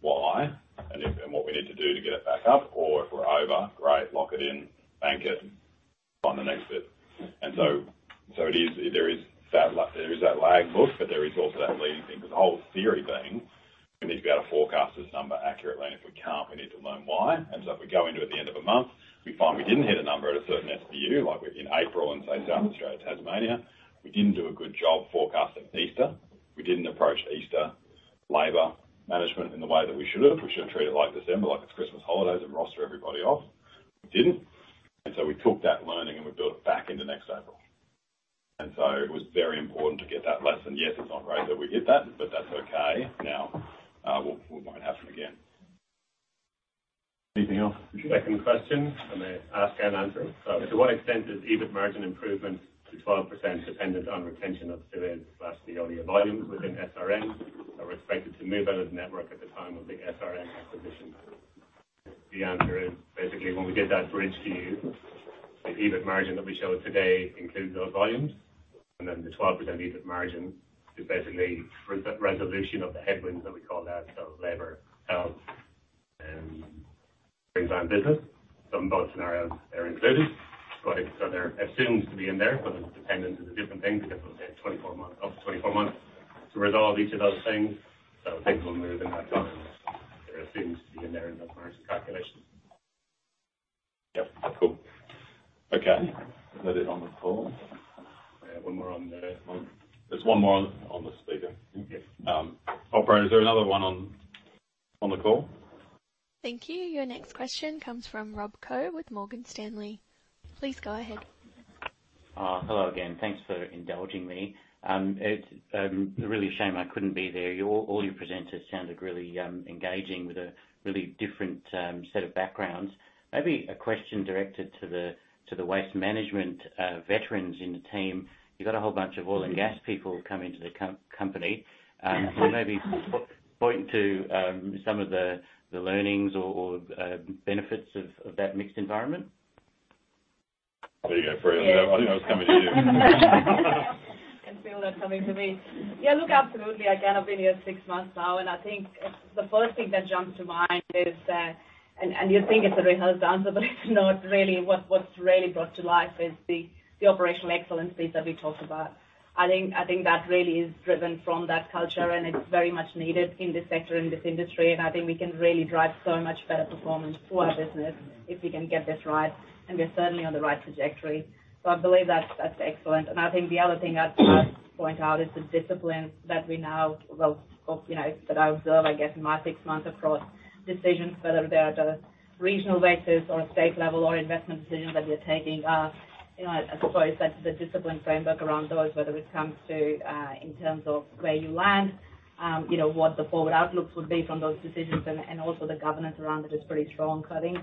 why? If, and what we need to do to get it back up, or if we're over, great, lock it in, bank it, on the next bit. It is... There is that lag look, but there is also that leading thing, because the whole theory being, we need to be able to forecast this number accurately, and if we can't, we need to learn why. If we go into at the end of a month, we find we didn't hit a number at a certain SBU, like in April in, say, South Australia, Tasmania, we didn't do a good job forecasting Easter. We didn't approach Easter labor management in the way that we should have. We shouldn't treat it like December, like it's Christmas holidays and roster everybody off. We didn't, we took that learning and we built it back into next April. It was very important to get that lesson. Yes, it's not great that we hit that, but that's okay. Now, it won't happen again. Anything else? Second question, ask and answer. To what extent is EBIT margin improvement to 12% dependent on retention of EBIT plus Veolia volumes within SRN are expected to move out of the network at the time of the SRN acquisition? The answer is, basically, when we did that bridge view, the EBIT margin that we showed today includes those volumes, the 12% EBIT margin is basically resolution of the headwinds that we call that, so labor, health, business. In both scenarios, they're included, but they're assumed to be in there, but the dependent is a different thing, because it was a 24-month, up to 24 months to resolve each of those things. I think we'll move in that direction. They're assumed to be in there in the margin calculation. Yep. Cool. Okay. Is that it on the call? I have one more on there. There's one more on the speaker. Yes. Operator, is there another one on the call? Thank you. Your next question comes from Rob Koh with Morgan Stanley. Please go ahead. Hello again. Thanks for indulging me. It's really a shame I couldn't be there. Your presenters sounded really engaging with a really different set of backgrounds. Maybe a question directed to the waste management veterans in the team. You've got a whole bunch of oil and gas people coming to the company. So maybe pointing to some of the learnings or benefits of that mixed environment? There you go, Preet. Yeah. I was coming to you. Can feel that coming to me. Look, absolutely. Again, I've been here six months now, I think the first thing that jumps to mind is that. You'd think it's a rehearsed answer, but it's not really. What's really brought to life is the Operational Excellence piece that we talked about. I think that really is driven from that culture, and it's very much needed in this sector and this industry. I think we can really drive so much better performance to our business if we can get this right, and we're certainly on the right trajectory. I believe that's excellent. I think the other thing I'd point out is the disciplines that we now, you know, that I observe, I guess, in my six months across decisions, whether they're at a regional basis or a state level or investment decisions that we're taking are, you know, I suppose that's the discipline framework around those, whether it comes to in terms of where you land, you know, what the forward outlooks would be from those decisions and also the governance around it is pretty strong. I think,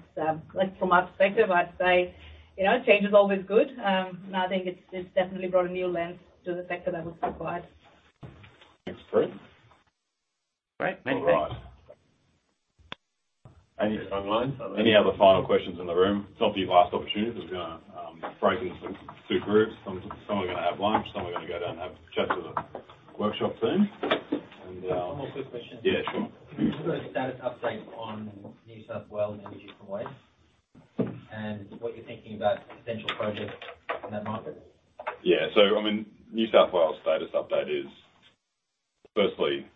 like from my perspective, I'd say, you know, change is always good. I think it's definitely brought a new lens to the sector that was required. Thanks, Preet. Great, many thanks. All right. Any other lines? Any other final questions in the room? It's obviously your last opportunity, because we're going to break into two groups. Some are going to have lunch, some are going to go down and have chats with the workshop team. One more quick question? Yeah, sure. Can you give a status update on New South Wales Energy from Waste, and what you're thinking about potential projects in that market? New South Wales status update is, firstly,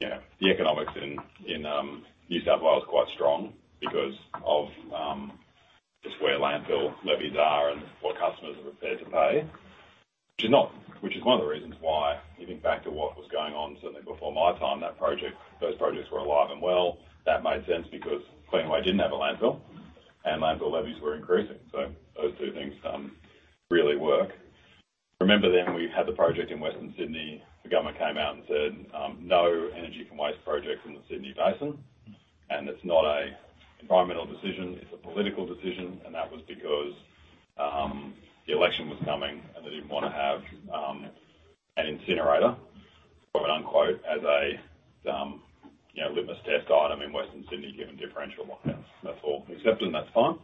the economics in New South Wales is quite strong because of just where landfill levies are and what customers are prepared to pay. Which is one of the reasons why, you think back to what was going on certainly before my time, those projects were alive and well. That made sense because Cleanaway didn't have a landfill, and landfill levies were increasing. Those two things really work. Remember, we had the project in Western Sydney. The government came out and said, "No energy from waste projects in the Sydney Basin." It's not an environmental decision, it's a political decision, and that was because the election was coming, and they didn't want to have an incinerator... quote-unquote, as a litmus test item in Western Sydney, given differential markets. That's all. We accept it, and that's fine.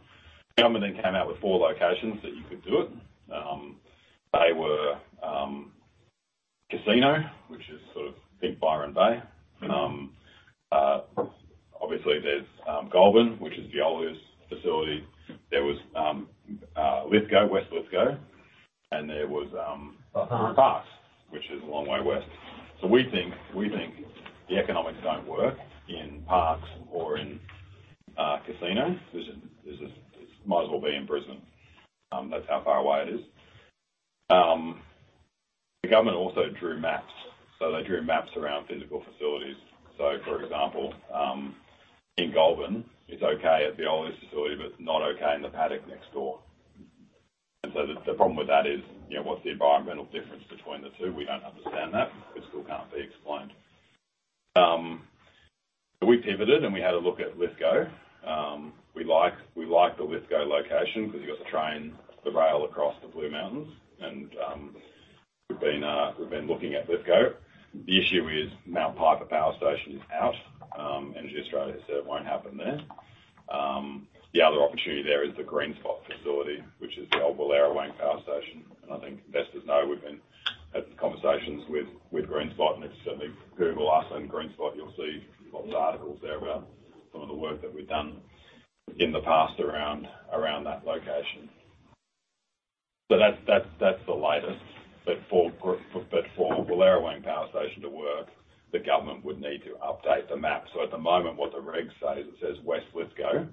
Government came out with 4 locations that you could do it. They were Casino, which is sort of think Byron Bay. Obviously there's Goulburn, which is the oldest facility. There was Lithgow, West Lithgow, and there was Parkes, which is a long way west. We think the economics don't work in Parkes or in Casino, which is might as well be in Brisbane, that's how far away it is. The government also drew maps. They drew maps around physical facilities. For example, in Goulburn, it's okay at the oldest facility, but it's not okay in the paddock next door. The problem with that is, you know, what's the environmental difference between the two? We don't understand that. It still can't be explained. We pivoted, and we had a look at Lithgow. We like the Lithgow location, 'cause you've got the train, the rail across the Blue Mountains, and we've been looking at Lithgow. The issue is Mount Piper Power Station is out. EnergyAustralia said it won't happen there. The other opportunity there is the Greenspot facility, which is the old Wallerawang Power Station, and I think investors know we've had conversations with Greenspot, and if you certainly Google us and Greenspot, you'll see lots of articles there about some of the work that we've done in the past around that location. That's the latest. For Wallerawang Power Station to work, the government would need to update the map. At the moment, what the reg says, it says West Lithgow,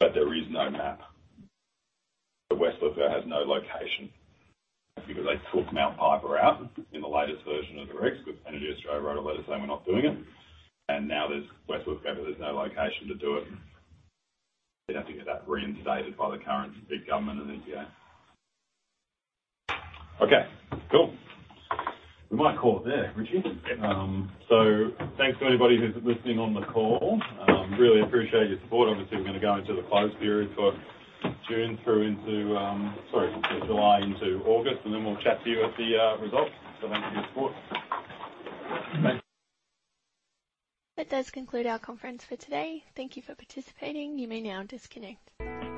but there is no map. The West Lithgow has no location because they took Mount Piper out in the latest version of the regs, with EnergyAustralia wrote a letter saying, "We're not doing it." Now there's West Lithgow, but there's no location to do it. They'd have to get that reinstated by the current state government and EPA. Okay, cool. We might call it there, Richie? Yeah. Thanks to anybody who's listening on the call. Really appreciate your support. Obviously, we're gonna go into the close period for June through into, Sorry, July into August, and then we'll chat to you at the results. Thanks for your support. Thanks. That does conclude our conference for today. Thank you for participating. You may now disconnect.